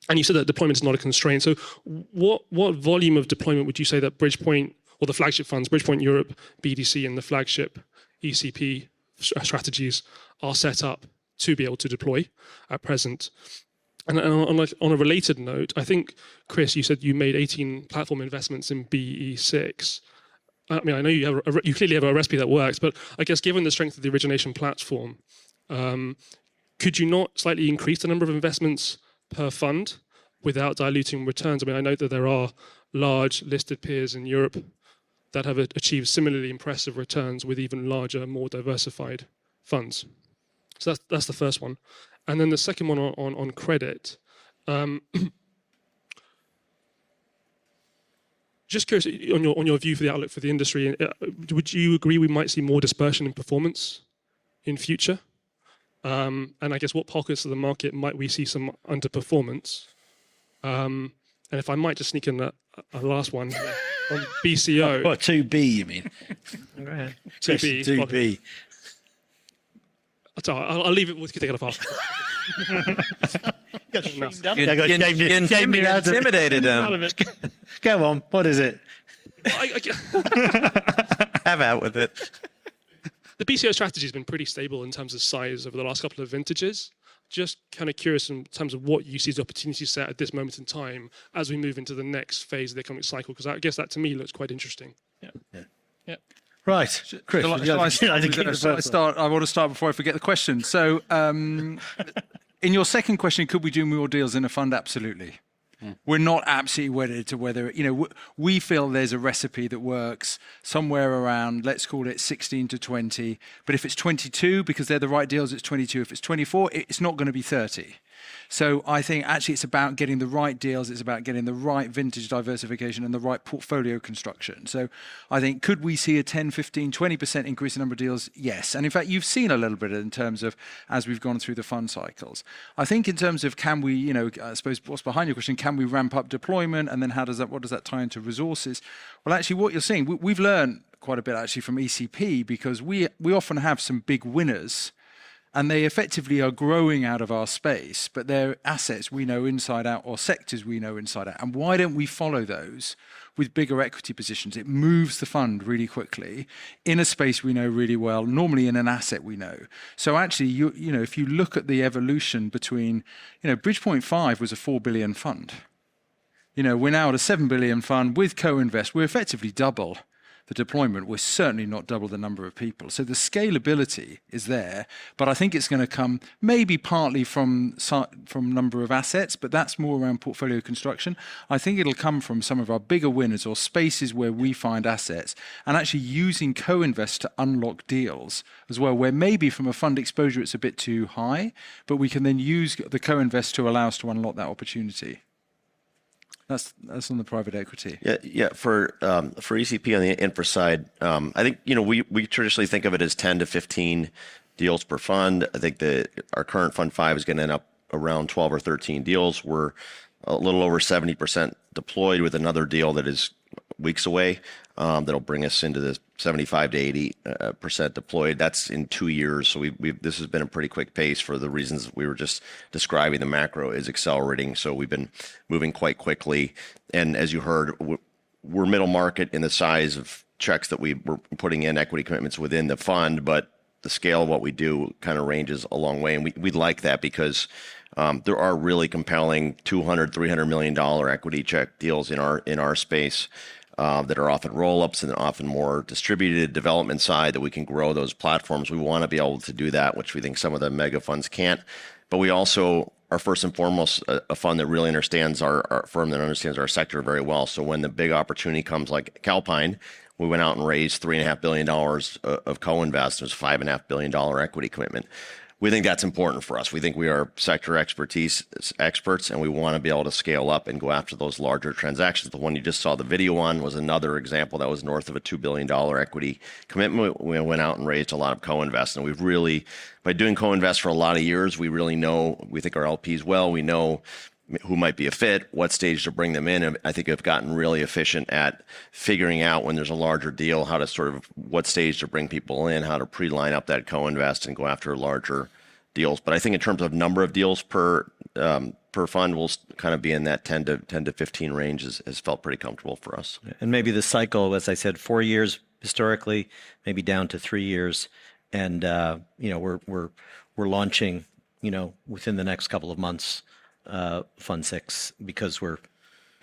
And you said that deployment is not a constraint, so what, what volume of deployment would you say that Bridgepoint or the flagship funds, Bridgepoint Europe, BDC, and the flagship ECP strategies are set up to be able to deploy at present? And, and on a, on a related note, I think, Chris, you said you made 18 platform investments in B VI. I mean, I know you have a, you clearly have a recipe that works, but I guess given the strength of the origination platform, could you not slightly increase the number of investments per fund without diluting returns? I mean, I know that there are large listed peers in Europe that have achieved similarly impressive returns with even larger, more diversified funds. So that's the first one. And then the second one on credit, just curious on your view for the outlook for the industry. Would you agree we might see more dispersion in performance in future? And I guess what pockets of the market might we see some underperformance? And if I might just sneak in a last one... on BCO. What, 2B, you mean? Go ahead. 2B. 2B. It's all right. I'll leave it with, because I got a fast. You gave me- You intimidated him. Out of it. Go on. What is it? I, I... Have out with it. The BCO strategy's been pretty stable in terms of size over the last couple of vintages. Just kinda curious in terms of what you see as the opportunity set at this moment in time as we move into the next phase of the economic cycle, 'cause I guess that, to me, looks quite interesting. Yeah. Yeah. Yeah. Right. Chris- I think-... I want to start before I forget the question. So, in your second question, could we do more deals in a fund? Absolutely. Mm. We're not absolutely wedded to whether. You know, we feel there's a recipe that works somewhere around, let's call it 16-20, but if it's 22 because they're the right deals, it's 22. If it's 24, it's not gonna be 30. So I think actually it's about getting the right deals, it's about getting the right vintage diversification and the right portfolio construction. So I think could we see a 10%, 15%, 20% increase in number of deals? Yes, and in fact, you've seen a little bit in terms of as we've gone through the fund cycles. I think in terms of can we, you know, I suppose what's behind your question, can we ramp up deployment, and then how does that, what does that tie into resources? Actually, what you're seeing, we've learned quite a bit, actually, from ECP because we often have some big winners, and they effectively are growing out of our space, but they're assets we know inside out or sectors we know inside out, and why don't we follow those with bigger equity positions? It moves the fund really quickly in a space we know really well, normally in an asset we know. So actually, you know, if you look at the evolution between... You know, Bridgepoint V was a €4 billion fund. You know, we're now at a €7 billion fund. With co-invest, we're effectively double the deployment. We're certainly not double the number of people. So, the scalability is there, but I think it's gonna come maybe partly from number of assets, but that's more around portfolio construction. I think it'll come from some of our bigger winners or spaces where we find assets, and actually using co-invest to unlock deals as well, where maybe from a fund exposure, it's a bit too high, but we can then use the co-invest to allow us to unlock that opportunity. ... That's on the private equity? Yeah, yeah, for ECP on the infra side, I think, you know, we traditionally think of it as ten to 15 deals per fund. I think our current Fund V is gonna end up around 12 or 13 deals. We're a little over 70% deployed, with another deal that is weeks away, that'll bring us into the 75%-80% deployed. That's in two years, so we've... This has been a pretty quick pace for the reasons we were just describing. The macro is accelerating, so we've been moving quite quickly, and as you heard, we're middle market in the size of checks that we're putting in equity commitments within the fund, but the scale of what we do kind of ranges a long way, and we like that because there are really compelling $200-$300 million equity check deals in our space that are often roll-ups, and they're often more distributed development side that we can grow those platforms. We wanna be able to do that, which we think some of the mega funds can't. But we also are first and foremost a fund that really understands our firm that understands our sector very well. So when the big opportunity comes, like Calpine, we went out and raised $3.5 billion of co-investors, $5.5 billion equity commitment. We think that's important for us. We think we are sector expertise experts, and we wanna be able to scale up and go after those larger transactions. The one you just saw the video on was another example that was north of a $2 billion equity commitment. We went out and raised a lot of co-invest, and we've really... By doing co-invest for a lot of years, we really know our LPs well. We know who might be a fit, what stage to bring them in, and I think we've gotten really efficient at figuring out when there's a larger deal, how to sort of, what stage to bring people in, how to pre-line up that co-invest and go after larger deals. But I think in terms of number of deals per fund, we'll kind of be in that ten to 15 range has felt pretty comfortable for us. Maybe the cycle, as I said, four years historically, maybe down to three years, and you know, we're launching, you know, within the next couple of months, Fund VI, because we're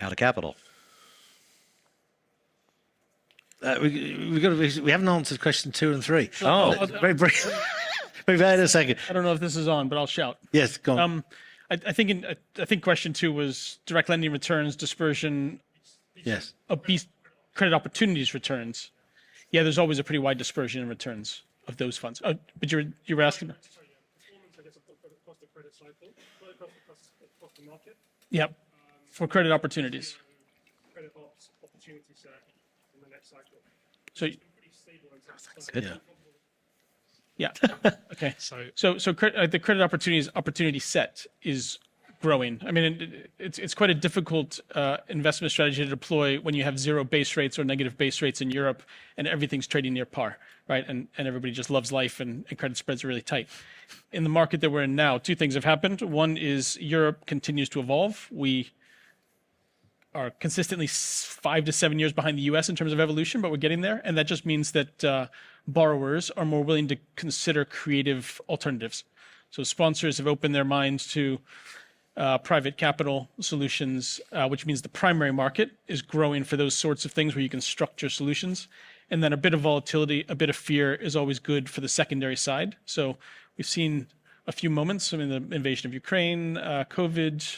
out of capital. We've gotta visit... We haven't answered question two and three. Oh! Wait, wait a second. I don't know if this is on, but I'll shout. Yes, go on. I think question two was Direct Lending returns, dispersion- Yes. These Credit Opportunities returns. Yeah, there's always a pretty wide dispersion in returns of those funds. But you're, you were asking? Sorry, yeah. Performance, I guess, across the credit cycle, across the market. Yep, for Credit Opportunities. Credit Opportunities opportunity set in the next cycle. So- It's been pretty stable- Oh, that's good. Yeah. Okay. So- The Credit Opportunities' opportunity set is growing. I mean, it, it's quite a difficult investment strategy to deploy when you have zero base rates or negative base rates in Europe, and everything's trading near par, right? And everybody just loves life, and credit spreads are really tight. In the market that we're in now, two things have happened: one is Europe continues to evolve. We are consistently five to seven years behind the U.S. in terms of evolution, but we're getting there, and that just means that borrowers are more willing to consider creative alternatives. So sponsors have opened their minds to private capital solutions, which means the primary market is growing for those sorts of things, where you can structure solutions. And then a bit of volatility, a bit of fear is always good for the secondary side. So we've seen a few moments, I mean, the invasion of Ukraine, COVID,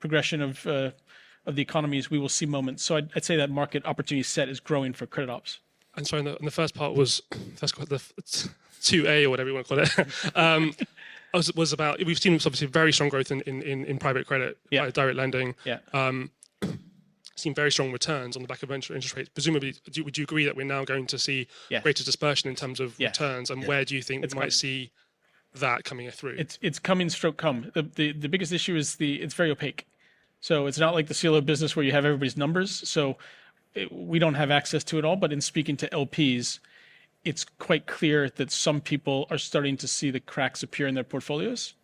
progression of the economies, we will see moments. So I'd say that market opportunity set is growing for credit ops. And so in the first part was about we've seen obviously very strong growth in private credit. Yeah. Direct Lending. Yeah. We've seen very strong returns on the back of lower interest rates. Presumably, would you agree that we're now going to see- Yeah... greater dispersion in terms of returns? Yeah. And where do you think- It's coming... we might see that coming through? It's coming, so to come. The biggest issue is the... It's very opaque. So it's not like the CLO business, where you have everybody's numbers, so we don't have access to it all, but in speaking to LPs, it's quite clear that some people are starting to see the cracks appear in their portfolios.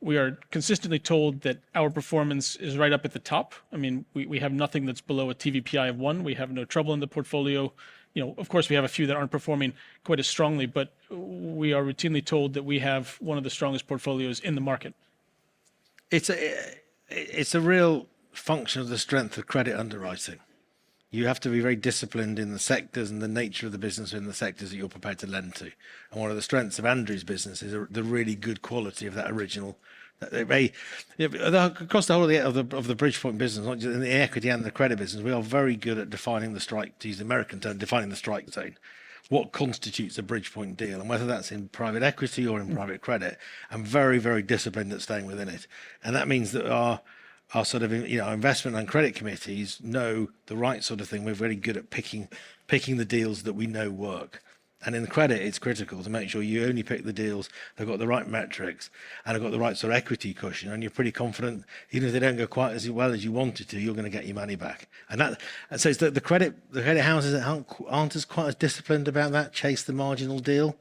We are consistently told that our performance is right up at the top. I mean, we have nothing that's below a TVPI of one. We have no trouble in the portfolio. You know, of course, we have a few that aren't performing quite as strongly, but we are routinely told that we have one of the strongest portfolios in the market. It's a real function of the strength of credit underwriting. You have to be very disciplined in the sectors and the nature of the business in the sectors that you're prepared to lend to, and one of the strengths of Andrew's business is the really good quality of that original. Across the whole of the Bridgepoint business, not just in the equity and the credit business, we are very good at defining the strike, to use an American term, defining the strike zone. What constitutes a Bridgepoint deal, and whether that's in private equity or in private credit, and very, very disciplined at staying within it. That means that our sort of you know, our investment and credit committees know the right sort of thing. We're very good at picking the deals that we know work. And in credit, it's critical to make sure you only pick the deals that have got the right metrics and have got the right sort of equity cushion, and you're pretty confident, even if they don't go quite as well as you want it to, you're gonna get your money back. And that... And so the credit, the credit houses that aren't quite as disciplined about that chase the marginal deal,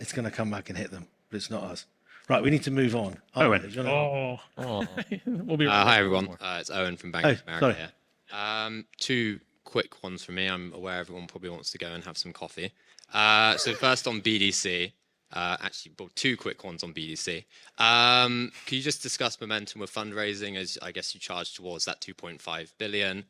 it's gonna come back and hit them, but it's not us. Right, we need to move on. All right. Oh! Oh. We'll be right back. Hi, everyone. It's Owen from Bank of America- Hey, sorry... here. Two quick ones from me. I'm aware everyone probably wants to go and have some coffee. So first on BDC, actually, well, two quick ones on BDC. Can you just discuss momentum with fundraising as I guess you charge towards that 2.5 billion?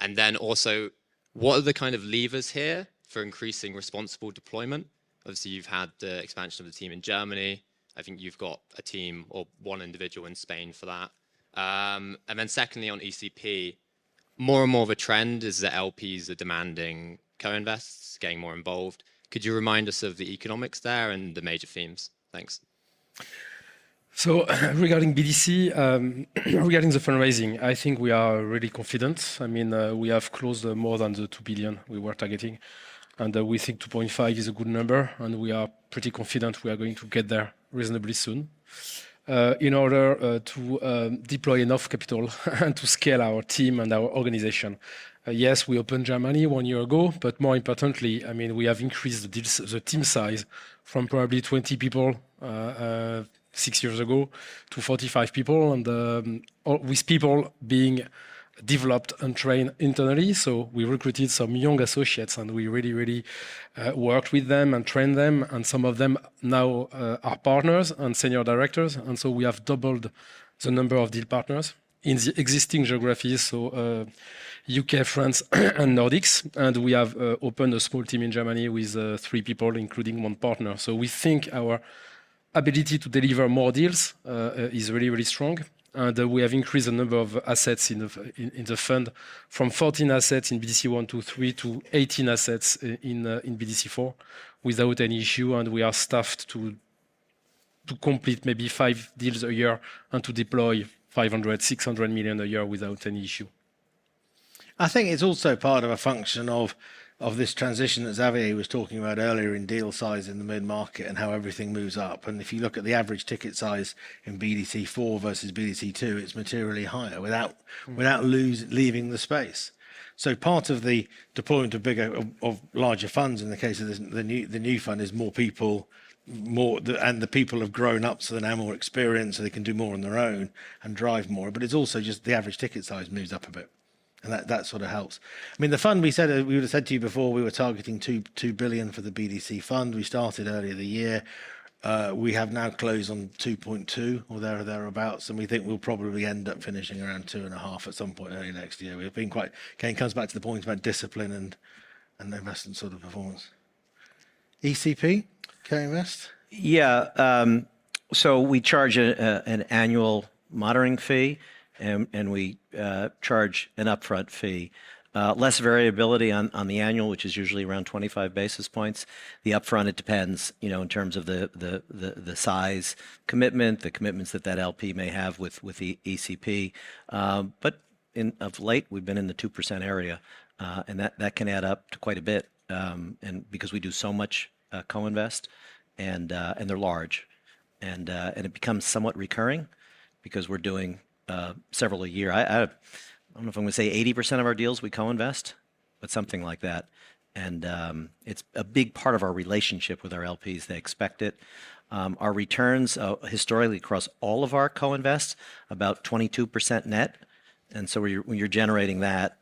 And then also, what are the kind of levers here for increasing responsible deployment? Obviously, you've had the expansion of the team in Germany. I think you've got a team or one individual in Spain for that. And then secondly, on ECP, more and more of a trend is that LPs are demanding co-invests, getting more involved. Could you remind us of the economics there and the major themes? Thanks. So regarding BDC, regarding the fundraising, I think we are really confident. I mean, we have closed more than the €2 billion we were targeting, and we think €2.5 billion is a good number, and we are pretty confident we are going to get there reasonably soon. In order to deploy enough capital and to scale our team and our organization. Yes, we opened Germany one year ago, but more importantly, I mean, we have increased the team size from probably 20 people six years ago to 45 people, and all with people being developed and trained internally. So we recruited some young associates, and we really, really worked with them and trained them, and some of them now are partners and senior directors. We have doubled the number of deal partners in the existing geographies, so, UK, France, and Nordics. We have opened a small team in Germany with three people, including one partner. We think our ability to deliver more deals is really, really strong, and we have increased the number of assets in the fund from 14 assets in BDC I, II, III, to 18 assets in BDC four, without any issue. We are staffed to complete maybe 5 deals a year and to deploy 500-600 million a year without any issue. I think it's also part of a function of this transition that Xavier was talking about earlier in deal size in the mid-market and how everything moves up. And if you look at the average ticket size in BDC IV versus BDC II, it's materially higher, without leaving the space. So part of the deployment of larger funds, in the case of the new fund, is more people, and the people have grown up, so they now have more experience, so they can do more on their own and drive more. But it's also just the average ticket size moves up a bit, and that sort of helps. I mean, the fund, we said, we would've said to you before, we were targeting €2 billion for the BDC fund. We started earlier this year. We have now closed on 2.2 or thereabouts, and we think we'll probably end up finishing around 2.5 at some point early next year. Okay, it comes back to the point about discipline and no messing sort of performance. ECP, co-invest? Yeah, so we charge an annual monitoring fee, and we charge an upfront fee. Less variability on the annual, which is usually around twenty-five basis points. The upfront, it depends, you know, in terms of the size commitment, the commitments that LP may have with the ECP. But of late, we've been in the 2% area, and that can add up to quite a bit, and because we do so much co-invest and they're large. And it becomes somewhat recurring because we're doing several a year. I don't know if I'm gonna say 80% of our deals we co-invest, but something like that, and it's a big part of our relationship with our LPs. They expect it. Our returns historically across all of our co-invest about 22% net, and so when you're generating that,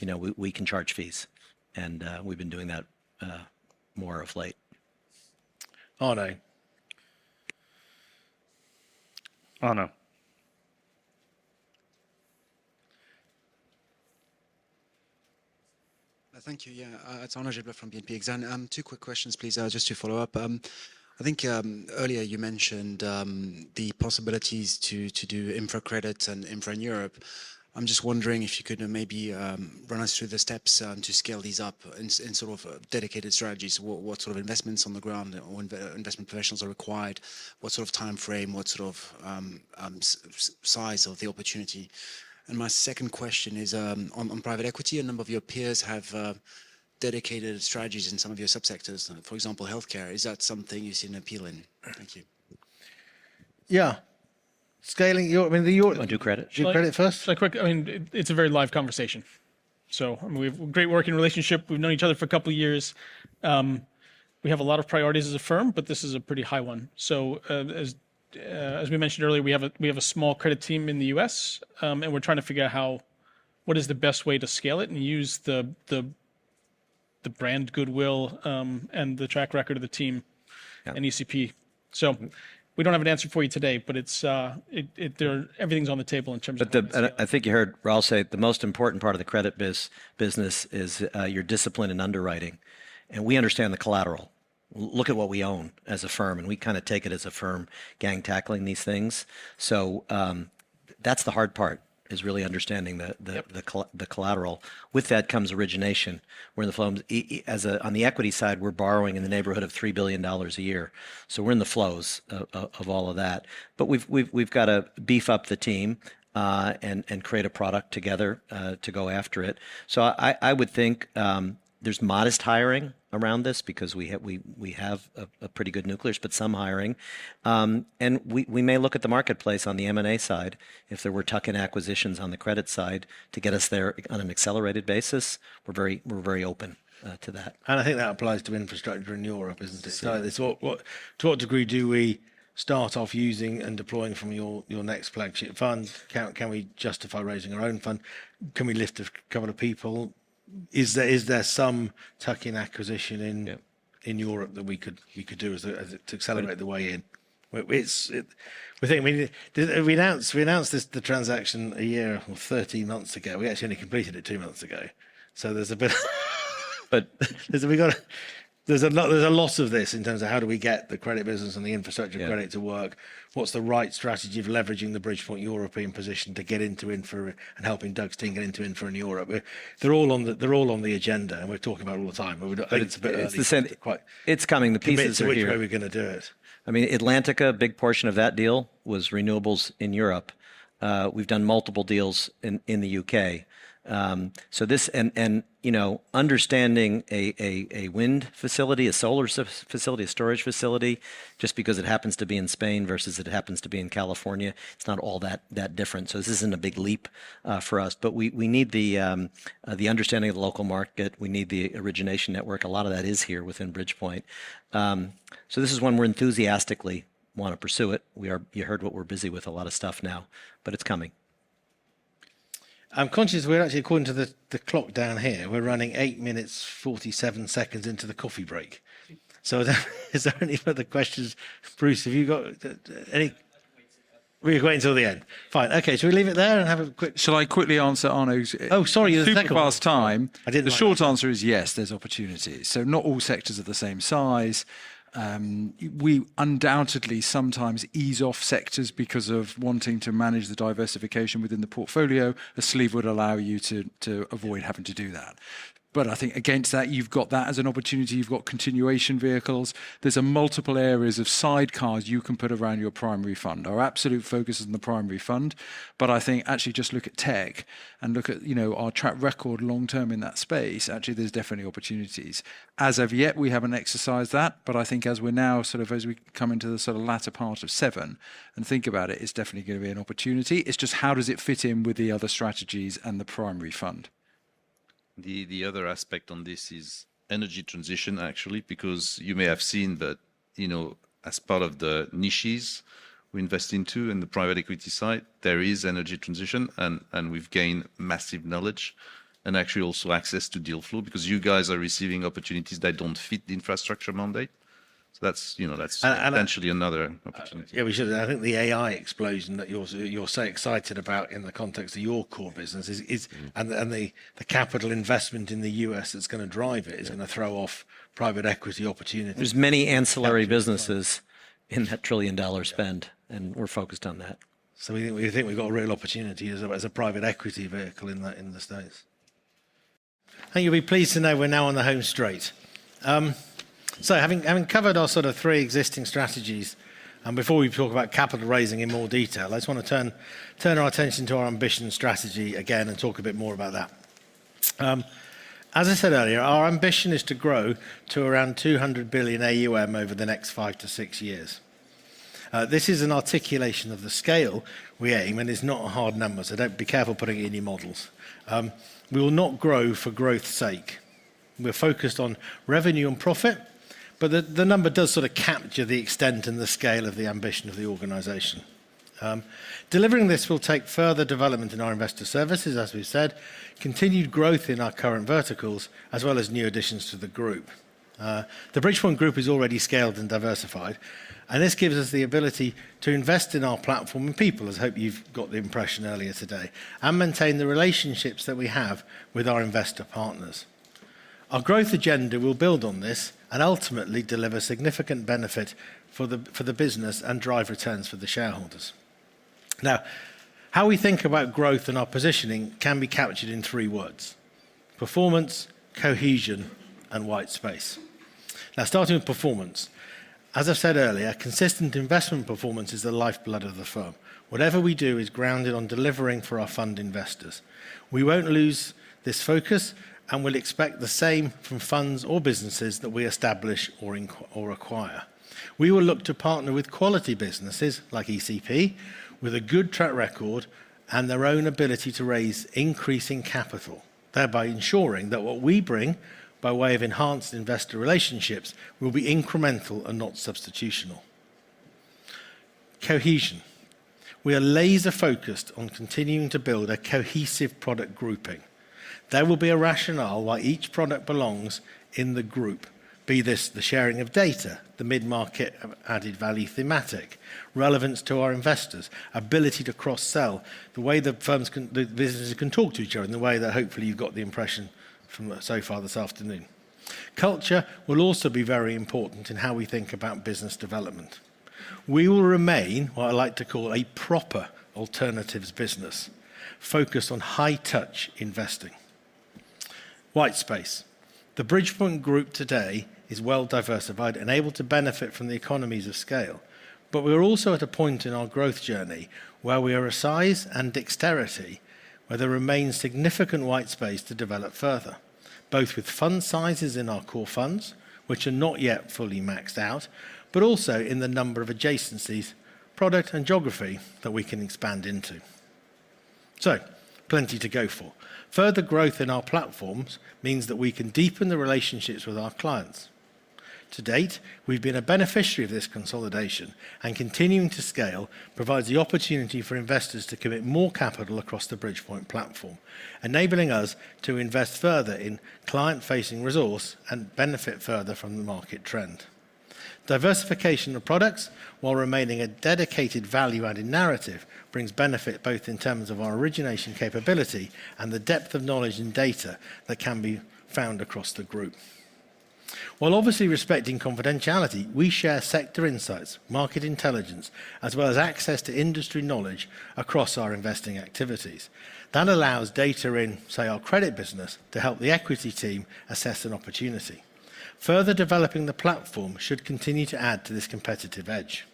you know, we can charge fees, and we've been doing that more of late. Arnaud. Arnaud? Thank you. Yeah, it's Arnaud Gibert from BNP Paribas. Two quick questions, please, just to follow up. I think earlier you mentioned the possibilities to do infra credit and infra in Europe. I'm just wondering if you could maybe run us through the steps to scale these up in sort of dedicated strategies. What sort of investments on the ground or when investment professionals are required? What sort of timeframe? What sort of size of the opportunity? And my second question is on private equity. A number of your peers have dedicated strategies in some of your sub-sectors, for example, healthcare. Is that something you see an appeal in? Thank you. Yeah. Scaling, I mean, you- I'll do credit. Do credit first. So, quick, I mean, it's a very live conversation, so I mean, we've great working relationship. We've known each other for a couple of years. We have a lot of priorities as a firm, but this is a pretty high one. So, as we mentioned earlier, we have a small credit team in the U.S., and we're trying to figure out how what is the best way to scale it and use the brand goodwill, and the track record of the team. Yeah... and ECP. So we don't have an answer for you today, but it's, there-- everything's on the table in terms of- But I think you heard Raoul say, the most important part of the credit business is your discipline in underwriting, and we understand the collateral. Look at what we own as a firm, and we kinda take it as a firm, gang tackling these things. So that's the hard part, is really understanding the collateral. With that comes origination, where the flows, as on the equity side, we're borrowing in the neighborhood of $3 billion a year. So we're in the flows of all of that. But we've got to beef up the team, and create a product together to go after it. So I would think there's modest hiring around this because we have a pretty good nucleus, but some hiring. And we may look at the marketplace on the M&A side if there were tuck-in acquisitions on the credit side to get us there on an accelerated basis. We're very open to that. I think that applies to infrastructure in Europe, isn't it? Yes. So it's what... To what degree do we start off using and deploying from your next flagship fund? Can we justify raising our own fund? Can we lift a couple of people? Is there some tuck-in acquisition in- Yeah... in Europe that we could do as a, to accelerate the way in? It's, we think, I mean, we announced this, the transaction a year or thirteen months ago. We actually only completed it two months ago, so there's a bit... But listen, we got, there's a lot of this in terms of how do we get the credit business and the infrastructure credit to work? What's the right strategy of leveraging the Bridgepoint European position to get into infra and helping Doug's team get into infra in Europe? They're all on the agenda, and we're talking about it all the time, but it's a bit early- It's the same- Quite. It's coming, the pieces are here. Commit to which way we're gonna do it. I mean, Atlantica, a big portion of that deal was renewables in Europe. We've done multiple deals in the UK. So this and, you know, understanding a wind facility, a solar facility, a storage facility, just because it happens to be in Spain versus it happens to be in California, it's not all that different. So this isn't a big leap for us. But we need the understanding of the local market, we need the origination network. A lot of that is here within Bridgepoint. So this is one we're enthusiastically wanna pursue it. We are you heard what we're busy with, a lot of stuff now, but it's coming. I'm conscious we're actually, according to the clock down here, we're running eight minutes, forty-seven seconds into the coffee break. So is there any further questions? Bruce, have you got, any- No, I can wait till the end. We'll wait until the end. Fine. Okay, shall we leave it there and have a quick- Shall I quickly answer Arnaud's- Oh, sorry, you're the next one. Super fast time. I did the right thing. The short answer is yes, there's opportunities. So not all sectors are the same size. We undoubtedly sometimes ease off sectors because of wanting to manage the diversification within the portfolio. A sleeve would allow you to avoid having to do that. But I think against that, you've got that as an opportunity, you've got continuation vehicles. There's a multiple areas of sidecars you can put around your primary fund. Our absolute focus is on the primary fund, but I think actually just look at tech and look at, you know, our track record long-term in that space, actually, there's definitely opportunities. As of yet, we haven't exercised that, but I think as we're now, sort of as we come into the sort of latter part of seven, and think about it, it's definitely gonna be an opportunity. It's just how does it fit in with the other strategies and the primary fund? The other aspect on this is energy transition, actually, because you may have seen that, you know, as part of the niches we invest into in the private equity side, there is energy transition, and we've gained massive knowledge, and actually also access to deal flow, because you guys are receiving opportunities that don't fit the infrastructure mandate. So that's, you know, that's- And, and-... potentially another opportunity. Yeah, we should. I think the AI explosion that you're so excited about in the context of your core business is. Mm-hmm.... and the capital investment in the U.S. that's gonna drive it- Yeah... is gonna throw off private equity opportunities. There's many ancillary businesses in that trillion-dollar spend, and we're focused on that. We think we've got a real opportunity as a private equity vehicle in the States. You'll be pleased to know we're now on the home straight. Having covered our sort of three existing strategies, and before we talk about capital raising in more detail, I just wanna turn our attention to our ambition strategy again and talk a bit more about that. As I said earlier, our ambition is to grow to around 200 billion AUM over the next five to six years. This is an articulation of the scale we aim, and it's not a hard number, so don't be careful putting it in your models. We will not grow for growth's sake. We're focused on revenue and profit, but the number does sort of capture the extent and the scale of the ambition of the organization. Delivering this will take further development in our investor services, as we've said, continued growth in our current verticals, as well as new additions to the group. The Bridgepoint Group is already scaled and diversified, and this gives us the ability to invest in our platform and people, as I hope you've got the impression earlier today, and maintain the relationships that we have with our investor partners. Our growth agenda will build on this and ultimately deliver significant benefit for the business and drive returns for the shareholders. Now, how we think about growth and our positioning can be captured in three words: performance, cohesion, and white space. Now, starting with performance, as I said earlier, consistent investment performance is the lifeblood of the firm. Whatever we do is grounded on delivering for our fund investors. We won't lose this focus and will expect the same from funds or businesses that we establish or acquire. We will look to partner with quality businesses, like ECP, with a good track record and their own ability to raise increasing capital, thereby ensuring that what we bring, by way of enhanced investor relationships, will be incremental and not substitutional. Cohesion. We are laser-focused on continuing to build a cohesive product grouping. There will be a rationale why each product belongs in the group, be this the sharing of data, the mid-market added value thematic, relevance to our investors, ability to cross-sell, the way the firms can... The businesses can talk to each other, in the way that hopefully you've got the impression from so far this afternoon. Culture will also be very important in how we think about business development. We will remain what I like to call a proper alternatives business, focused on high-touch investing. White space. The Bridgepoint Group today is well diversified and able to benefit from the economies of scale, but we're also at a point in our growth journey where we are a size and dexterity, where there remains significant white space to develop further, both with fund sizes in our core funds, which are not yet fully maxed out, but also in the number of adjacencies, product, and geography that we can expand into. So plenty to go for. Further growth in our platforms means that we can deepen the relationships with our clients. To date, we've been a beneficiary of this consolidation, and continuing to scale provides the opportunity for investors to commit more capital across the Bridgepoint platform, enabling us to invest further in client-facing resource and benefit further from the market trend. Diversification of products, while remaining a dedicated value-added narrative, brings benefit both in terms of our origination capability and the depth of knowledge and data that can be found across the group. While obviously respecting confidentiality, we share sector insights, market intelligence, as well as access to industry knowledge across our investing activities. That allows data in, say, our credit business, to help the equity team assess an opportunity. Further developing the platform should continue to add to this competitive edge.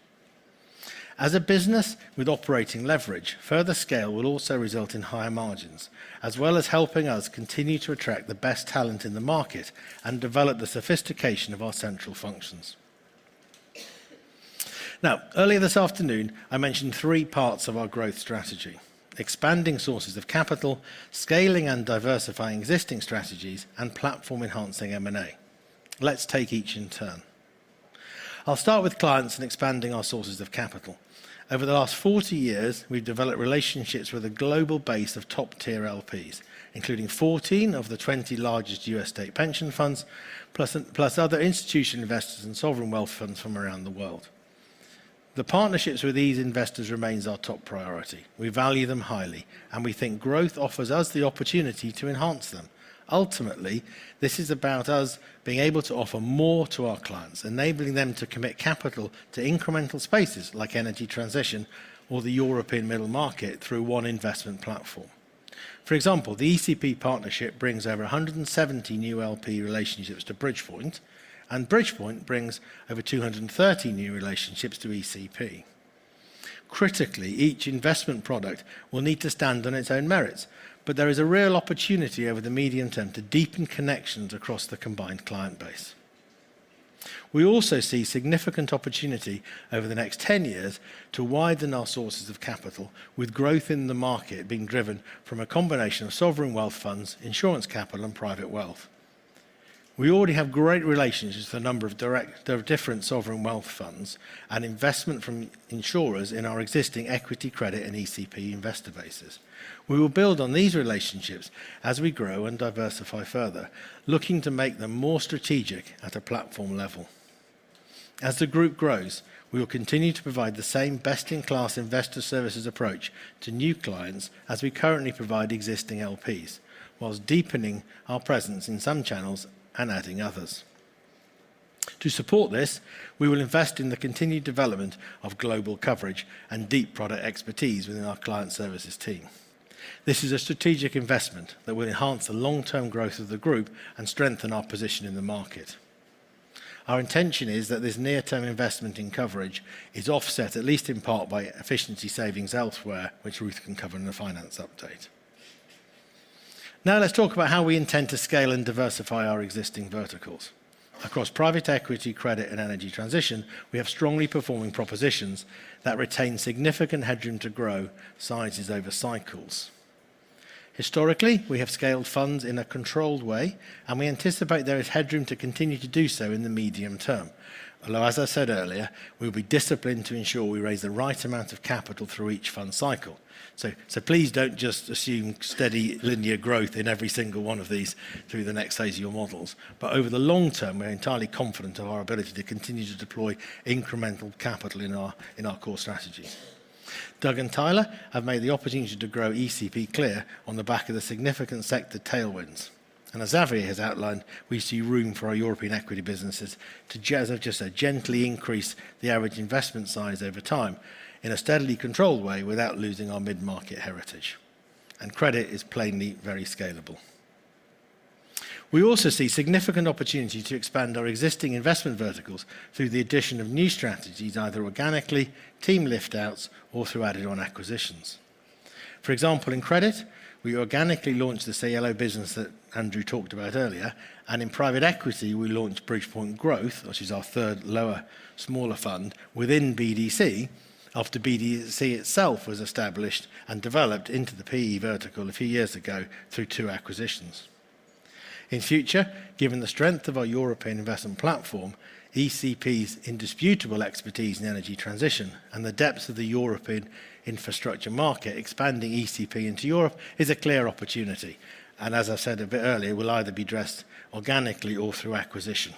As a business with operating leverage, further scale will also result in higher margins, as well as helping us continue to attract the best talent in the market and develop the sophistication of our central functions. Now, earlier this afternoon, I mentioned three parts of our growth strategy: expanding sources of capital, scaling and diversifying existing strategies, and platform-enhancing M&A. Let's take each in turn. I'll start with clients and expanding our sources of capital. Over the last forty years, we've developed relationships with a global base of top-tier LPs, including fourteen of the twenty largest U.S. state pension funds, plus other institutional investors and sovereign wealth funds from around the world. The partnerships with these investors remains our top priority. We value them highly, and we think growth offers us the opportunity to enhance them. Ultimately, this is about us being able to offer more to our clients, enabling them to commit capital to incremental spaces, like energy transition or the European middle market, through one investment platform. For example, the ECP partnership brings over one hundred and seventy new LP relationships to Bridgepoint, and Bridgepoint brings over two hundred and thirty new relationships to ECP. Critically, each investment product will need to stand on its own merits, but there is a real opportunity over the medium term to deepen connections across the combined client base. We also see significant opportunity over the next ten years to widen our sources of capital, with growth in the market being driven from a combination of sovereign wealth funds, insurance capital, and private wealth. We already have great relationships with a number of different sovereign wealth funds and investment from insurers in our existing equity, credit, and ECP investor bases. We will build on these relationships as we grow and diversify further, looking to make them more strategic at a platform level. As the group grows, we will continue to provide the same best-in-class investor services approach to new clients as we currently provide existing LPs, while deepening our presence in some channels and adding others. To support this, we will invest in the continued development of global coverage and deep product expertise within our client services team. This is a strategic investment that will enhance the long-term growth of the group and strengthen our position in the market. Our intention is that this near-term investment in coverage is offset, at least in part, by efficiency savings elsewhere, which Ruth can cover in the finance update. Now, let's talk about how we intend to scale and diversify our existing verticals. Across private equity, credit, and energy transition, we have strongly performing propositions that retain significant headroom to grow sizes over cycles. Historically, we have scaled funds in a controlled way, and we anticipate there is headroom to continue to do so in the medium term. Although, as I said earlier, we'll be disciplined to ensure we raise the right amount of capital through each fund cycle. So, please don't just assume steady linear growth in every single one of these through the next phase of your models. But over the long term, we're entirely confident of our ability to continue to deploy incremental capital in our core strategies. Doug and Tyler have made the opportunity to grow ECP clear on the back of the significant sector tailwinds. As Xavier has outlined, we see room for our European equity businesses to just gently increase the average investment size over time in a steadily controlled way without losing our mid-market heritage. Credit is plainly very scalable. We also see significant opportunity to expand our existing investment verticals through the addition of new strategies, either organically, team lift-outs, or through added-on acquisitions. For example, in credit, we organically launched the CLO business that Andrew talked about earlier, and in private equity, we launched Bridgepoint Growth, which is our third lower, smaller fund within BDC, after BDC itself was established and developed into the PE vertical a few years ago through two acquisitions. In future, given the strength of our European investment platform, ECP's indisputable expertise in energy transition, and the depths of the European infrastructure market, expanding ECP into Europe is a clear opportunity, and as I said a bit earlier, will either be addressed organically or through acquisition.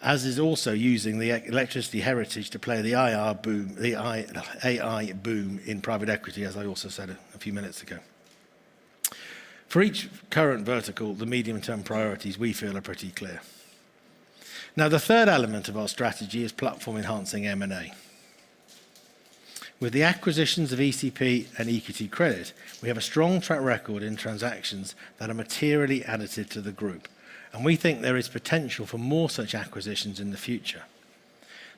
And is also using the ECP's energy heritage to play the AI boom in private equity, as I also said a few minutes ago. For each current vertical, the medium-term priorities, we feel, are pretty clear. Now, the third element of our strategy is platform-enhancing M&A. With the acquisitions of ECP and EQT Credit, we have a strong track record in transactions that are materially additive to the group, and we think there is potential for more such acquisitions in the future.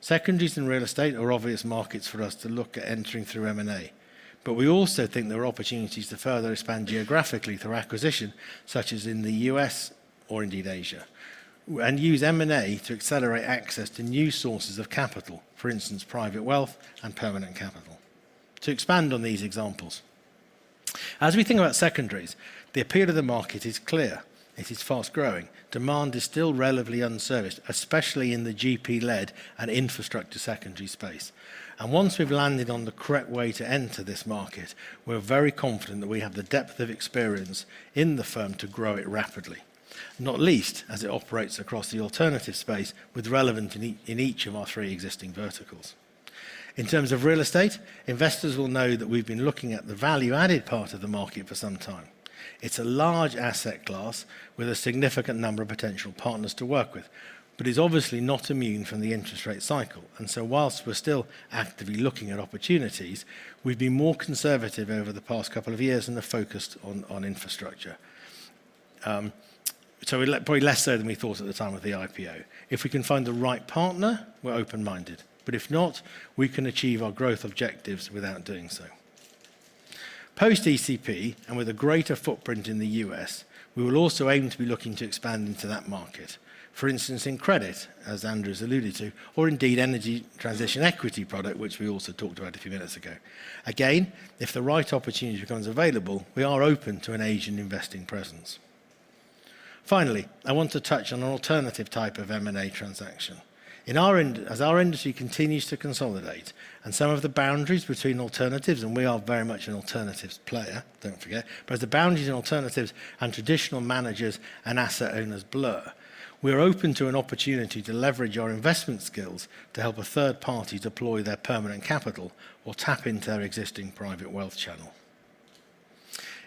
Secondaries in real estate are obvious markets for us to look at entering through M&A, but we also think there are opportunities to further expand geographically through acquisition, such as in the US or indeed Asia, and use M&A to accelerate access to new sources of capital, for instance, private wealth and permanent capital. To expand on these examples, as we think about secondaries, the appeal to the market is clear: it is fast-growing. Demand is still relatively unserviced, especially in the GP-led and infrastructure secondary space. Once we've landed on the correct way to enter this market, we're very confident that we have the depth of experience in the firm to grow it rapidly, not least as it operates across the alternative space with relevance in each of our three existing verticals. In terms of real estate, investors will know that we've been looking at the value-added part of the market for some time. It's a large asset class with a significant number of potential partners to work with, but is obviously not immune from the interest rate cycle. So while we're still actively looking at opportunities, we've been more conservative over the past couple of years and have focused on infrastructure. So we probably less so than we thought at the time of the IPO. If we can find the right partner, we're open-minded, but if not, we can achieve our growth objectives without doing so. Post-ECP, and with a greater footprint in the U.S., we will also aim to be looking to expand into that market. For instance, in credit, as Andrew's alluded to, or indeed, energy transition equity product, which we also talked about a few minutes ago. Again, if the right opportunity becomes available, we are open to an Asian investing presence. Finally, I want to touch on an alternative type of M&A transaction. In our industry as our industry continues to consolidate, and some of the boundaries between alternatives, and we are very much an alternatives player, don't forget, but as the boundaries in alternatives and traditional managers and asset owners blur, we're open to an opportunity to leverage our investment skills to help a third party deploy their permanent capital or tap into their existing private wealth channel.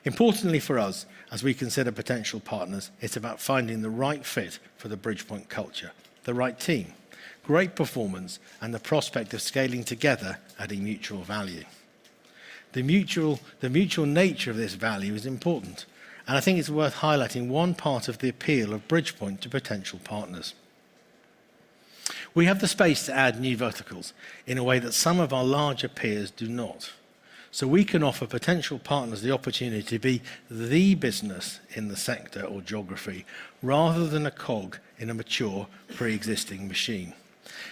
Importantly for us, as we consider potential partners, it's about finding the right fit for the Bridgepoint culture, the right team, great performance, and the prospect of scaling together, adding mutual value. The mutual nature of this value is important, and I think it's worth highlighting one part of the appeal of Bridgepoint to potential partners. We have the space to add new verticals in a way that some of our larger peers do not. So we can offer potential partners the opportunity to be the business in the sector or geography, rather than a cog in a mature, pre-existing machine.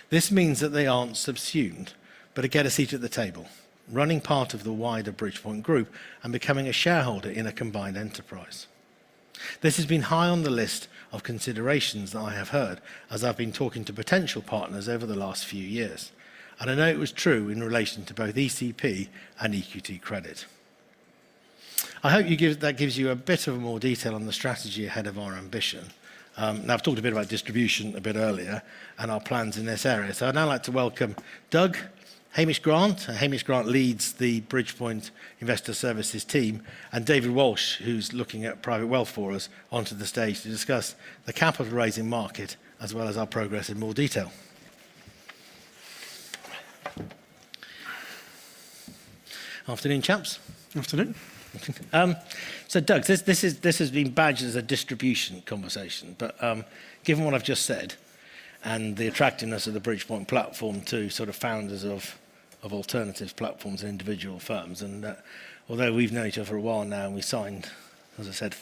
This means that they aren't subsumed, but they get a seat at the table, running part of the wider Bridgepoint Group and becoming a shareholder in a combined enterprise. This has been high on the list of considerations that I have heard as I've been talking to potential partners over the last few years, and I know it was true in relation to both ECP and EQT Credit. That gives you a bit more detail on the strategy ahead of our ambition. Now, I've talked a bit about distribution a bit earlier and our plans in this area, so I'd now like to welcome Doug, Hamish Grant, who leads the Bridgepoint Investor Services team, and David Walsh, who's looking at private wealth for us, onto the stage to discuss the capital raising market, as well as our progress in more detail. Afternoon, chaps. Afternoon. So Doug, this is, this has been badged as a distribution conversation, but, given what I've just said, and the attractiveness of the Bridgepoint platform to sort of founders of alternatives platforms and individual firms, and, although we've known each other for a while now, and we signed, as I said,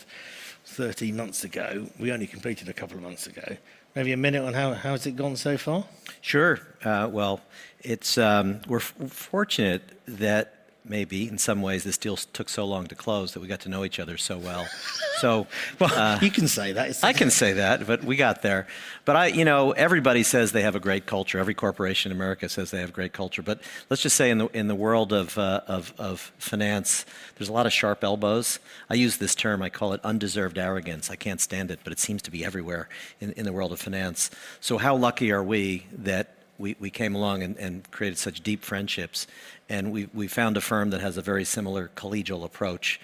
13 months ago, we only completed a couple of months ago, maybe a minute on how has it gone so far? Sure. Well, it's... We're fortunate that maybe in some ways this deal took so long to close, that we got to know each other so well. You can say that. I can say that, but we got there. But I, you know, everybody says they have a great culture. Every corporation in America says they have great culture, but let's just say in the world of finance, there's a lot of sharp elbows. I use this term, I call it undeserved arrogance. I can't stand it, but it seems to be everywhere in the world of finance. So how lucky are we that we came along and created such deep friendships, and we found a firm that has a very similar collegial approach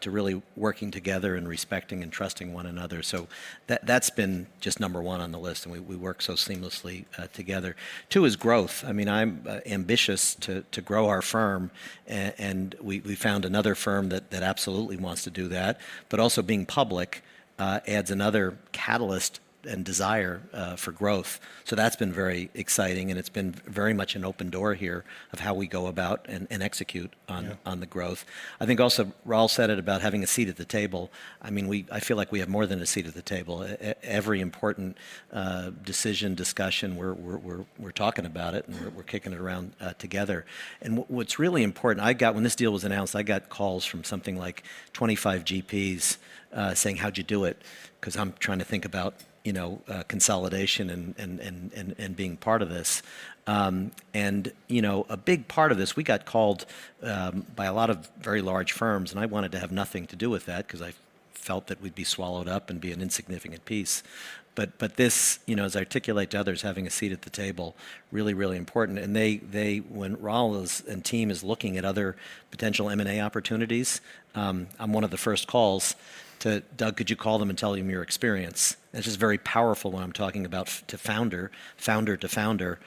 to really working together and respecting and trusting one another? So that's been just number one on the list, and we work so seamlessly together. Two is growth. I mean, I'm ambitious to grow our firm, and we found another firm that absolutely wants to do that. But also being public adds another catalyst and desire for growth. So that's been very exciting, and it's been very much an open door here of how we go about and execute on- Yeah... on the growth. I think also Raoul said it about having a seat at the table. I mean, I feel like we have more than a seat at the table. At every important decision, discussion, we're talking about it, and we're kicking it around together. And what's really important, when this deal was announced, I got calls from something like 25 GPs, saying: "How'd you do it? 'Cause I'm trying to think about, you know, consolidation and being part of this." And, you know, a big part of this, we got called by a lot of very large firms, and I wanted to have nothing to do with that 'cause I felt that we'd be swallowed up and be an insignificant piece. But this, you know, as I articulate to others, having a seat at the table, really, really important. And they, when Raoul and his team is looking at other potential M&A opportunities, I'm one of the first calls to, "Doug, could you call them and tell them your experience?" It's just very powerful when I'm talking about founder to founder,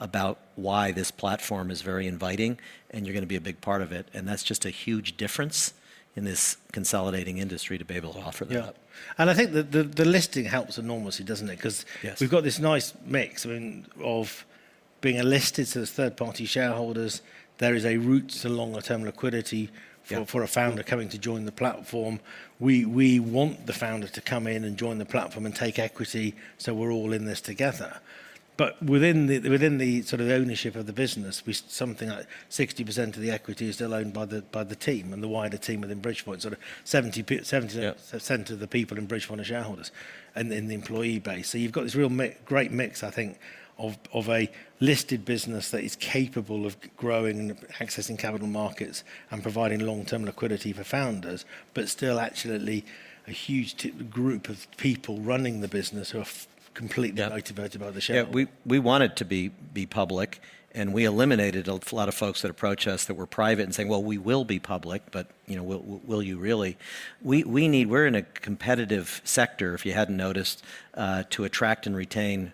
about why this platform is very inviting, and you're gonna be a big part of it, and that's just a huge difference in this consolidating industry, to be able to offer that. Yeah. And I think the listing helps enormously, doesn't it? Yes. 'Cause we've got this nice mix, I mean, of being listed, so there's third-party shareholders. There is a route to longer-term liquidity- Yeah ... for a founder coming to join the platform. We want the founder to come in and join the platform and take equity, so we're all in this together. But within the sort of ownership of the business, something like 60% of the equity is still owned by the team and the wider team within Bridgepoint, sort of 70 p- Yeah... 70% of the people in Bridgepoint are shareholders and in the employee base. So you've got this real great mix, I think, of a listed business that is capable of growing, accessing capital markets, and providing long-term liquidity for founders, but still actually a huge group of people running the business who are completely motivated by the share. Yeah, we want it to be public, and we eliminated a lot of folks that approached us that were private and saying, "Well, we will be public," but, you know, will you really? We need... We're in a competitive sector, if you hadn't noticed, to attract and retain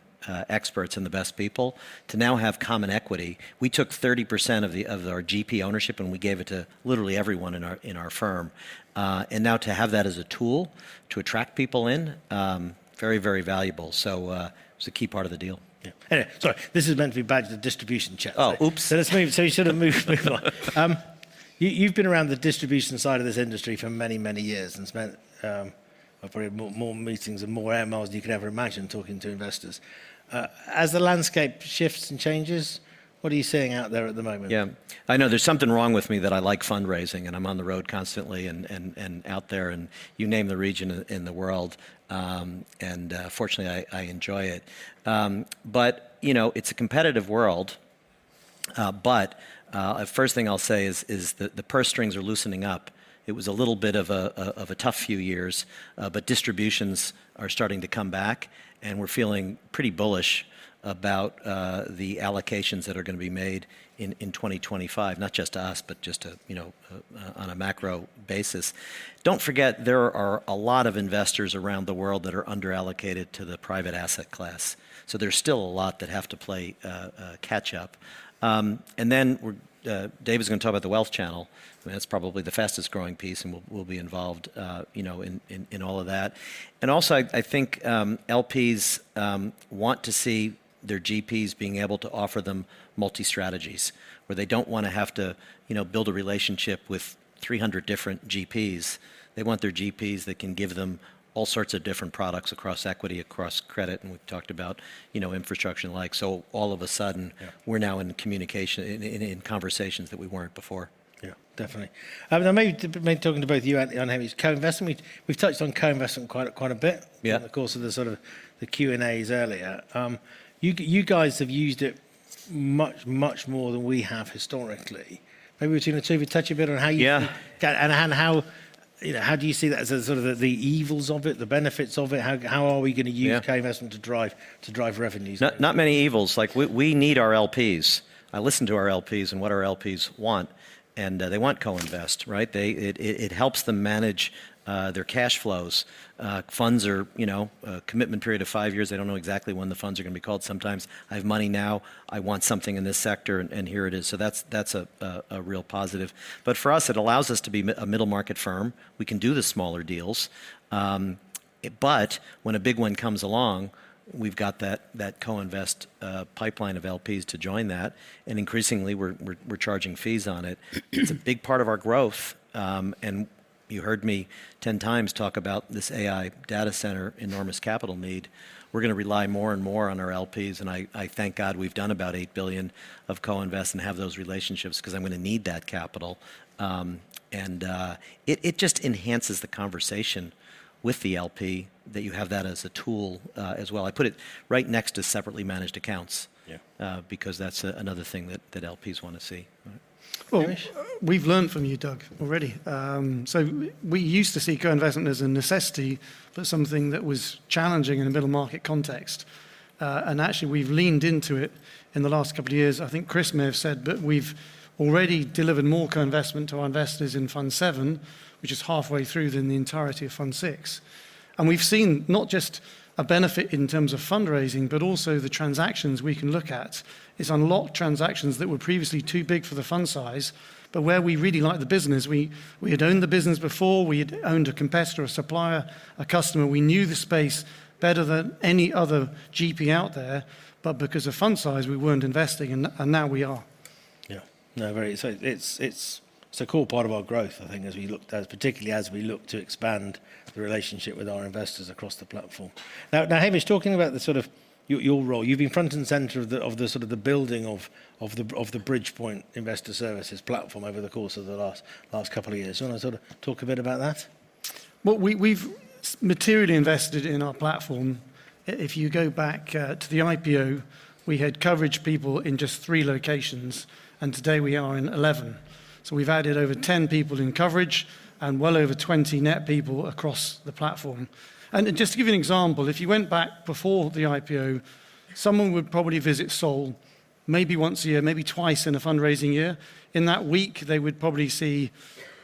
experts and the best people, to now have common equity. We took 30% of our GP ownership, and we gave it to literally everyone in our firm. And now to have that as a tool to attract people in, very, very valuable. So, it was a key part of the deal. Yeah. Anyway, sorry, this is meant to be back to the distribution chat. Oh, oops. So we should have moved on. You've been around the distribution side of this industry for many, many years and spent probably more meetings and more air miles than you could ever imagine talking to investors. As the landscape shifts and changes, what are you seeing out there at the moment? Yeah. I know there's something wrong with me that I like fundraising, and I'm on the road constantly, and out there, and you name the region in the world. Fortunately, I enjoy it. But you know, it's a competitive world. First thing I'll say is that the purse strings are loosening up. It was a little bit of a tough few years, but distributions are starting to come back, and we're feeling pretty bullish about the allocations that are gonna be made in 2025, not just to us, but just to you know, on a macro basis. Don't forget, there are a lot of investors around the world that are under-allocated to the private asset class, so there's still a lot that have to play catch up. And then we're... Dave is gonna talk about the wealth channel, and that's probably the fastest-growing piece, and we'll be involved, you know, in all of that. And also, I think LPs want to see their GPs being able to offer them multi-strategies, where they don't wanna have to, you know, build a relationship with 300 different GPs. They want their GPs that can give them all sorts of different products across equity, across credit, and we've talked about, you know, infrastructure and the like. So all of a sudden- Yeah... we're now in communication, in conversations that we weren't before. Yeah, definitely. Now, maybe talking to both you and Hamish, co-investment, we've touched on co-investment quite a bit- Yeah... in the course of the sort of the Q and As earlier. You guys have used it much, much more than we have historically. Maybe between the two of you touch a bit on how you- Yeah... and how, you know, how do you see that as a sort of the evils of it, the benefits of it? How are we gonna use- Yeah... co-investment to drive revenues? Not many evils. Like, we need our LPs. I listen to our LPs and what our LPs want, and they want co-invest, right? It helps them manage their cash flows. Funds are, you know, a commitment period of five years. They don't know exactly when the funds are gonna be called. Sometimes, "I have money now. I want something in this sector, and here it is." So that's a real positive. But for us, it allows us to be a middle-market firm. We can do the smaller deals, but when a big one comes along, we've got that co-invest pipeline of LPs to join that, and increasingly, we're charging fees on it. It's a big part of our growth, and you heard me 10 times talk about this AI data center, enormous capital need. We're gonna rely more and more on our LPs, and I thank God we've done about £8 billion of co-invest and have those relationships 'cause I'm gonna need that capital. It just enhances the conversation with the LP that you have that as a tool, as well. I put it right next to separately managed accounts- Yeah... because that's another thing that LPs want to see. Right. Well- Hamish. We've learned from you, Doug, already. So we used to see co-investment as a necessity for something that was challenging in the middle-market context, and actually, we've leaned into it in the last couple of years. I think Chris may have said, but we've already delivered more co-investment to our investors in Fund VII, which is halfway through than the entirety of Fund VI. We've seen not just a benefit in terms of fundraising but also the transactions we can look at. It's unlocked transactions that were previously too big for the fund size, but where we really like the business, we had owned the business before, we had owned a competitor, a supplier, a customer. We knew the space better than any other GP out there, but because of fund size, we weren't investing, and now we are. Yeah. No. Very. So it's a core part of our growth, I think, as we look to particularly expand the relationship with our investors across the platform. Now, Hamish, talking about your role, you've been front and center of the Bridgepoint Investor Services platform over the course of the last couple of years. You wanna sort of talk a bit about that? Well, we've materially invested in our platform. If you go back to the IPO, we had coverage people in just three locations, and today we are in 11. So we've added over 10 people in coverage and well over 20 net people across the platform. And just to give you an example, if you went back before the IPO, someone would probably visit Seoul maybe once a year, maybe twice in a fundraising year. In that week, they would probably see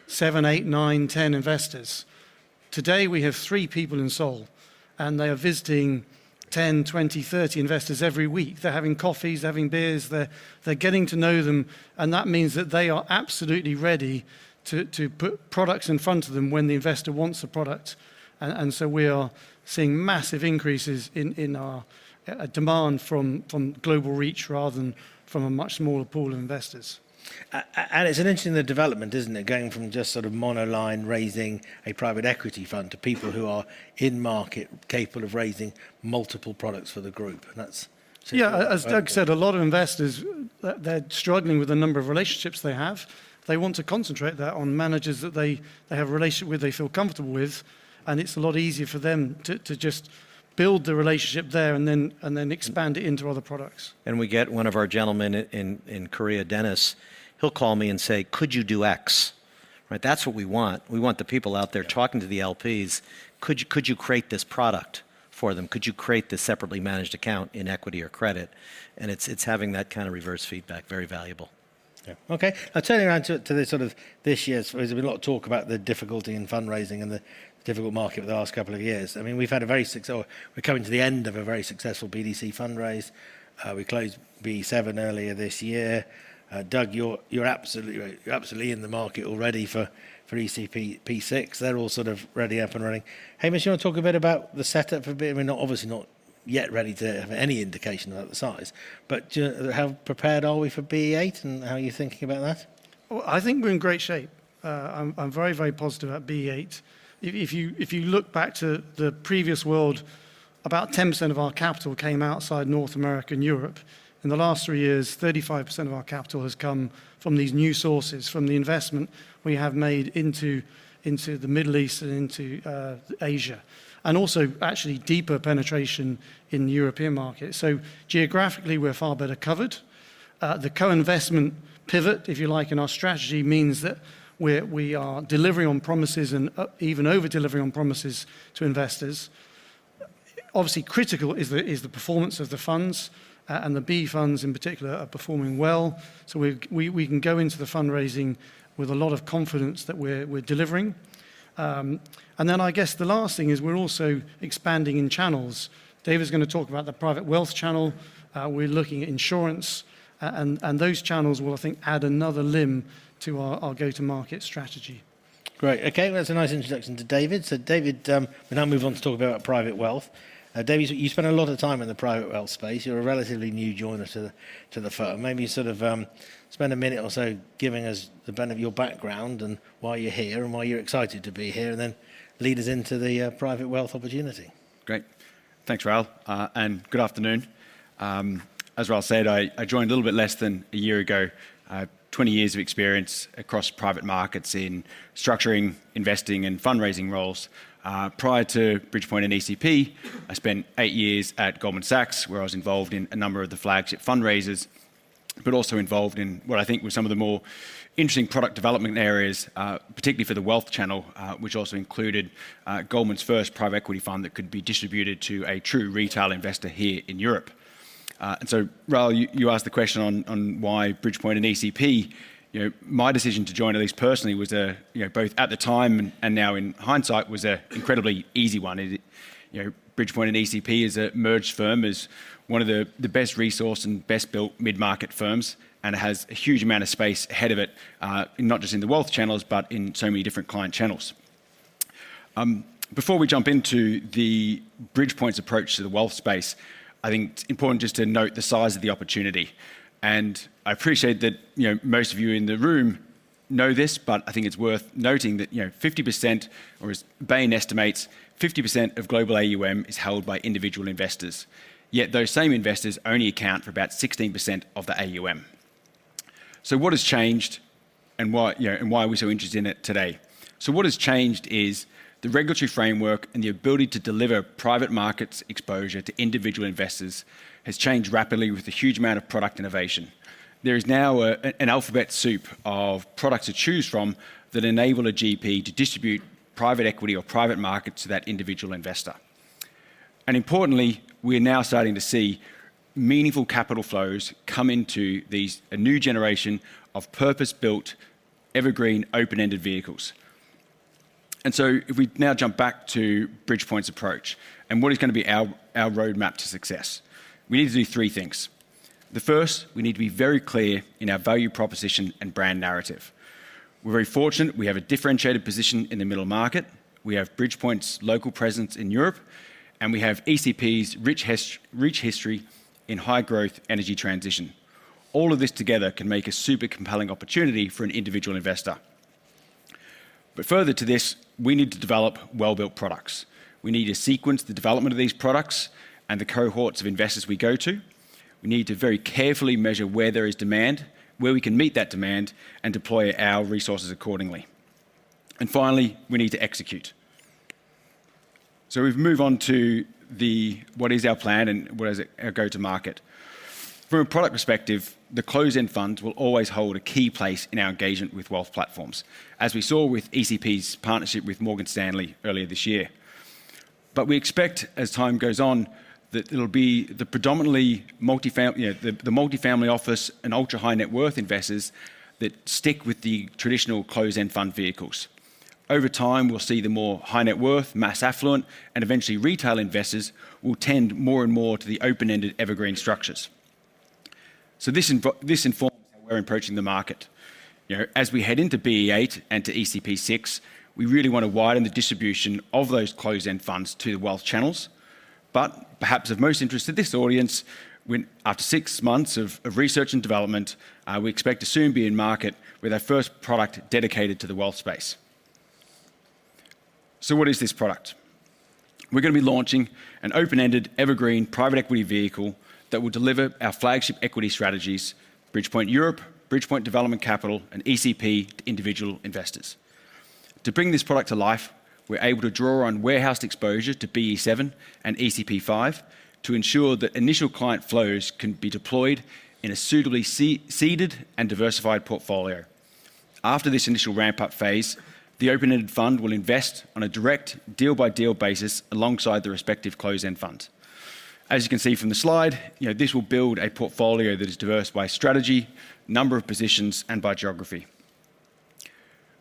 seven, eight, nine, ten investors. Today, we have three people in Seoul, and they are visiting 10, 20, 30 investors every week. They're having coffees, they're having beers. They're getting to know them, and that means that they are absolutely ready to put products in front of them when the investor wants a product. So we are seeing massive increases in our demand from global reach rather than from a much smaller pool of investors. And it's an interesting development, isn't it? Going from just sort of monoline, raising a private equity fund, to people who are in-market, capable of raising multiple products for the group, and that's... Yeah, as Doug said, a lot of investors, they're struggling with the number of relationships they have. They want to concentrate that on managers that they have a relationship with, they feel comfortable with, and it's a lot easier for them to just build the relationship there and then expand it into other products. And we get one of our gentlemen in Korea, Dennis. He'll call me and say, "Could you do X?" Right, that's what we want. We want the people out there talking to the LPs. Could you create this product for them? Could you create this separately managed account in equity or credit? And it's having that kind of reverse feedback, very valuable. Yeah. Okay, now turning to the sort of this year's, there's been a lot of talk about the difficulty in fundraising and the difficult market over the last couple of years. I mean, we've had a very so we're coming to the end of a very successful BDC fundraise. We closed B VII earlier this year. Doug, you're absolutely in the market already for ECP VI. They're all sort of ready, up and running. Hamish, you want to talk a bit about the setup for B. We're not obviously not yet ready to have any indication about the size, but just how prepared are we for BE VIII, and how are you thinking about that? I think we're in great shape. I'm very, very positive about BE VIII. If you look back to the previous world, about 10% of our capital came outside North America and Europe. In the last three years, 35% of our capital has come from these new sources, from the investment we have made into the Middle East and into Asia, and also actually deeper penetration in the European market. Geographically, we're far better covered. The co-investment pivot, if you like, in our strategy, means that we are delivering on promises and even over-delivering on promises to investors. Obviously, critical is the performance of the funds, and the B funds in particular are performing well. We can go into the fundraising with a lot of confidence that we're delivering. And then I guess the last thing is we're also expanding in channels. David's gonna talk about the private wealth channel. We're looking at insurance, and those channels will, I think, add another limb to our go-to-market strategy. Great. Okay, well, that's a nice introduction to David. So, David, we'll now move on to talk about private wealth. David, you spend a lot of time in the private wealth space. You're a relatively new joiner to the firm. Maybe sort of spend a minute or so giving us the bit of your background and why you're here and why you're excited to be here, and then lead us into the private wealth opportunity. Great. Thanks, Raoul, and good afternoon. As Raoul said, I joined a little bit less than a year ago. I have twenty years of experience across private markets in structuring, investing, and fundraising roles. Prior to Bridgepoint and ECP, I spent eight years at Goldman Sachs, where I was involved in a number of the flagship fundraisers, but also involved in what I think were some of the more interesting product development areas, particularly for the wealth channel, which also included Goldman's first private equity fund that could be distributed to a true retail investor here in Europe. And so Raoul, you asked the question on why Bridgepoint and ECP. You know, my decision to join, at least personally, was, you know, both at the time and now in hindsight, was an incredibly easy one. And, you know, Bridgepoint and ECP as a merged firm is one of the best-resourced and best-built mid-market firms, and it has a huge amount of space ahead of it, not just in the wealth channels, but in so many different client channels. Before we jump into Bridgepoint's approach to the wealth space, I think it's important just to note the size of the opportunity, and I appreciate that, you know, most of you in the room know this, but I think it's worth noting that, you know, 50%, or as Bain estimates, 50% of global AUM is held by individual investors, yet those same investors only account for about 16% of the AUM. So what has changed, and why, you know, and why are we so interested in it today? So what has changed is the regulatory framework and the ability to deliver private markets exposure to individual investors has changed rapidly with a huge amount of product innovation. There is now an alphabet soup of products to choose from that enable a GP to distribute private equity or private market to that individual investor. And importantly, we're now starting to see meaningful capital flows come into these a new generation of purpose-built, evergreen, open-ended vehicles. And so if we now jump back to Bridgepoint's approach and what is gonna be our roadmap to success, we need to do three things. The first, we need to be very clear in our value proposition and brand narrative. We're very fortunate, we have a differentiated position in the middle market, we have Bridgepoint's local presence in Europe, and we have ECP's rich history in high-growth energy transition. All of this together can make a super compelling opportunity for an individual investor. But further to this, we need to develop well-built products. We need to sequence the development of these products and the cohorts of investors we go to. We need to very carefully measure where there is demand, where we can meet that demand, and deploy our resources accordingly. And finally, we need to execute. So we've moved on to the... what is our plan and what is our go-to-market. From a product perspective, the closed-end funds will always hold a key place in our engagement with wealth platforms, as we saw with ECP's partnership with Morgan Stanley earlier this year. But we expect, as time goes on, that it'll be the predominantly multifamily, you know, the multifamily office and ultra-high-net-worth investors that stick with the traditional closed-end fund vehicles. Over time, we'll see the more high-net-worth, mass affluent, and eventually, retail investors will tend more and more to the open-ended evergreen structures. So this informs how we're approaching the market. You know, as we head into BE VIII and to ECP VI, we really want to widen the distribution of those closed-end funds to the wealth channels. But perhaps of most interest to this audience, after six months of research and development, we expect to soon be in market with our first product dedicated to the wealth space. So what is this product? We're gonna be launching an open-ended, evergreen private equity vehicle that will deliver our flagship equity strategies, Bridgepoint Europe, Bridgepoint Development Capital, and ECP to individual investors. To bring this product to life, we're able to draw on warehoused exposure to BE VII and ECP V to ensure that initial client flows can be deployed in a suitably seeded and diversified portfolio. After this initial ramp-up phase, the open-ended fund will invest on a direct deal-by-deal basis alongside the respective closed-end fund. As you can see from the slide, you know, this will build a portfolio that is diverse by strategy, number of positions, and by geography.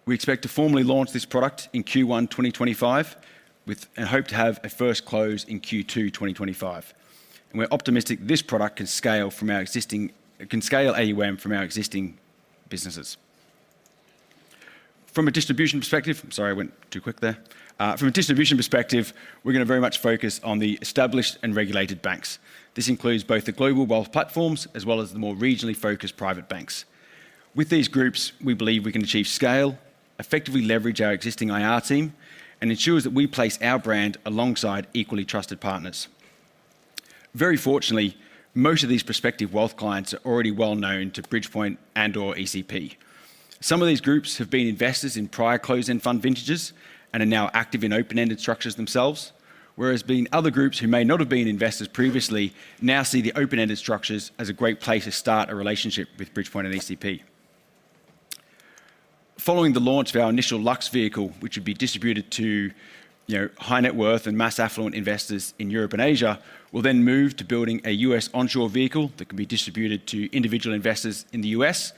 We expect to formally launch this product in Q1 2025, with and hope to have a first close in Q2 2025, and we're optimistic this product can scale AUM from our existing businesses. From a distribution perspective... Sorry, I went too quick there. From a distribution perspective, we're gonna very much focus on the established and regulated banks. This includes both the global wealth platforms, as well as the more regionally focused private banks. With these groups, we believe we can achieve scale, effectively leverage our existing IR team, and ensures that we place our brand alongside equally trusted partners. Very fortunately, most of these prospective wealth clients are already well known to Bridgepoint and/or ECP. Some of these groups have been investors in prior closed-end fund vintages and are now active in open-ended structures themselves, whereas being other groups who may not have been investors previously, now see the open-ended structures as a great place to start a relationship with Bridgepoint and ECP. Following the launch of our initial Lux vehicle, which would be distributed to, you know, high-net-worth and mass affluent investors in Europe and Asia, we'll then move to building a U.S. onshore vehicle that can be distributed to individual investors in the U.S.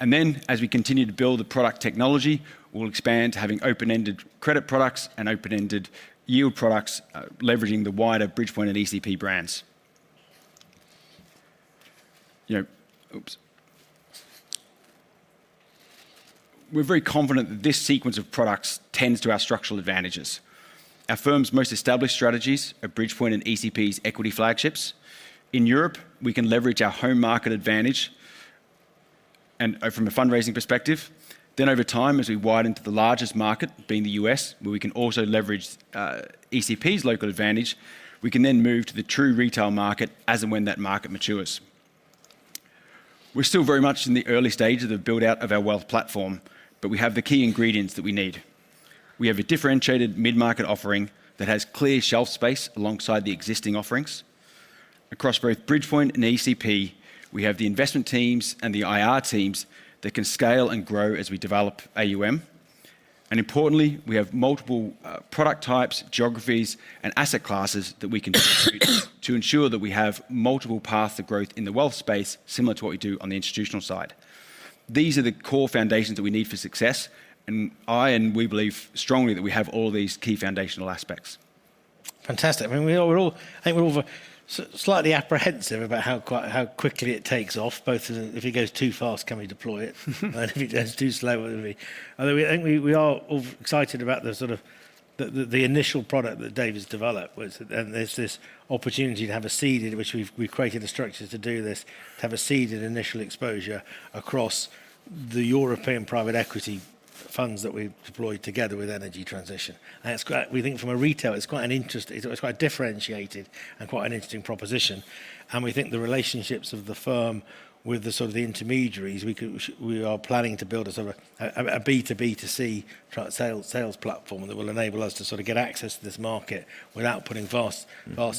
And then, as we continue to build the product technology, we'll expand to having open-ended credit products and open-ended yield products, leveraging the wider Bridgepoint and ECP brands. You know... Oops. We're very confident that this sequence of products tends to our structural advantages. Our firm's most established strategies are Bridgepoint and ECP's equity flagships. In Europe, we can leverage our home market advantage, and, from a fundraising perspective, then over time, as we widen to the largest market, being the U.S., where we can also leverage, ECP's local advantage, we can then move to the true retail market as and when that market matures. We're still very much in the early stages of the build-out of our wealth platform, but we have the key ingredients that we need. We have a differentiated mid-market offering that has clear shelf space alongside the existing offerings. Across both Bridgepoint and ECP, we have the investment teams and the IR teams that can scale and grow as we develop AUM. And importantly, we have multiple product types, geographies, and asset classes that we can contribute to ensure that we have multiple paths to growth in the wealth space, similar to what we do on the institutional side. These are the core foundations that we need for success, and we believe strongly that we have all these key foundational aspects. Fantastic. I mean, we are all... I think we're all very slightly apprehensive about how quickly it takes off, both if it goes too fast, can we deploy it? And if it goes too slow, what will we... Although we, I think we are all excited about the sort of the initial product that Dave has developed, and there's this opportunity to have a seed in which we've created the structures to do this, to have a seed and initial exposure across the European private equity funds that we've deployed together with energy transition. And it's great. We think from a regulator, it's quite an interest... It's quite differentiated and quite an interesting proposition, and we think the relationships of the firm with the sort of the intermediaries. We could, we are planning to build a sort of a, a B2B2C sales platform that will enable us to sort of get access to this market without putting vast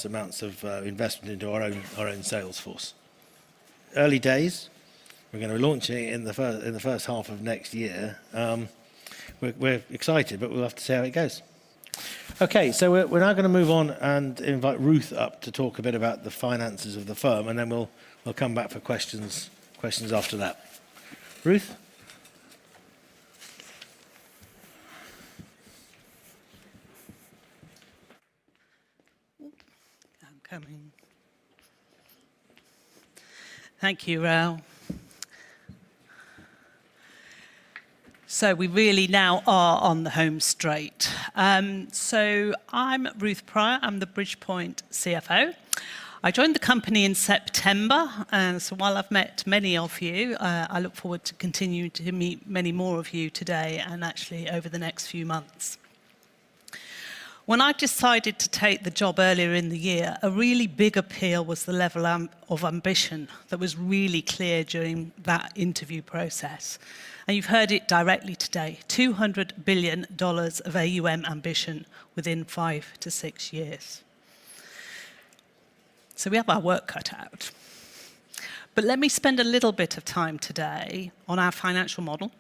amounts of investment into our own sales force. Early days, we're gonna be launching it in the first half of next year. We're excited, but we'll have to see how it goes. Okay, so we're now gonna move on and invite Ruth up to talk a bit about the finances of the firm, and then we'll come back for questions after that. Ruth? I'm coming. Thank you, Raoul. So we really now are on the home straight, so I'm Ruth Prior. I'm the Bridgepoint CFO. I joined the company in September, and so while I've met many of you, I look forward to continuing to meet many more of you today and actually over the next few months. When I decided to take the job earlier in the year, a really big appeal was the level of ambition that was really clear during that interview process, and you've heard it directly today, $200 billion of AUM ambition within five to six years, so we have our work cut out. But let me spend a little bit of time today on our financial model,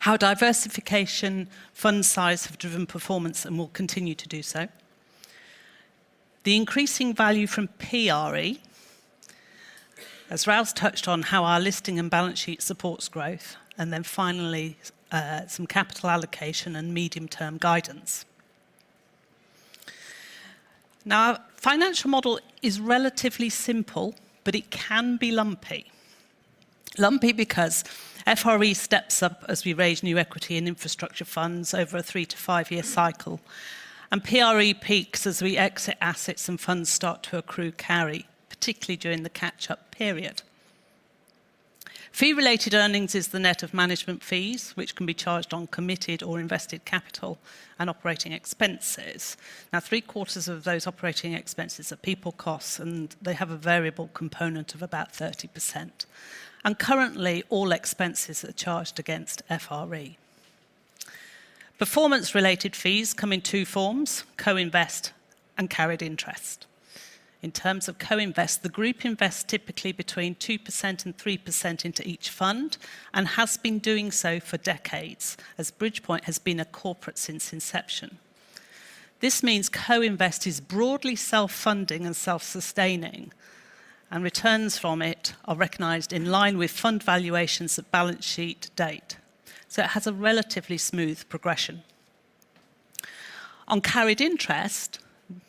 how diversification, fund size have driven performance and will continue to do so, the increasing value from PRE, as Raoul's touched on, how our listing and balance sheet supports growth, and then finally, some capital allocation and medium-term guidance. Now, financial model is relatively simple, but it can be lumpy. Lumpy because FRE steps up as we raise new equity in infrastructure funds over a three to five-year cycle, and PRE peaks as we exit assets and funds start to accrue carry, particularly during the catch-up period. Fee-related earnings is the net of management fees, which can be charged on committed or invested capital and operating expenses. Now, three-quarters of those operating expenses are people costs, and they have a variable component of about 30%, and currently, all expenses are charged against FRE. Performance-related fees come in two forms: co-invest and carried interest. In terms of co-invest, the group invests typically between 2% and 3% into each fund, and has been doing so for decades, as Bridgepoint has been a corporate since inception. This means co-invest is broadly self-funding and self-sustaining, and returns from it are recognized in line with fund valuations at balance sheet date. So it has a relatively smooth progression. On carried interest,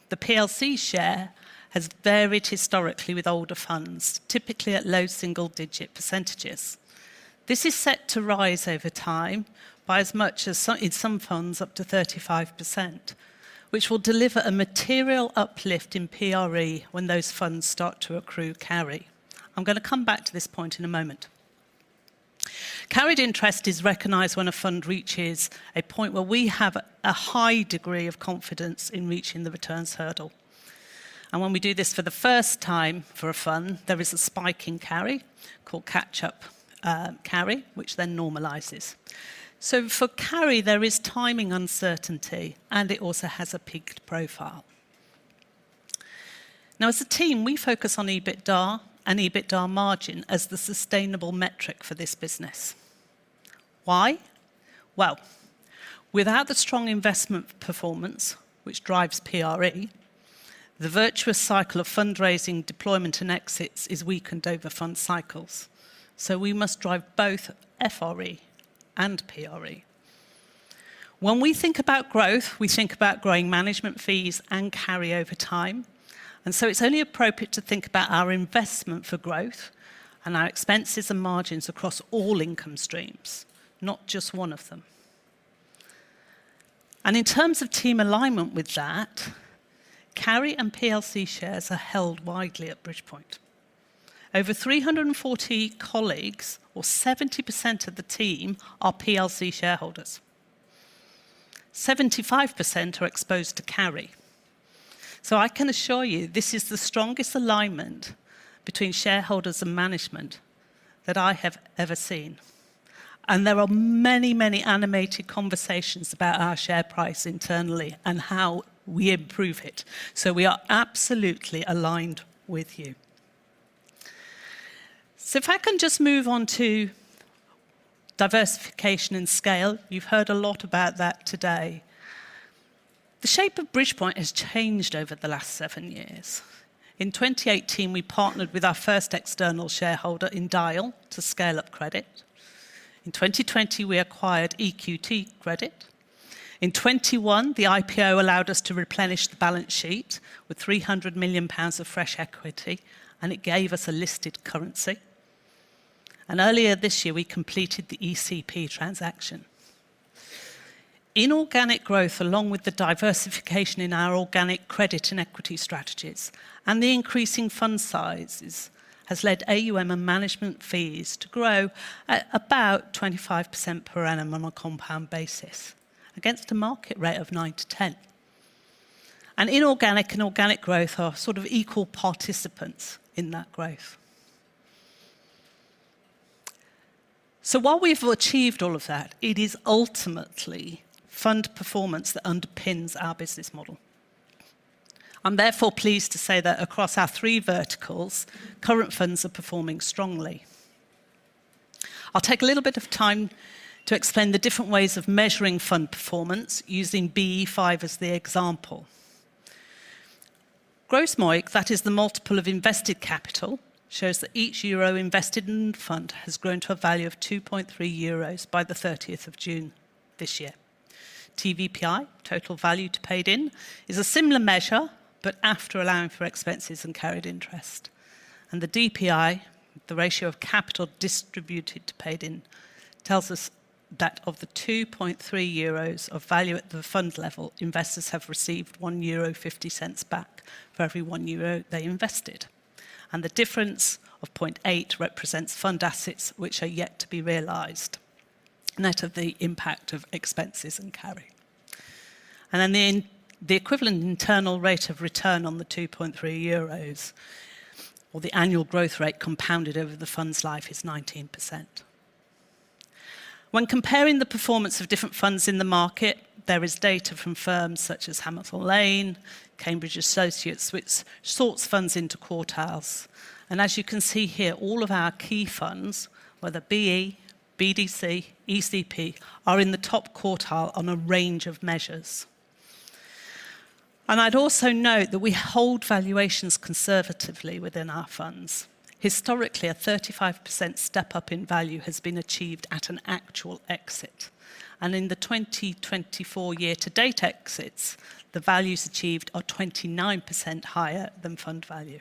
the PLC share has varied historically with older funds, typically at low single-digit percentages. This is set to rise over time by as much as in some funds, up to 35%, which will deliver a material uplift in PRE when those funds start to accrue carry. I'm gonna come back to this point in a moment. Carried interest is recognized when a fund reaches a point where we have a high degree of confidence in reaching the returns hurdle. And when we do this for the first time for a fund, there is a spike in carry, called catch-up carry, which then normalizes. So for carry, there is timing uncertainty, and it also has a peaked profile. Now, as a team, we focus on EBITDA and EBITDA margin as the sustainable metric for this business. Why? Well, without the strong investment performance, which drives PRE, the virtuous cycle of fundraising, deployment, and exits is weakened over fund cycles, so we must drive both FRE and PRE. When we think about growth, we think about growing management fees and carry over time, and so it's only appropriate to think about our investment for growth and our expenses and margins across all income streams, not just one of them. And in terms of team alignment with that, carry and PLC shares are held widely at Bridgepoint. Over 340 colleagues, or 70% of the team, are PLC shareholders. 75% are exposed to carry. So I can assure you, this is the strongest alignment between shareholders and management that I have ever seen, and there are many, many animated conversations about our share price internally and how we improve it. So we are absolutely aligned with you. So if I can just move on to diversification and scale, you've heard a lot about that today. The shape of Bridgepoint has changed over the last seven years. In 2018, we partnered with our first external shareholder in Dyal to scale up credit. In 2020, we acquired EQT Credit. In 2021, the IPO allowed us to replenish the balance sheet with 300 million pounds of fresh equity, and it gave us a listed currency. Earlier this year, we completed the ECP transaction. Inorganic growth, along with the diversification in our organic credit and equity strategies and the increasing fund sizes, has led AUM and management fees to grow at about 25% per annum on a compound basis, against a market rate of 9-10%. Inorganic and organic growth are sort of equal participants in that growth. So while we've achieved all of that, it is ultimately fund performance that underpins our business model. I'm therefore pleased to say that across our three verticals, current funds are performing strongly. I'll take a little bit of time to explain the different ways of measuring fund performance, using BE V as the example. Gross MOIC, that is the multiple of invested capital, shows that each EUR 1 invested in the fund has grown to a value of 2.3 euros by the thirtieth of June this year. TVPI, total value to paid in, is a similar measure, but after allowing for expenses and carried interest, and the DPI, the ratio of capital distributed to paid in, tells us that of the 2.3 euros of value at the fund level, investors have received 1.50 euro back for every 1 euro they invested. And the difference of 0.8 represents fund assets which are yet to be realized, net of the impact of expenses and carry. And then the equivalent internal rate of return on the 2.3 euros, or the annual growth rate compounded over the fund's life, is 19%. When comparing the performance of different funds in the market, there is data from firms such as Hamilton Lane, Cambridge Associates, which sorts funds into quartiles. And as you can see here, all of our key funds, whether BE, BDC, ECP, are in the top quartile on a range of measures. And I'd also note that we hold valuations conservatively within our funds. Historically, a 35% step-up in value has been achieved at an actual exit, and in the 2024 year-to-date exits, the values achieved are 29% higher than fund value.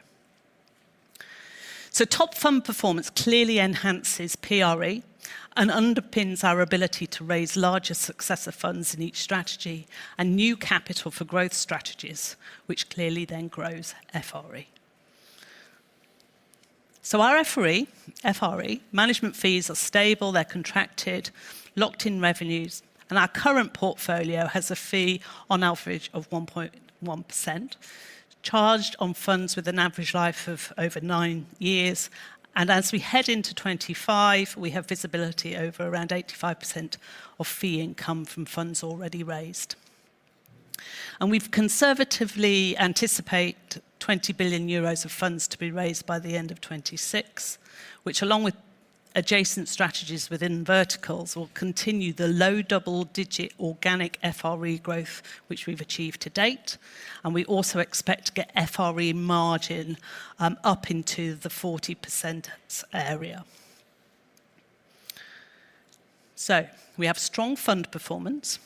Top fund performance clearly enhances PRE and underpins our ability to raise larger successor funds in each strategy and new capital for growth strategies, which clearly then grows FRE. Our FRE, FRE management fees are stable, they're contracted, locked-in revenues, and our current portfolio has a fee on average of 1.1%, charged on funds with an average life of over nine years. As we head into 2025, we have visibility over around 85% of fee income from funds already raised, and we've conservatively anticipate 20 billion euros of funds to be raised by the end of 2026, which, along with adjacent strategies within verticals, will continue the low double-digit organic FRE growth which we've achieved to date. We also expect to get FRE margin up into the 40% area. So we have strong fund performance,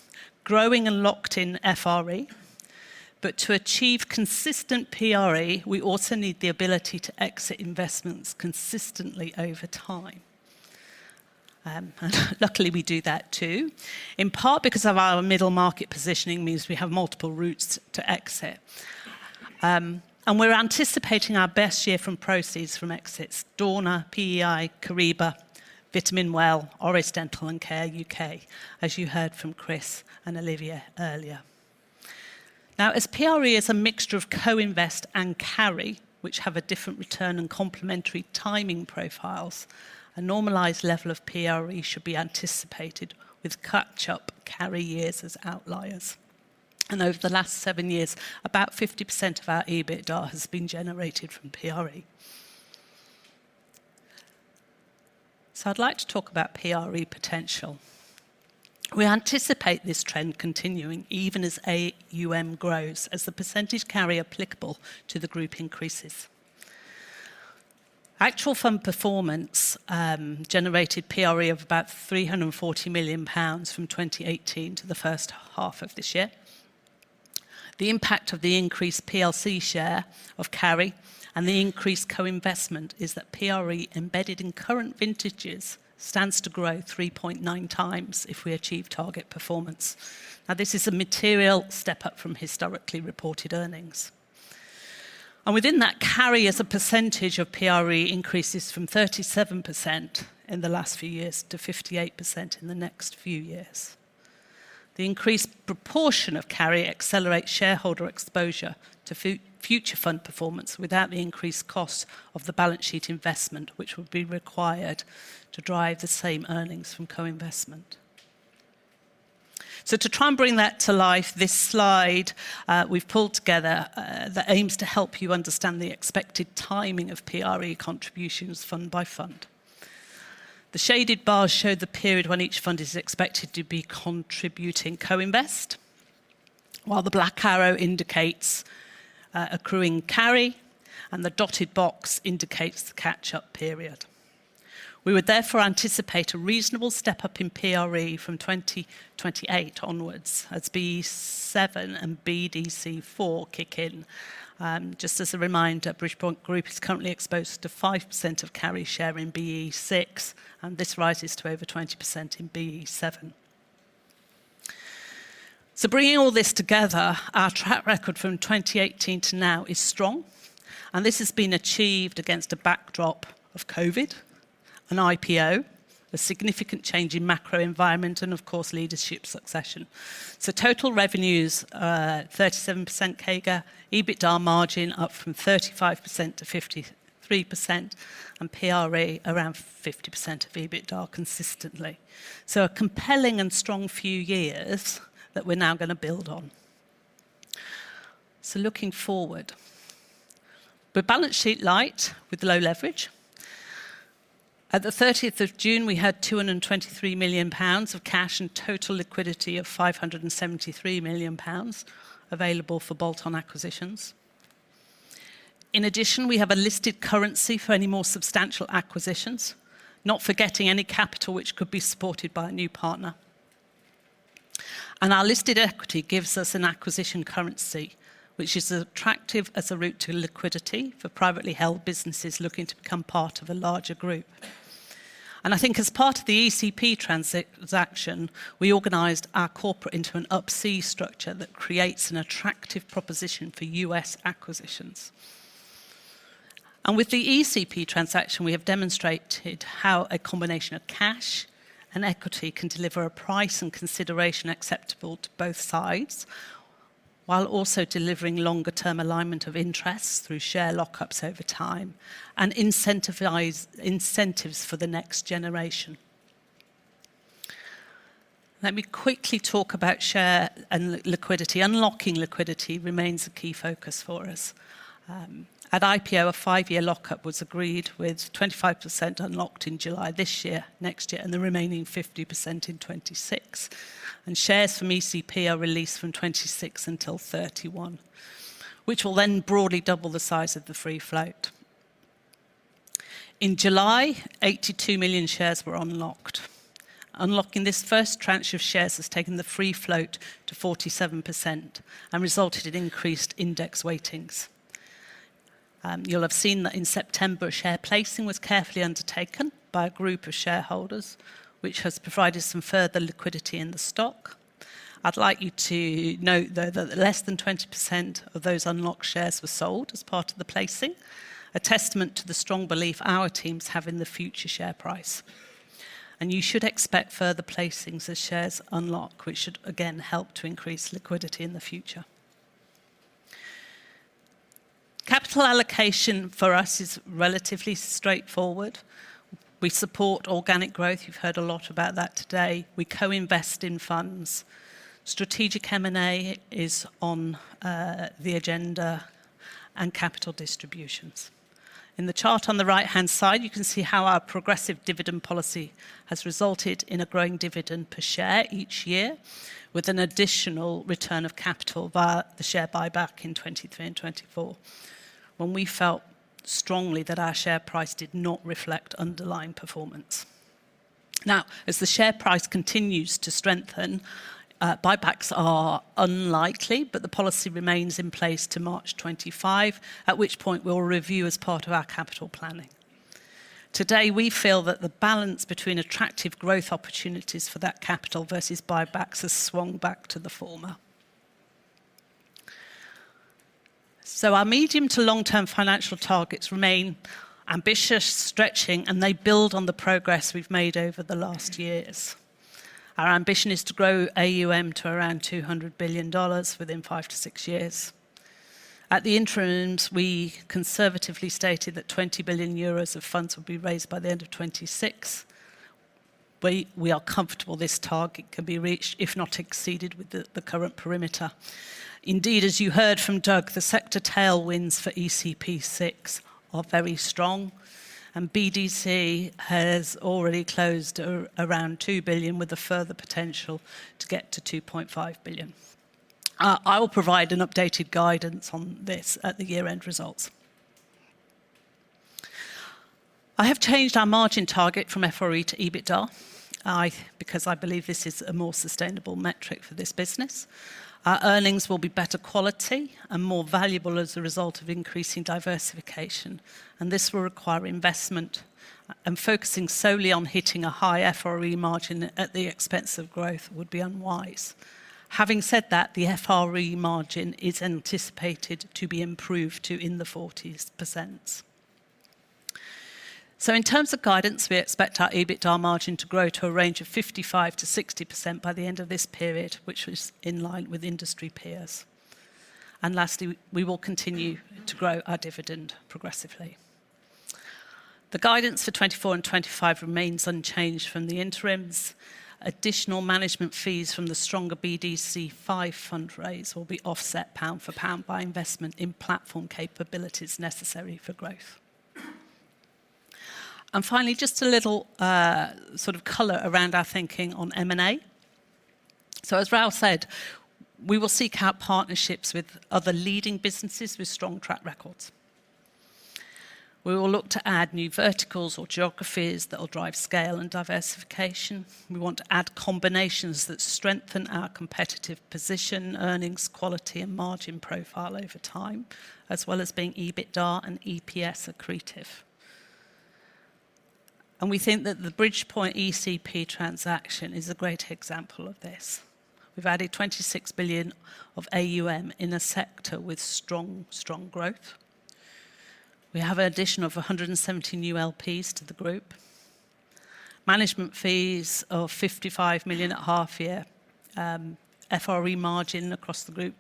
growing and locked-in FRE, but to achieve consistent PRE, we also need the ability to exit investments consistently over time. And luckily, we do that, too, in part because of our middle market positioning means we have multiple routes to exit. And we're anticipating our best year from proceeds from exits, Dorna, PEI, Kyriba, Vitamin Well, Oris Dental and Care UK, as you heard from Chris and Olivier earlier. Now, as PRE is a mixture of co-invest and carry, which have a different return and complementary timing profiles, a normalized level of PRE should be anticipated, with catch-up carry years as outliers. And over the last seven years, about 50% of our EBITDA has been generated from PRE. So I'd like to talk about PRE potential. We anticipate this trend continuing even as AUM grows, as the percentage carry applicable to the group increases. Actual fund performance generated PRE of about 340 million pounds from 2018 to the first half of this year. The impact of the increased PLC share of carry and the increased co-investment is that PRE, embedded in current vintages, stands to grow 3.9 times if we achieve target performance. Now, this is a material step up from historically reported earnings. And within that carry, as a percentage of PRE increases from 37% in the last few years to 58% in the next few years. The increased proportion of carry accelerates shareholder exposure to future fund performance without the increased cost of the balance sheet investment, which would be required to drive the same earnings from co-investment. To try and bring that to life, this slide we've pulled together that aims to help you understand the expected timing of PRE contributions fund by fund. The shaded bars show the period when each fund is expected to be contributing co-invest, while the black arrow indicates accruing carry, and the dotted box indicates the catch-up period. We would therefore anticipate a reasonable step-up in PRE from 2028 onwards, as BE7 and BDC4 kick in. Just as a reminder, Bridgepoint Group is currently exposed to 5% of carry share in BE6, and this rises to over 20% in BE7. So bringing all this together, our track record from 2018 to now is strong, and this has been achieved against a backdrop of COVID, an IPO, a significant change in macro environment, and of course, leadership succession. So total revenues, 37% CAGR, EBITDA margin up from 35% to 53%, and PRE around 50% of EBITDA consistently. So a compelling and strong few years that we're now gonna build on. So looking forward, we're balance sheet light with low leverage. At the 30th of June, we had 223 million pounds of cash and total liquidity of 573 million pounds available for bolt-on acquisitions. In addition, we have a listed currency for any more substantial acquisitions, not forgetting any capital which could be supported by a new partner. And our listed equity gives us an acquisition currency, which is attractive as a route to liquidity for privately held businesses looking to become part of a larger group. I think as part of the ECP transaction, we organized our corporate into an Up-C structure that creates an attractive proposition for U.S. acquisitions. With the ECP transaction, we have demonstrated how a combination of cash and equity can deliver a price and consideration acceptable to both sides, while also delivering longer-term alignment of interests through share lockups over time and incentives for the next generation. Let me quickly talk about share and liquidity. Unlocking liquidity remains a key focus for us. At IPO, a five-year lockup was agreed, with 25% unlocked in July this year, next year, and the remaining 50% in 2026. Shares from ECP are released from 2026 until 2031, which will then broadly double the size of the free float. In July, 82 million shares were unlocked. Unlocking this first tranche of shares has taken the free float to 47% and resulted in increased index weightings. You'll have seen that in September, a share placing was carefully undertaken by a group of shareholders, which has provided some further liquidity in the stock. I'd like you to note, though, that less than 20% of those unlocked shares were sold as part of the placing, a testament to the strong belief our teams have in the future share price. And you should expect further placings as shares unlock, which should again help to increase liquidity in the future. Capital allocation for us is relatively straightforward. We support organic growth, you've heard a lot about that today. We co-invest in funds. Strategic M&A is on the agenda, and capital distributions. In the chart on the right-hand side, you can see how our progressive dividend policy has resulted in a growing dividend per share each year, with an additional return of capital via the share buyback in 2023 and 2024, when we felt strongly that our share price did not reflect underlying performance. Now, as the share price continues to strengthen, buybacks are unlikely, but the policy remains in place to March 2025, at which point we'll review as part of our capital planning. Today, we feel that the balance between attractive growth opportunities for that capital versus buybacks has swung back to the former. So our medium to long-term financial targets remain ambitious, stretching, and they build on the progress we've made over the last years. Our ambition is to grow AUM to around $200 billion within five to six years. At the interims, we conservatively stated that 20 billion euros of funds would be raised by the end of 2026. We are comfortable this target can be reached, if not exceeded, with the current perimeter. Indeed, as you heard from Doug, the sector tailwinds for ECP Six are very strong, and BDC has already closed around 2 billion, with a further potential to get to 2.5 billion. I will provide an updated guidance on this at the year-end results. I have changed our margin target from FRE to EBITDA because I believe this is a more sustainable metric for this business. Our earnings will be better quality and more valuable as a result of increasing diversification, and this will require investment, and focusing solely on hitting a high FRE margin at the expense of growth would be unwise. Having said that, the FRE margin is anticipated to be improved to 40%. In terms of guidance, we expect our EBITDA margin to grow to a range of 55%-60% by the end of this period, which is in line with industry peers. Lastly, we will continue to grow our dividend progressively. The guidance for 2024 and 2025 remains unchanged from the interims. Additional management fees from the stronger BDC Five fund raise will be offset pound for pound by investment in platform capabilities necessary for growth. Finally, just a little, sort of color around our thinking on M&A, so as Raoul said, we will seek out partnerships with other leading businesses with strong track records. We will look to add new verticals or geographies that will drive scale and diversification. We want to add combinations that strengthen our competitive position, earnings, quality, and margin profile over time, as well as being EBITDA and EPS accretive. And we think that the Bridgepoint ECP transaction is a great example of this. We've added $26 billion of AUM in a sector with strong, strong growth. We have an addition of 117 new LPs to the group, management fees of 55 million at half year, FRE margin across the group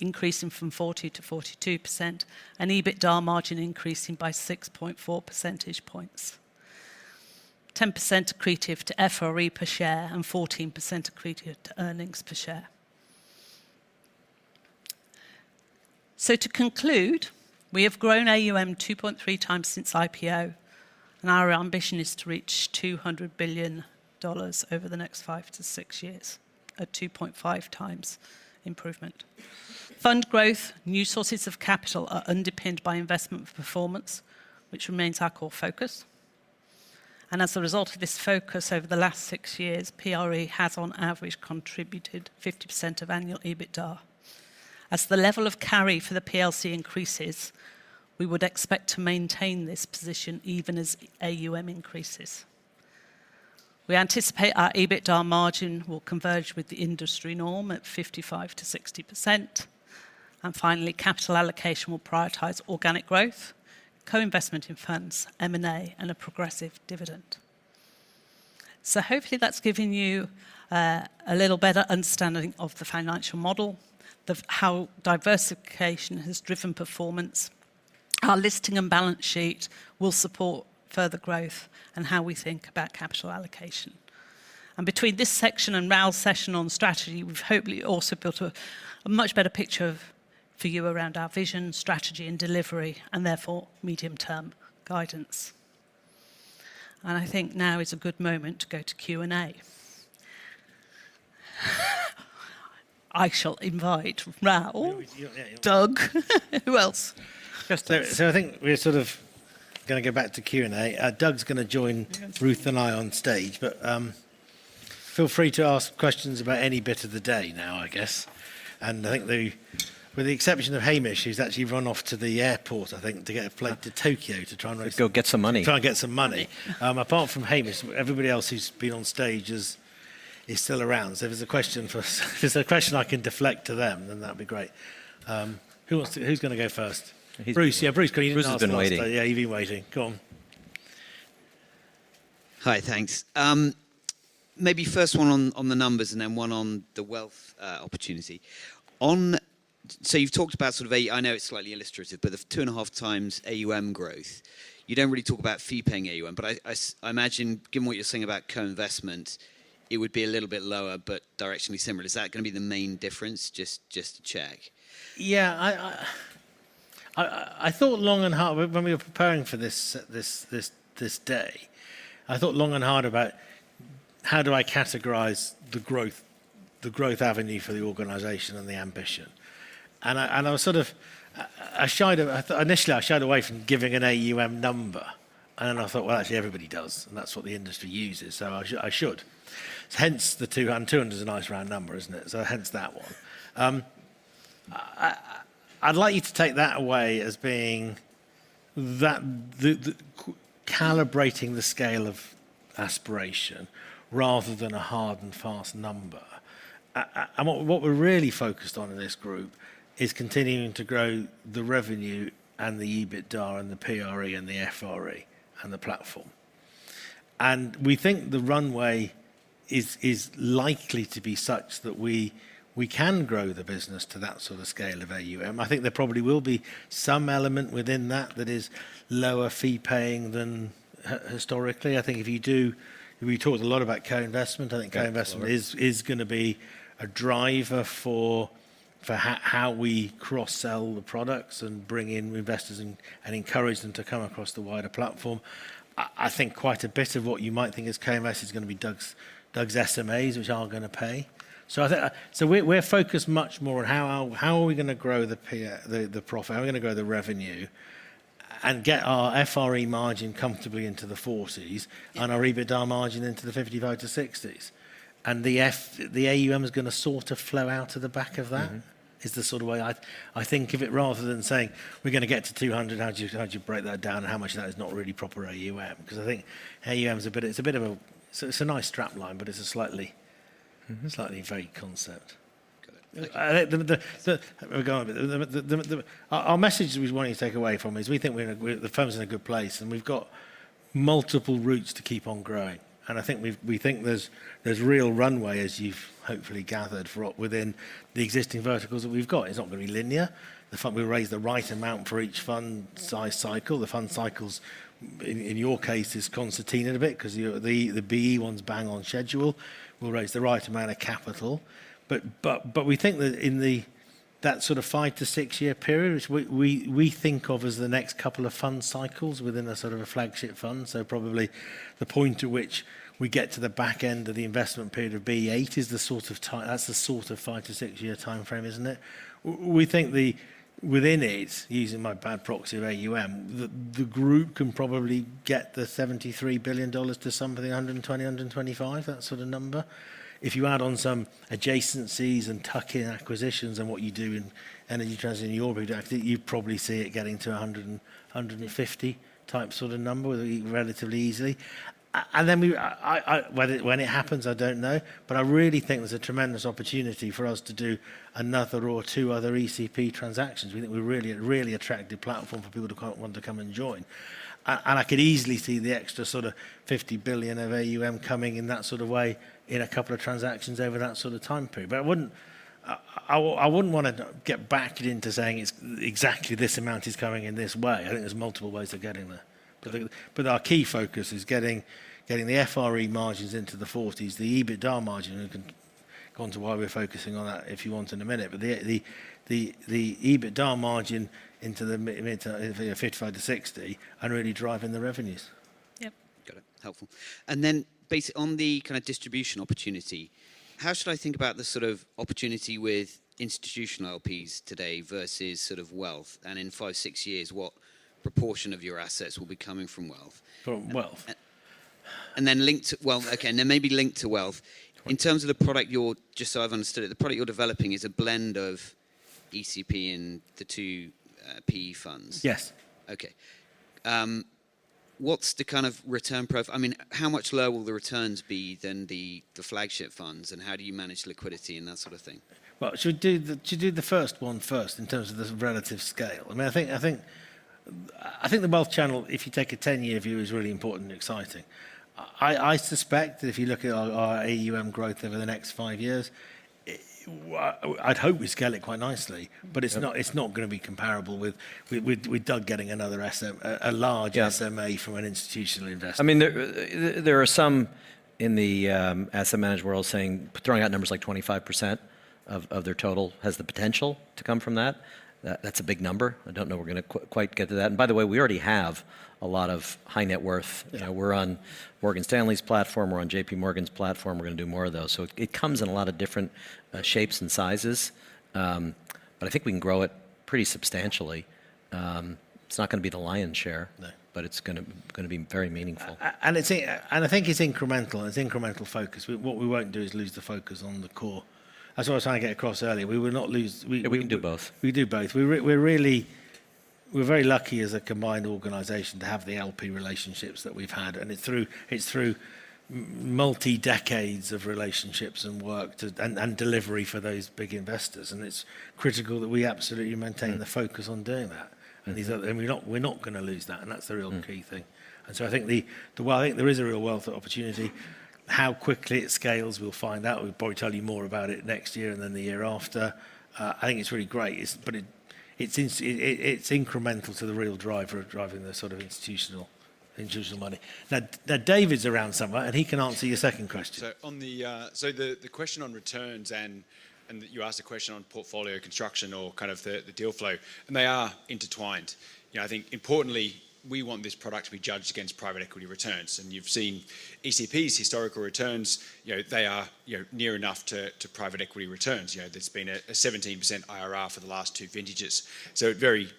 increasing from 40% to 42%, and EBITDA margin increasing by 6.4 percentage points. 10% accretive to FRE per share and 14% accretive to earnings per share. So to conclude, we have grown AUM 2.3 times since IPO, and our ambition is to reach $200 billion over the next 5-6 years, a 2.5 times improvement. Fund growth, new sources of capital are underpinned by investment performance, which remains our core focus, and as a result of this focus, over the last six years, PRE has, on average, contributed 50% of annual EBITDA. As the level of carry for the PLC increases, we would expect to maintain this position even as AUM increases. We anticipate our EBITDA margin will converge with the industry norm at 55%-60%. And finally, capital allocation will prioritize organic growth, co-investment in funds, M&A, and a progressive dividend. So hopefully that's given you a little better understanding of the financial model, how diversification has driven performance, our listing and balance sheet will support further growth, and how we think about capital allocation. Between this section and Raoul's session on strategy, we've hopefully also built a much better picture of, for you around our vision, strategy, and delivery, and therefore, medium-term guidance. I think now is a good moment to go to Q&A. I shall invite Raoul. Yeah, we- Doug. Who else? I think we're sort of gonna go back to Q&A. Doug's gonna join Ruth- Yeah... and I on stage, but feel free to ask questions about any bit of the day now, I guess. And I think the, with the exception of Hamish, who's actually run off to the airport, I think, to get a flight to Tokyo, to try and raise- Go get some money. Try and get some money. Apart from Hamish, everybody else who's been on stage is still around. So if there's a question for us, if there's a question I can deflect to them, then that'd be great. Who wants to, who's gonna go first? He- Bruce, yeah, Bruce, come on you. Bruce has been waiting. Yeah, you've been waiting. Go on.... Hi, thanks. Maybe first one on the numbers, and then one on the wealth opportunity. So you've talked about sort of AUM. I know it's slightly illustrative, but the two and a half times AUM growth. You don't really talk about fee-paying AUM, but I imagine, given what you're saying about co-investment, it would be a little bit lower, but directionally similar. Is that gonna be the main difference? Just to check. Yeah, I thought long and hard when we were preparing for this day. I thought long and hard about how do I categorize the growth avenue for the organization and the ambition? And I was sort of. I shied away from giving an AUM number, and then I thought, "Well, actually, everybody does, and that's what the industry uses, so I should." Hence, the 200. 200 is a nice round number, isn't it? So hence that one. I'd like you to take that away as being that the calibrating the scale of aspiration rather than a hard and fast number. What we're really focused on in this group is continuing to grow the revenue and the EBITDA and the PRE and the FRE and the platform. We think the runway is likely to be such that we can grow the business to that sort of scale of AUM. I think there probably will be some element within that that is lower fee-paying than historically. I think if you do... We talked a lot about co-investment. Yeah. I think co-investment is gonna be a driver for how we cross-sell the products and bring in investors and encourage them to come across the wider platform. I think quite a bit of what you might think as KMS is gonna be Doug's SMAs, which aren't gonna pay. So I think. So we're focused much more on how are we gonna grow the PE the profit? How are we gonna grow the revenue and get our FRE margin comfortably into the 40s%. Yeah... and our EBITDA margin into the 55%-60%? And the AUM is gonna sort of flow out to the back of that- Mm-hmm ... is the sort of way I think of it, rather than saying, "We're gonna get to 200." How do you break that down, and how much of that is not really proper AUM? 'Cause I think AUM is a bit; it's a bit of a... So it's a nice strap line, but it's a slightly- Mm-hmm... slightly vague concept. Got it. Our message that we want you to take away from is, we think we're in a good place, and the firm's in a good place, and we've got multiple routes to keep on growing. I think we think there's real runway, as you've hopefully gathered, for what within the existing verticals that we've got. It's not gonna be linear. The fact we raise the right amount for each fund size cycle. The fund cycles, in your case, is concertinaed a bit 'cause, you know, the BE one's bang on schedule. We'll raise the right amount of capital. But we think that in that sort of five to six-year period, which we think of as the next couple of fund cycles within a sort of a flagship fund, so probably the point to which we get to the back end of the investment period of BE8 is the sort of time. That's the sort of five to six-year timeframe, isn't it? We think that within it, using my bad proxy of AUM, the group can probably get the $73 billion to something $120-125 billion, that sort of number. If you add on some adjacencies and tuck-in acquisitions and what you do in energy transition in your view, I think you'd probably see it getting to $100-150 billion type sort of number, relatively easily. And then we, when it happens, I don't know, but I really think there's a tremendous opportunity for us to do another or two other ECP transactions. We think we're really an attractive platform for people to want to come and join. And I could easily see the extra sort of $50 billion of AUM coming in that sort of way in a couple of transactions over that sort of time period. But I wouldn't want to get backed into saying it's exactly this amount is coming in this way. I think there's multiple ways of getting there. But our key focus is getting the FRE margins into the 40s, the EBITDA margin, and I can go into why we're focusing on that, if you want, in a minute. But the EBITDA margin into the mid- to the 55%-60%, and really driving the revenues. Yep. Got it. Helpful. And then on the kind of distribution opportunity, how should I think about the sort of opportunity with institutional LPs today versus sort of wealth? And in five, six years, what proportion of your assets will be coming from wealth? From wealth? And then linked to... Well, okay, and then maybe linked to wealth, in terms of the product you're... just so I've understood it, the product you're developing is a blend of ECP and the two PE funds. Yes. Okay. What's the kind of return I mean, how much lower will the returns be than the flagship funds, and how do you manage liquidity and that sort of thing? Should we do the first one first, in terms of the relative scale? I mean, I think the wealth channel, if you take a ten-year view, is really important and exciting. I suspect that if you look at our AUM growth over the next five years, it. I'd hope we scale it quite nicely. Mm. But it's not gonna be comparable with Doug getting another SMA, a large- Yeah... SMA from an institutional investor. I mean, there are some in the asset management world saying, throwing out numbers like 25% of their total has the potential to come from that. That's a big number. I don't know we're gonna quite get to that. And by the way, we already have a lot of high net worth. Yeah. We're on Morgan Stanley's platform, we're on JP Morgan's platform. We're gonna do more of those. So it comes in a lot of different shapes and sizes. But I think we can grow it pretty substantially. It's not gonna be the lion's share. No... but it's gonna be very meaningful. I think it's incremental focus. What we won't do is lose the focus on the core. That's what I was trying to get across earlier. We will not lose- Yeah, we can do both. We do both. We're really. We're very lucky as a combined organization to have the LP relationships that we've had, and it's through multi decades of relationships and work, and delivery for those big investors, and it's critical that we absolutely maintain the focus on doing that. Mm. and we're not, we're not gonna lose that, and that's the real key thing. Mm. I think there is a real wealth of opportunity. How quickly it scales, we'll find out. We'll probably tell you more about it next year and then the year after. I think it's really great, but it's incremental to the real driver of driving the sort of institutional money. Now, David's around somewhere, and he can answer your second question. So the question on returns and you asked a question on portfolio construction or kind of the deal flow, and they are intertwined. You know, I think importantly, we want this product to be judged against private equity returns, and you've seen ECP's historical returns. You know, they are, you know, near enough to private equity returns. You know, there's been a 17% IRR for the last two vintages. So it very,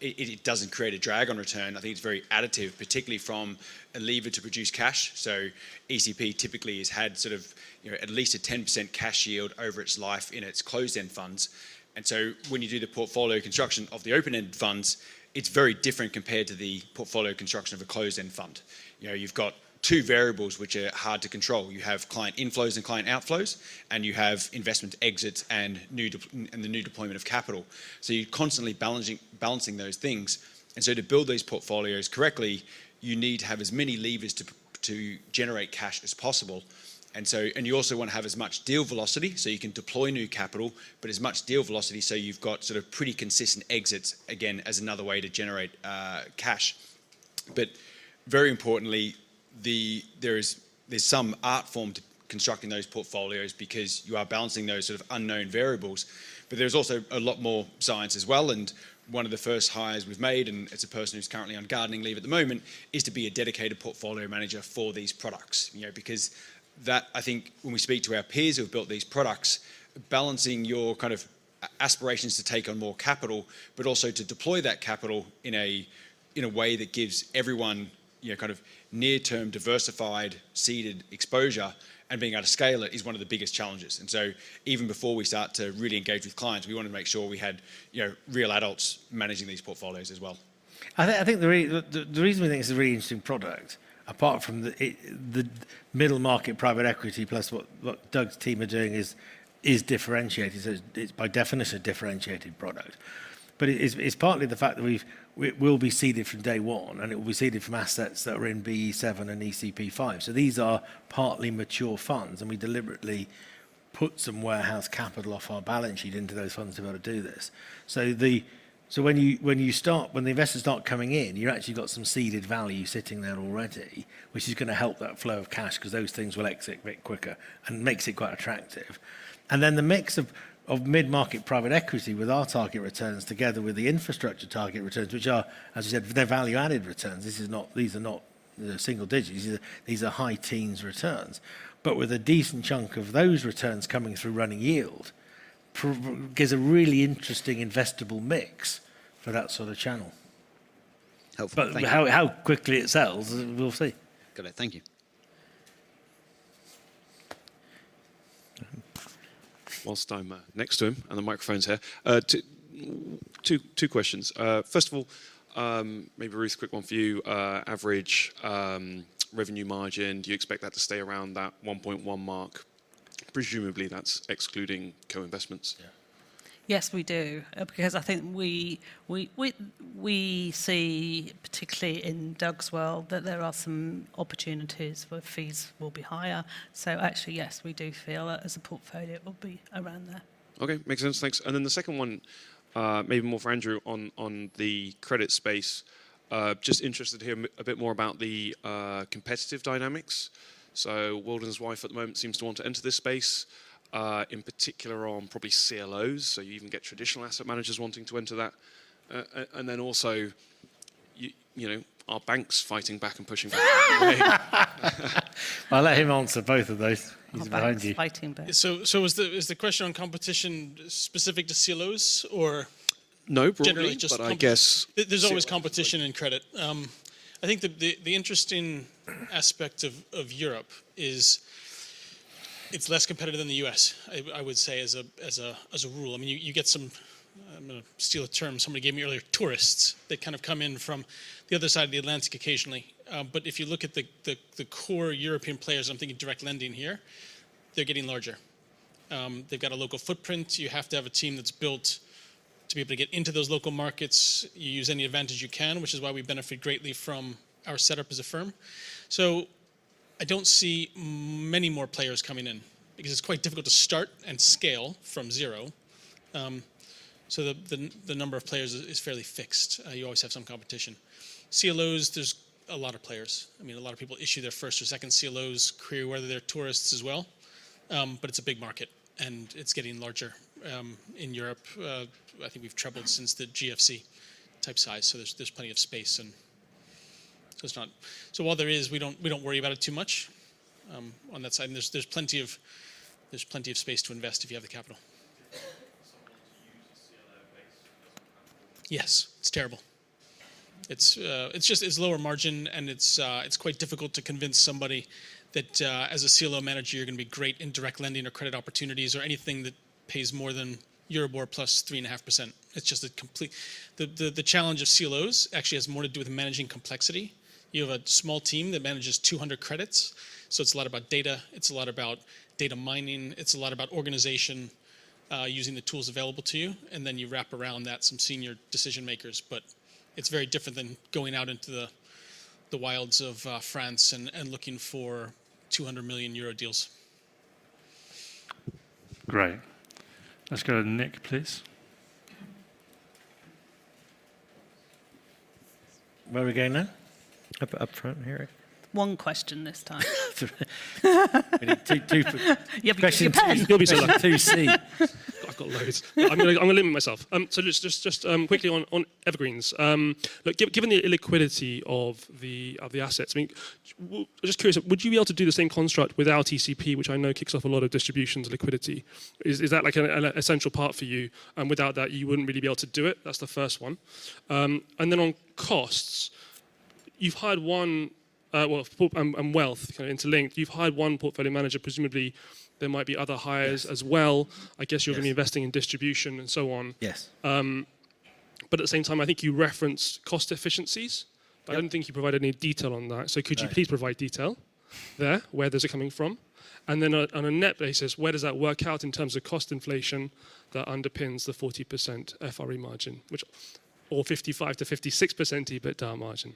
it doesn't create a drag on return. I think it's very additive, particularly from a leverage to produce cash. So ECP typically has had sort of, you know, at least a 10% cash yield over its life in its closed-end funds. And so when you do the portfolio construction of the open-end funds, it's very different compared to the portfolio construction of a closed-end fund. You know, you've got two variables which are hard to control. You have client inflows and client outflows, and you have investment exits and the new deployment of capital. So you're constantly balancing those things, and so to build these portfolios correctly, you need to have as many levers to generate cash as possible. And so you also wanna have as much deal velocity, so you can deploy new capital, but as much deal velocity, so you've got sort of pretty consistent exits, again, as another way to generate cash. But very importantly, there's some art form to constructing those portfolios because you are balancing those sort of unknown variables. But there's also a lot more science as well, and one of the first hires we've made, and it's a person who's currently on gardening leave at the moment, is to be a dedicated portfolio manager for these products. You know, because that, I think when we speak to our peers who have built these products, balancing your kind of aspirations to take on more capital, but also to deploy that capital in a way that gives everyone, you know, kind of near-term, diversified, seeded exposure and being able to scale it, is one of the biggest challenges. And so even before we start to really engage with clients, we wanted to make sure we had, you know, real adults managing these portfolios as well. I think the reason we think it's a really interesting product, apart from the middle market private equity plus what Doug's team are doing is differentiated. So it's by definition a differentiated product. But it's partly the fact that we will be seeded from day one, and it will be seeded from assets that are in BE7 and ECP5. So these are partly mature funds, and we deliberately put some warehouse capital off our balance sheet into those funds to be able to do this. So when the investors start coming in, you actually got some seeded value sitting there already, which is gonna help that flow of cash 'cause those things will exit a bit quicker, and makes it quite attractive. And then the mix of mid-market private equity with our target returns, together with the infrastructure target returns, which are, as you said, they're value-added returns. These are not the single digits. These are, these are high teens returns. But with a decent chunk of those returns coming through running yield, gives a really interesting investable mix for that sort of channel. Hopefully. Thank you. But how quickly it sells, we'll see. Got it. Thank you. Whilst I'm next to him and the microphone's here, two questions. First of all, maybe a really quick one for you. Average revenue margin, do you expect that to stay around that 1.1 mark? Presumably, that's excluding co-investments. Yeah. Yes, we do, because I think we see, particularly in Doug's world, that there are some opportunities where fees will be higher. So actually, yes, we do feel that as a portfolio, it will be around there. Okay, makes sense. Thanks. And then the second one, uh, maybe more for Andrew on, on the credit space. Uh, just interested to hear a bit more about the, uh, competitive dynamics. So the world and his wife at the moment seems to want to enter this space, uh, in particular on probably CLOs, so you even get traditional asset managers wanting to enter that. Uh, a- and then also, y- you know, are banks fighting back and pushing back? I'll let him answer both of those. He's behind you. Are banks fighting back? So, is the question on competition specific to CLOs or? No, broadly- Generally, just com-... but I guess- There's always competition in credit. I think the interesting aspect of Europe is it's less competitive than the U.S., I would say, as a rule. I mean, you get some, I'm gonna steal a term somebody gave me earlier, tourists, that kind of come in from the other side of the Atlantic occasionally. But if you look at the core European players, I'm thinking Direct Lending here, they're getting larger. They've got a local footprint. You have to have a team that's built to be able to get into those local markets. You use any advantage you can, which is why we benefit greatly from our setup as a firm. So I don't see many more players coming in because it's quite difficult to start and scale from zero. So the number of players is fairly fixed. You always have some competition. CLOs, there's a lot of players. I mean, a lot of people issue their first or second CLOs, query whether they're tourists as well. But it's a big market, and it's getting larger in Europe. I think we've trebled since the GFC type size, so there's plenty of space, and so it's not. So while there is, we don't worry about it too much on that side. And there's plenty of space to invest if you have the capital. Yes, it's terrible. It's just, it's lower margin, and it's quite difficult to convince somebody that as a CLO manager, you're gonna be great in Direct Lending or Credit Opportunities or anything that pays more than Euribor plus 3.5%. It's just a complete. The challenge of CLOs actually has more to do with managing complexity. You have a small team that manages 200 credits, so it's a lot about data, it's a lot about data mining, it's a lot about organization, using the tools available to you, and then you wrap around that some senior decision makers. But it's very different than going out into the wilds of France and looking for 200 million euro deals. Great. Let's go to Nick, please. Where are we going now? Up front here. One question this time. Two, two- You have to prepare. Questions. You'll be so like, "Do you see? I've got loads. I'm gonna limit myself. So just quickly on Evergreens. Look, given the illiquidity of the assets, I mean, just curious, would you be able to do the same construct without ECP, which I know kicks off a lot of distributions and liquidity? Is that like an essential part for you, and without that, you wouldn't really be able to do it? That's the first one. And then on costs, you've hired one, well, and wealth, kind of interlinked. You've hired one portfolio manager, presumably there might be other hires- Yes... as well. Yes. I guess you're gonna be investing in distribution and so on. Yes. But at the same time, I think you referenced cost efficiencies? Yeah. I didn't think you provided any detail on that. Right. Could you please provide detail there, where is it coming from? And then, on a net basis, where does that work out in terms of cost inflation that underpins the 40% FRE margin or 55%-56% EBITDA margin?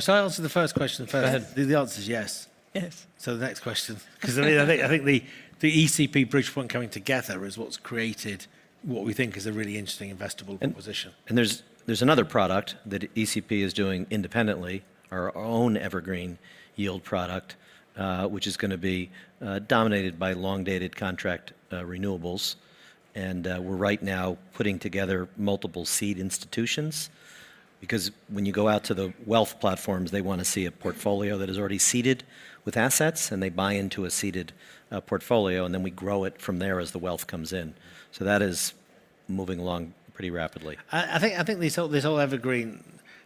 Shall I answer the first question fair ahead? Go ahead. The answer is yes. Yes. So the next question, 'cause I think the ECP Bridgepoint coming together is what's created what we think is a really interesting investable position. And there's another product that ECP is doing independently, our own Evergreen yield product, which is gonna be dominated by long-dated contract renewables. And we're right now putting together multiple seed institutions, because when you go out to the wealth platforms, they wanna see a portfolio that is already seeded with assets, and they buy into a seeded portfolio, and then we grow it from there as the wealth comes in. So that is moving along pretty rapidly. I think this whole Evergreen,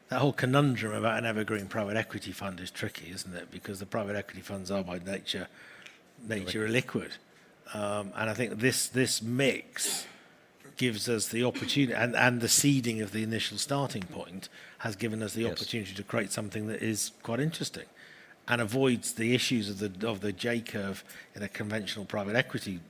that whole conundrum about an Evergreen private equity fund is tricky, isn't it? Because the private equity funds are, by nature, illiquid. And I think this mix gives us the opportunity, and the seeding of the initial starting point has given us the opportunity to create something that is quite interesting and avoids the issues of the J-Curve in a conventional private equity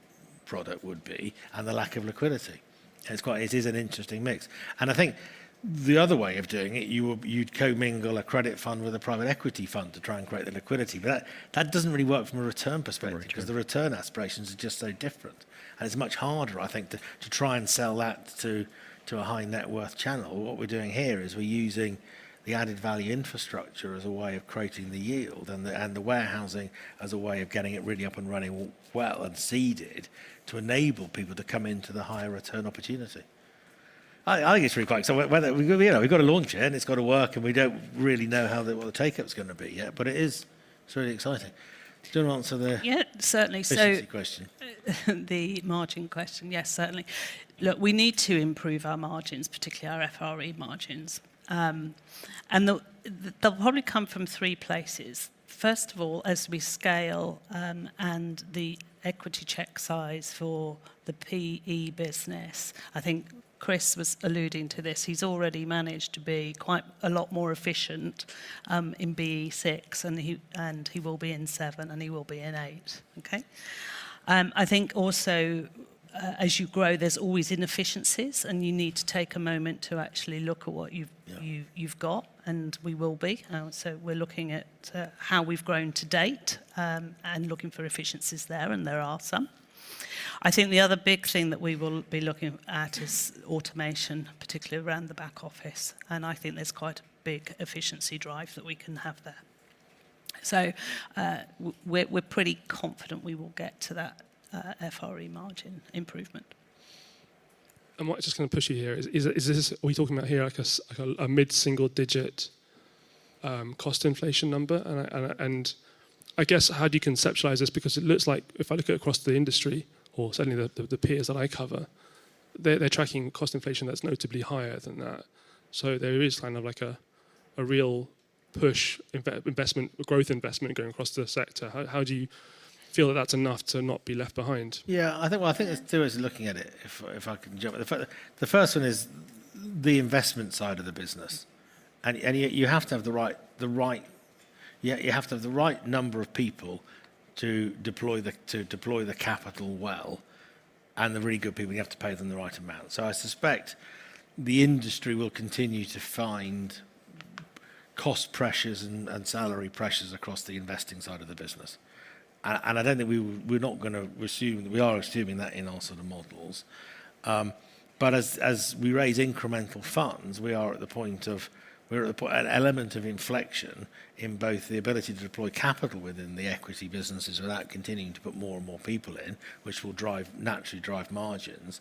product would be, and the lack of liquidity. It's quite. It is an interesting mix. And I think the other way of doing it, you'd co-mingle a credit fund with a private equity fund to try and create the liquidity. But that doesn't really work from a return perspective 'cause the return aspirations are just so different, and it's much harder, I think, to try and sell that to a high net worth channel. What we're doing here is we're using the added value infrastructure as a way of creating the yield and the warehousing as a way of getting it really up and running well and seeded to enable people to come into the higher return opportunity. I think it's really quite... So whether we, you know, we've got to launch it, and it's got to work, and we don't really know how the take-up is gonna be yet, but it is really exciting. Do you want to answer the- Yeah, certainly... efficiency question? The margin question. Yes, certainly. Look, we need to improve our margins, particularly our FRE margins. And they'll probably come from three places. First of all, as we scale, and the equity check size for the PE business, I think Chris was alluding to this. He's already managed to be quite a lot more efficient, in BE six, and he will be in seven, and he will be in eight. Okay? I think also, as you grow, there's always inefficiencies, and you need to take a moment to actually look at what you've- Yeah... you've got, and we will be. So we're looking at how we've grown to date, and looking for efficiencies there, and there are some. I think the other big thing that we will be looking at is automation, particularly around the back office, and I think there's quite a big efficiency drive that we can have there. So we're pretty confident we will get to that FRE margin improvement. And what I'm just gonna push you here is, is this, are we talking about here, like a like a mid-single-digit cost inflation number? And I guess, how do you conceptualize this? Because it looks like if I look at across the industry, or certainly the peers that I cover, they're tracking cost inflation that's notably higher than that. So there is kind of like a real push investment, growth investment going across the sector. How do you feel that that's enough to not be left behind? Yeah, I think, well, I think there's two ways of looking at it, if I can jump. The first one is the investment side of the business, and you have to have the right number of people to deploy the capital well, and they're really good people, you have to pay them the right amount. So I suspect the industry will continue to find cost pressures and salary pressures across the investing side of the business. And I don't think we, we're not gonna assume, we are assuming that in our sort of models. But as we raise incremental funds, we are at the point of an element of inflection in both the ability to deploy capital within the equity businesses without continuing to put more and more people in, which will naturally drive margins.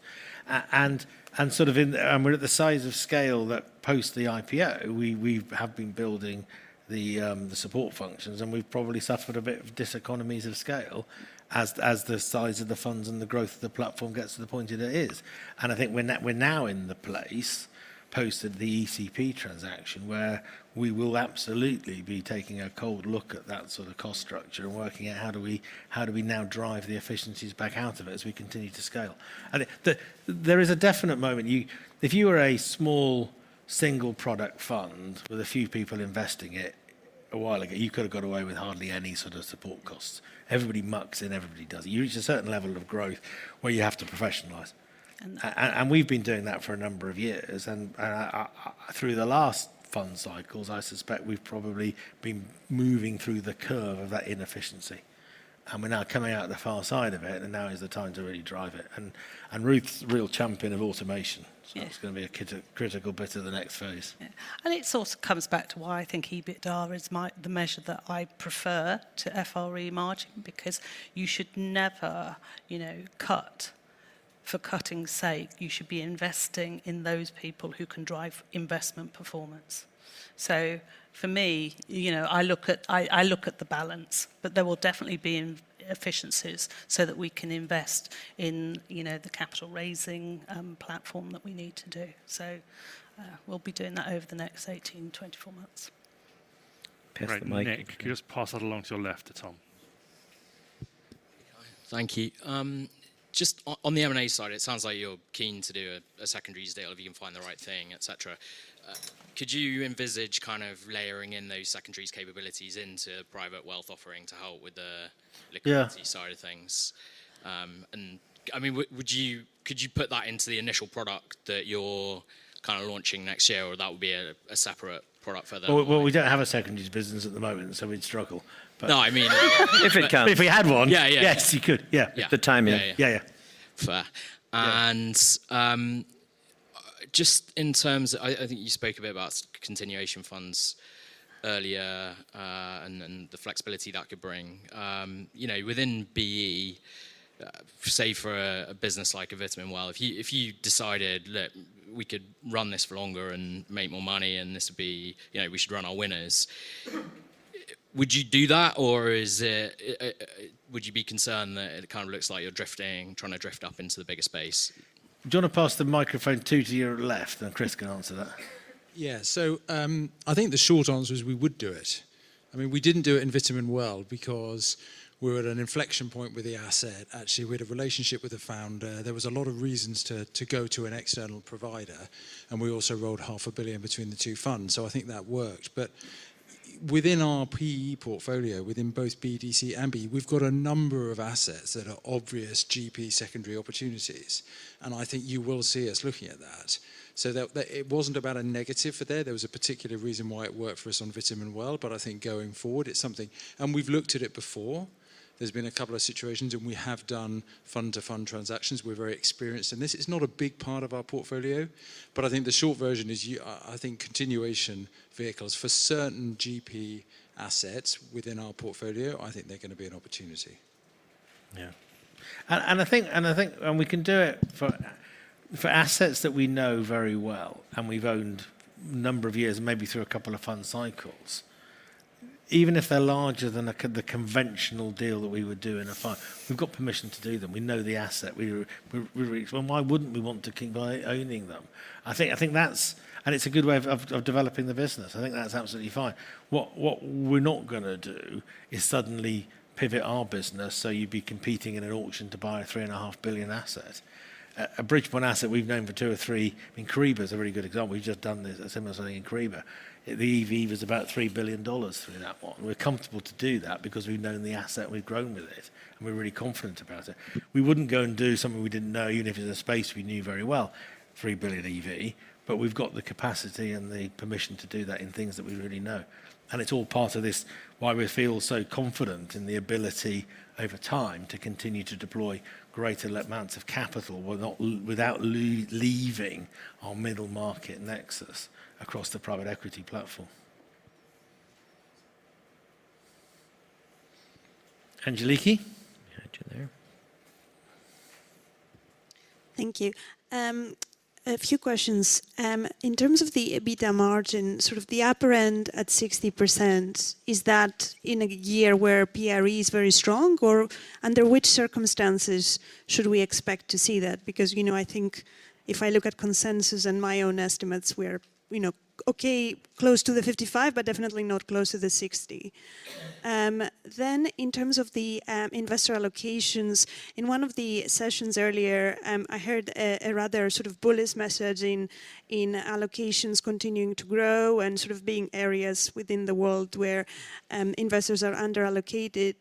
And we're at the size of scale that post the IPO, we have been building the support functions, and we've probably suffered a bit of diseconomies of scale as the size of the funds and the growth of the platform gets to the point it is. I think we're now in the place, post the ECP transaction, where we will absolutely be taking a cold look at that sort of cost structure and working out how do we now drive the efficiencies back out of it as we continue to scale? There is a definite moment. If you were a small, single-product fund with a few people investing it, a while ago, you could have got away with hardly any sort of support costs. Everybody mucks in, everybody does it. You reach a certain level of growth where you have to professionalize. And- And we've been doing that for a number of years, and through the last fund cycles, I suspect we've probably been moving through the curve of that inefficiency, and we're now coming out the far side of it, and now is the time to really drive it. And Ruth's a real champion of automation- Yeah ... so that's gonna be a critical bit of the next phase. Yeah. And it sort of comes back to why I think EBITDA is my, the measure that I prefer to FRE margin, because you should never, you know, cut for cutting's sake. You should be investing in those people who can drive investment performance. So for me, you know, I look at the balance, but there will definitely be inefficiencies so that we can invest in, you know, the capital raising platform that we need to do. So, we'll be doing that over the next 18-24 months. Pass the mic- Right, Nick, can you just pass that along to your left to Tom? Thank you. Just on the M&A side, it sounds like you're keen to do a secondaries deal if you can find the right thing, et cetera. Could you envisage kind of layering in those secondaries capabilities into private wealth offering to help with the- Yeah... liquidity side of things? And I mean, would you... Could you put that into the initial product that you're kind of launching next year, or that would be a separate product for the- We don't have a secondaries business at the moment, so we'd struggle. But- No, I mean- If it comes. But if we had one- Yeah, yeah. Yes, you could. Yeah. Yeah. The timing. Yeah, yeah. Yeah, yeah. Fair. Yeah. Just in terms, I think you spoke a bit about continuation funds earlier, and the flexibility that could bring. You know, within BE, say, for a business like Vitamin Well, if you decided, "Look, we could run this for longer and make more money, and this would be... You know, we should run our winners," would you do that, or is it... Would you be concerned that it kind of looks like you're drifting, trying to drift up into the bigger space? Do you wanna pass the microphone two to your left, and Chris can answer that? Yeah, so I think the short answer is we would do it. I mean, we didn't do it in Vitamin Well because we were at an inflection point with the asset. Actually, we had a relationship with the founder. There was a lot of reasons to go to an external provider, and we also rolled €500 million between the two funds, so I think that worked. But within our PE portfolio, within both BDC and BE, we've got a number of assets that are obvious GP secondary opportunities, and I think you will see us looking at that. It wasn't about a negative for there. There was a particular reason why it worked for us on Vitamin Well, but I think going forward, it's something. We've looked at it before. There's been a couple of situations, and we have done fund-to-fund transactions. We're very experienced in this. It's not a big part of our portfolio, but I think the short version is you, I think continuation vehicles for certain GP assets within our portfolio, I think they're gonna be an opportunity. Yeah. And I think we can do it for assets that we know very well and we've owned a number of years, maybe through a couple of fund cycles. Even if they're larger than the conventional deal that we would do in a fund, we've got permission to do them. We know the asset. Well, why wouldn't we want to keep on owning them? I think that's a good way of developing the business. I think that's absolutely fine. What we're not gonna do is suddenly pivot our business, so you'd be competing in an auction to buy a three-and-a-half billion asset. A Bridgepoint asset we've known for two or three. I mean, Biffa is a very good example. We've just done this, a similar something in Biffa. The EV was about $3 billion for that one. We're comfortable to do that because we've known the asset, and we've grown with it, and we're really confident about it. We wouldn't go and do something we didn't know, even if it was a space we knew very well, $3 billion EV, but we've got the capacity and the permission to do that in things that we already know. And it's all part of this, why we feel so confident in the ability over time to continue to deploy greater amounts of capital without leaving our middle market nexus across the private equity platform. Angeliki? We had you there. Thank you. A few questions. In terms of the EBITDA margin, sort of the upper end at 60%, is that in a year where PRE is very strong, or under which circumstances should we expect to see that? Because, you know, I think if I look at consensus and my own estimates, we're, you know, okay, close to the 55%, but definitely not close to the 60%. Then in terms of the investor allocations, in one of the sessions earlier, I heard a rather sort of bullish message in allocations continuing to grow and sort of being areas within the world where investors are underallocated.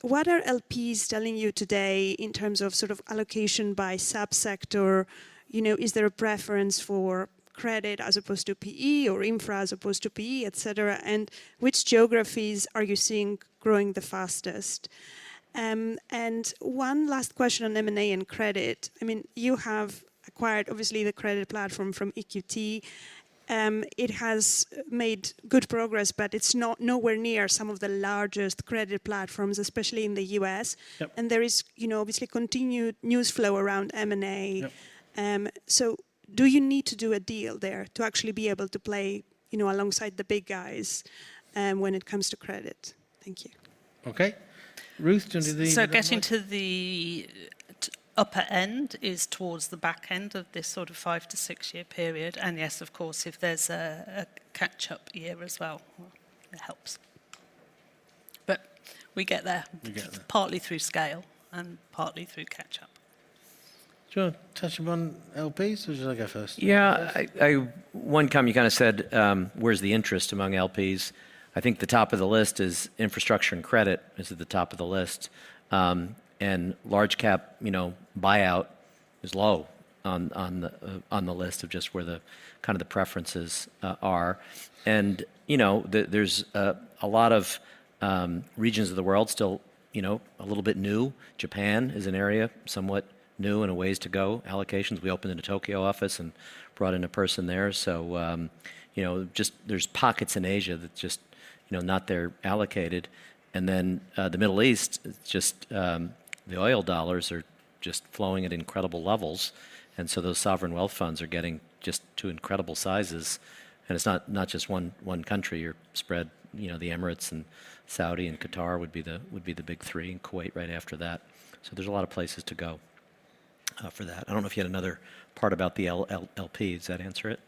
What are LPs telling you today in terms of sort of allocation by subsector? You know, is there a preference for credit as opposed to PE or infra as opposed to PE, et cetera, and which geographies are you seeing growing the fastest? And one last question on M&A and credit. I mean, you have acquired, obviously, the credit platform from EQT. It has made good progress, but it's not nowhere near some of the largest credit platforms, especially in the U.S. Yep. There is, you know, obviously continued news flow around M&A. Yep. So do you need to do a deal there to actually be able to play, you know, alongside the big guys, when it comes to credit? Thank you. Okay. Ruth, do you need- Getting to the upper end is towards the back end of this sort of five- to six-year period, and yes, of course, if there's a catch-up year as well, it helps.... but we get there. We get there. Partly through scale and partly through catch up. Do you wanna touch upon LPs, or should I go first? Yeah, one comment you kind of said, where's the interest among LPs? I think the top of the list is infrastructure and credit is at the top of the list. And large cap, you know, buyout is low on, on the list of just where the kind of the preferences are. And, you know, there's a lot of regions of the world still, you know, a little bit new. Japan is an area somewhat new and a ways to go. Allocations, we opened in a Tokyo office and brought in a person there. So, you know, just there's pockets in Asia that just, you know, not they're allocated. And then, the Middle East, it's just the oil dollars are just flowing at incredible levels, and so those sovereign wealth funds are getting just to incredible sizes. And it's not just one country, you're spread, you know, the Emirates and Saudi and Qatar would be the big three, and Kuwait right after that. So there's a lot of places to go for that. I don't know if you had another part about the LP. Does that answer it?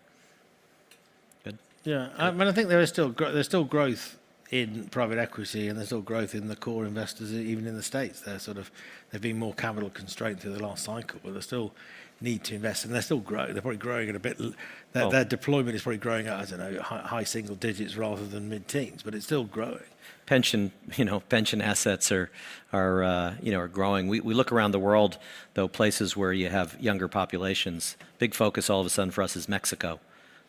Good. Yeah. Yeah. And I think there's still growth in private equity, and there's still growth in the core investors, even in the States. They're sort of, they've been more capital constrained through the last cycle, but they still need to invest, and they're still growing. They're probably growing at a bit l- Well-... Their deployment is probably growing at, I don't know, high single digits rather than mid-teens, but it's still growing. Pension, you know, pension assets are, are growing. We look around the world, though, places where you have younger populations. Big focus all of a sudden for us is Mexico.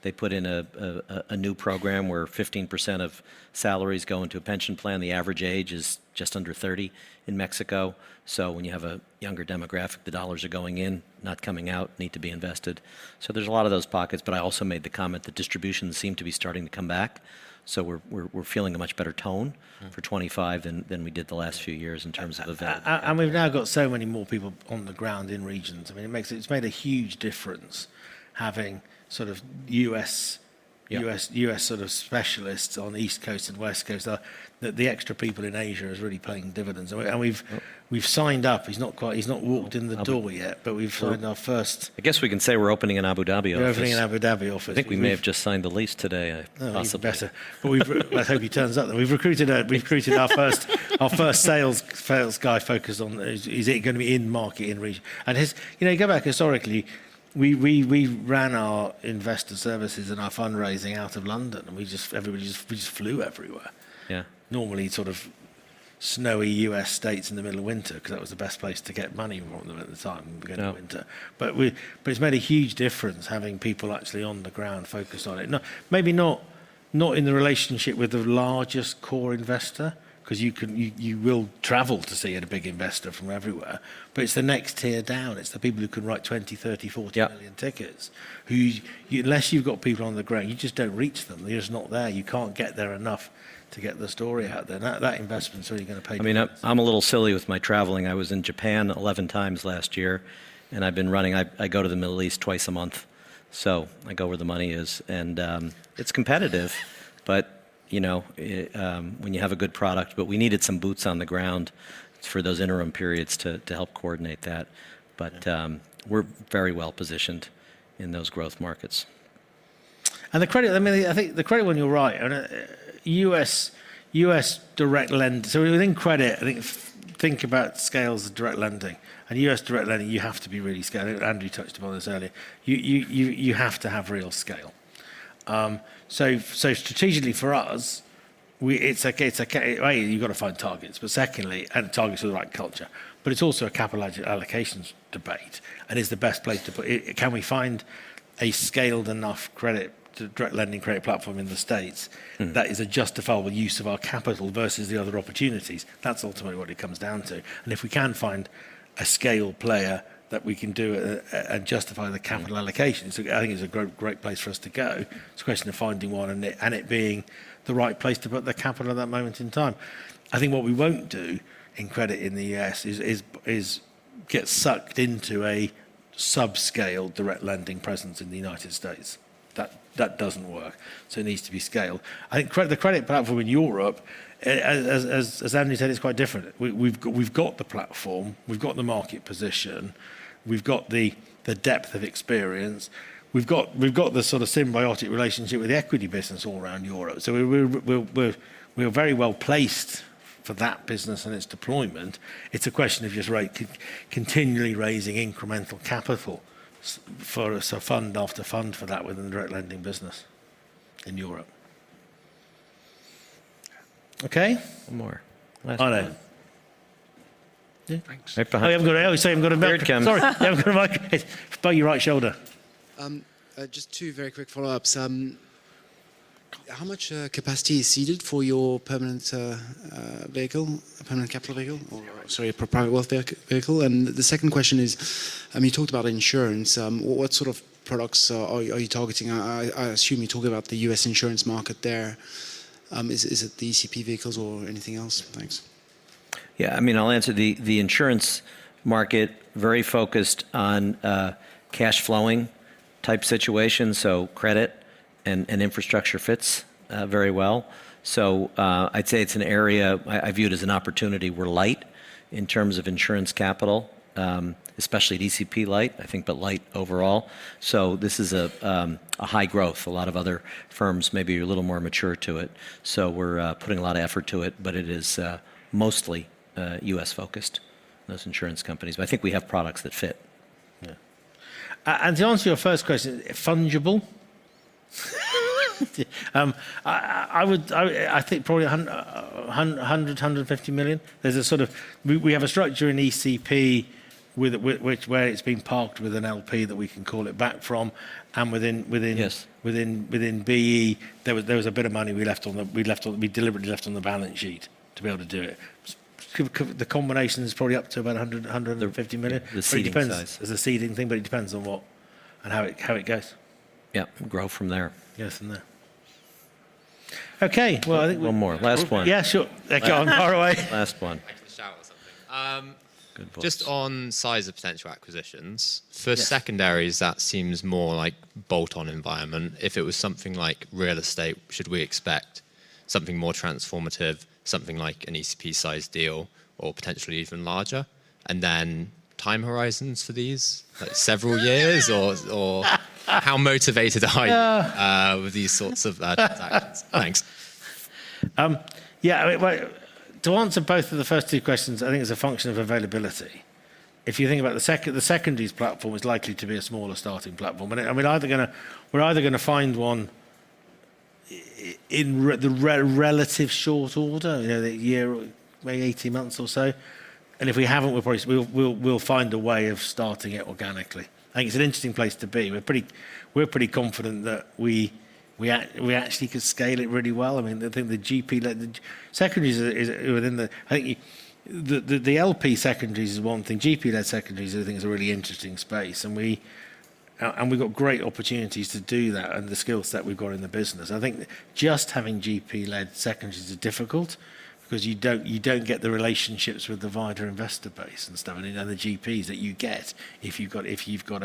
They put in a new program where 15% of salaries go into a pension plan. The average age is just under thirty in Mexico. So when you have a younger demographic, the dollars are going in, not coming out, need to be invested. So there's a lot of those pockets, but I also made the comment that distributions seem to be starting to come back, so we're feeling a much better tone. Mm... for 2025 than we did the last few years in terms of the v- We've now got so many more people on the ground in regions. I mean, it makes it... It's made a huge difference having sort of U.S.- Yeah... U.S., U.S. sort of specialists on the East Coast and West Coast, that the extra people in Asia are really paying dividends. And we've signed up, he's not walked in the door yet, but we've signed our first- I guess we can say we're opening an Abu Dhabi office. We're opening an Abu Dhabi office. I think we may have just signed the lease today, possibly. Oh, even better. But we've... I hope he turns up, though. We've recruited our first sales guy focused on, is it gonna be in market, in region? And you know, you go back historically, we ran our investor services and our fundraising out of London, and we just flew everywhere. Yeah. Normally, sort of snowy U.S. states in the middle of winter, because that was the best place to get money from them at the time- Yeah... beginning of winter. But it's made a huge difference having people actually on the ground focused on it. Not maybe not in the relationship with the largest core investor, 'cause you will travel to see a big investor from everywhere. But it's the next tier down. It's the people who can write 20, 30, 40- Yeah... million tickets, unless you've got people on the ground, you just don't reach them. They're just not there. You can't get there enough to get the story out there. That, that investment is really gonna pay. I mean, I'm a little silly with my traveling. I was in Japan 11 times last year, and I go to the Middle East twice a month, so I go where the money is, and it's competitive, but you know, when you have a good product, but we needed some boots on the ground for those interim periods to help coordinate that, but we're very well positioned in those growth markets. And the credit, I mean, I think the credit one, you're right. And US direct lenders. So within credit, I think about scales of Direct Lending. And US Direct Lending, you have to be really scaled. Andrew touched upon this earlier. You have to have real scale. So strategically for us, it's okay. It's okay, A, you've got to find targets, but secondly, and targets with the right culture. But it's also a capital allocations debate, and is the best place to put it. Can we find a scaled enough credit to Direct Lending credit platform in the States Mm... that is a justifiable use of our capital versus the other opportunities? That's ultimately what it comes down to, and if we can find a scale player that we can do and justify the capital allocations, I think it's a great, great place for us to go. It's a question of finding one, and it being the right place to put the capital at that moment in time. I think what we won't do in credit in the U.S. is get sucked into a subscale Direct Lending presence in the United States. That doesn't work, so it needs to be scaled. I think the credit platform in Europe, as Andrew said, it's quite different. We've got the platform, we've got the market position, we've got the depth of experience, we've got the sort of symbiotic relationship with the equity business all around Europe. So we are very well placed for that business and its deployment. It's a question of just right, continually raising incremental capital for us, so fund after fund for that within the Direct Lending business in Europe. Okay? One more. Last one. Yeah. Thanks. Hope I've got... I always say I've got a mic. Here it comes. Sorry, you haven't got a mic. It's by your right shoulder. Just two very quick follow-ups. How much capacity is seeded for your permanent vehicle, permanent capital vehicle, or sorry, private wealth vehicle? And the second question is, you talked about insurance, what sort of products are you targeting? I assume you're talking about the U.S. insurance market there. Is it the ECP vehicles or anything else? Thanks. Yeah, I mean, I'll answer the insurance market, very focused on cash flowing type situation, so credit... and infrastructure fits very well. So I'd say it's an area I view it as an opportunity. We're light in terms of insurance capital, especially at ECP light, I think, but light overall. So this is a high growth. A lot of other firms may be a little more mature to it, so we're putting a lot of effort to it, but it is mostly US-focused, those insurance companies. But I think we have products that fit. Yeah. To answer your first question, fungible. I would... I think probably $100-150 million. We have a structure in ECP with it, which, where it's been parked with an LP that we can call it back from, and within. Yes... within BE, there was a bit of money we deliberately left on the balance sheet to be able to do it. The combination is probably up to about 100-150 million. The seeding size. It depends. There's a seeding thing, but it depends on what and how it goes. Yeah, and grow from there. Yes, from there. Okay, well, I think- One more. Last one. Yeah, sure. They're going far away. Last one. I can shout or something. Good voice. Just on size of potential acquisitions- Yeah... for secondaries, that seems more like bolt-on environment. If it was something like real estate, should we expect something more transformative, something like an ECP-sized deal or potentially even larger? And then time horizons for these, like several years or... how motivated are you with these sorts of tactics? Thanks. Yeah, well, to answer both of the first two questions, I think it's a function of availability. If you think about the secondaries platform is likely to be a smaller starting platform. But, I mean, either gonna find one in the relative short order, you know, a year or maybe 18 months or so, and if we haven't, we're probably, we'll find a way of starting it organically. I think it's an interesting place to be. We're pretty confident that we actually could scale it really well. I mean, I think the GP, like the secondaries is within the. I think the LP secondaries is one thing. GP-led secondaries, I think, is a really interesting space, and we've got great opportunities to do that and the skill set we've got in the business. I think just having GP-led secondaries is difficult because you don't get the relationships with the wider investor base and stuff, and, you know, the GPs that you get if you've got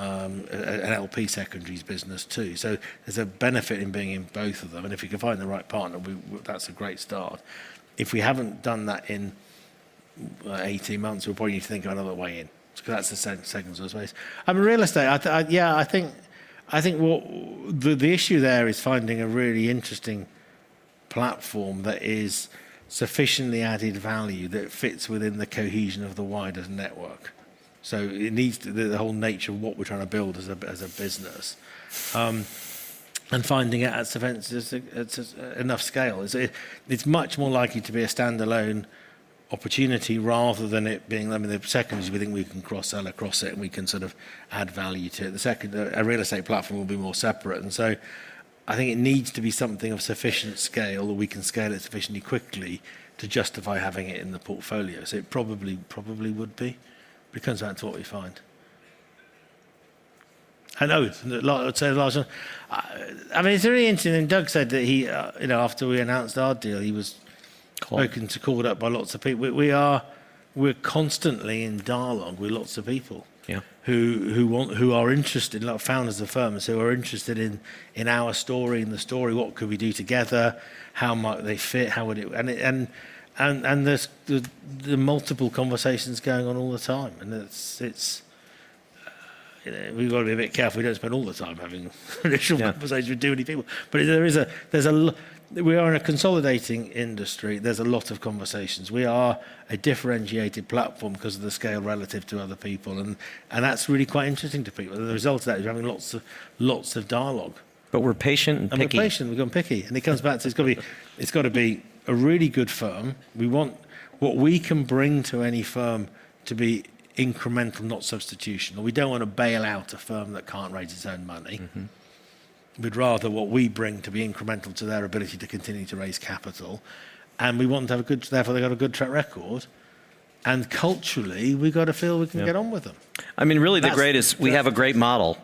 an LP secondaries business, too. So there's a benefit in being in both of them, and if you can find the right partner, that's a great start. If we haven't done that in 18 months, we'll probably need to think of another way in, 'cause that's the second sort of space. Real estate, yeah, I think what... The issue there is finding a really interesting platform that is sufficiently added value, that fits within the cohesion of the wider network. So it needs the whole nature of what we're trying to build as a business, and finding it at sufficient enough scale. It's much more likely to be a standalone opportunity rather than it being, I mean, the secondaries, we think we can cross-sell across it, and we can sort of add value to it. A real estate platform will be more separate, and so I think it needs to be something of sufficient scale, or we can scale it sufficiently quickly to justify having it in the portfolio. So it probably would be, but it comes down to what we find. I know, like I'd say the last one, I mean, it's really interesting, and Doug said that he, you know, after we announced our deal, he was- Called ...woken, called up by lots of people. We are constantly in dialogue with lots of people. Yeah... who want, who are interested, like founders of firms, who are interested in our story, what could we do together? How might they fit? How would it... And there are multiple conversations going on all the time, and it's... We've got to be a bit careful we don't spend all the time having initial- Yeah... conversations with too many people. But there is a, there's a lot. We are in a consolidating industry. There's a lot of conversations. We are a differentiated platform 'cause of the scale relative to other people, and that's really quite interesting to people. The result of that is you're having lots of, lots of dialogue. But we're patient and picky. We're patient. We've gone picky. It comes back to this. It's gotta be. It's gotta be a really good firm. We want what we can bring to any firm to be incremental, not substitution. We don't want to bail out a firm that can't raise its own money. Mm-hmm. We'd rather what we bring to be incremental to their ability to continue to raise capital, and we want to have a good... Therefore, they have a good track record, and culturally, we've got to feel we can get on with them. Yeah. I mean, really, the greatest- That's... we have a great model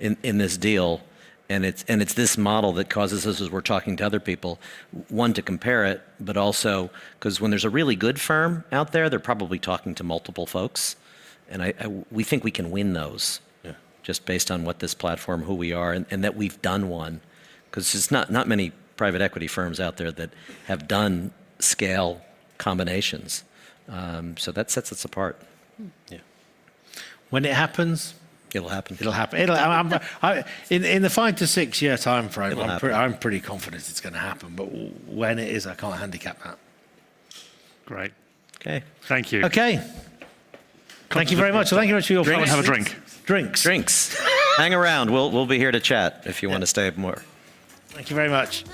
in this deal, and it's this model that causes us, as we're talking to other people, one, to compare it, but also 'cause when there's a really good firm out there, they're probably talking to multiple folks. And we think we can win those- Yeah... just based on what this platform, who we are, and that we've done one. 'Cause there's not many private equity firms out there that have done scale combinations. So that sets us apart. Hmm. Yeah. When it happens- It'll happen. It'll happen. In the five-to-six-year time frame- It'll happen... I'm pretty confident it's gonna happen, but when it is, I can't handicap that. Great. Okay. Thank you. Okay. Thank you very much. Thank you very much for your questions. Have a drink. Drinks. Drinks. Hang around. We'll be here to chat- Yeah... if you want to stay more. Thank you very much.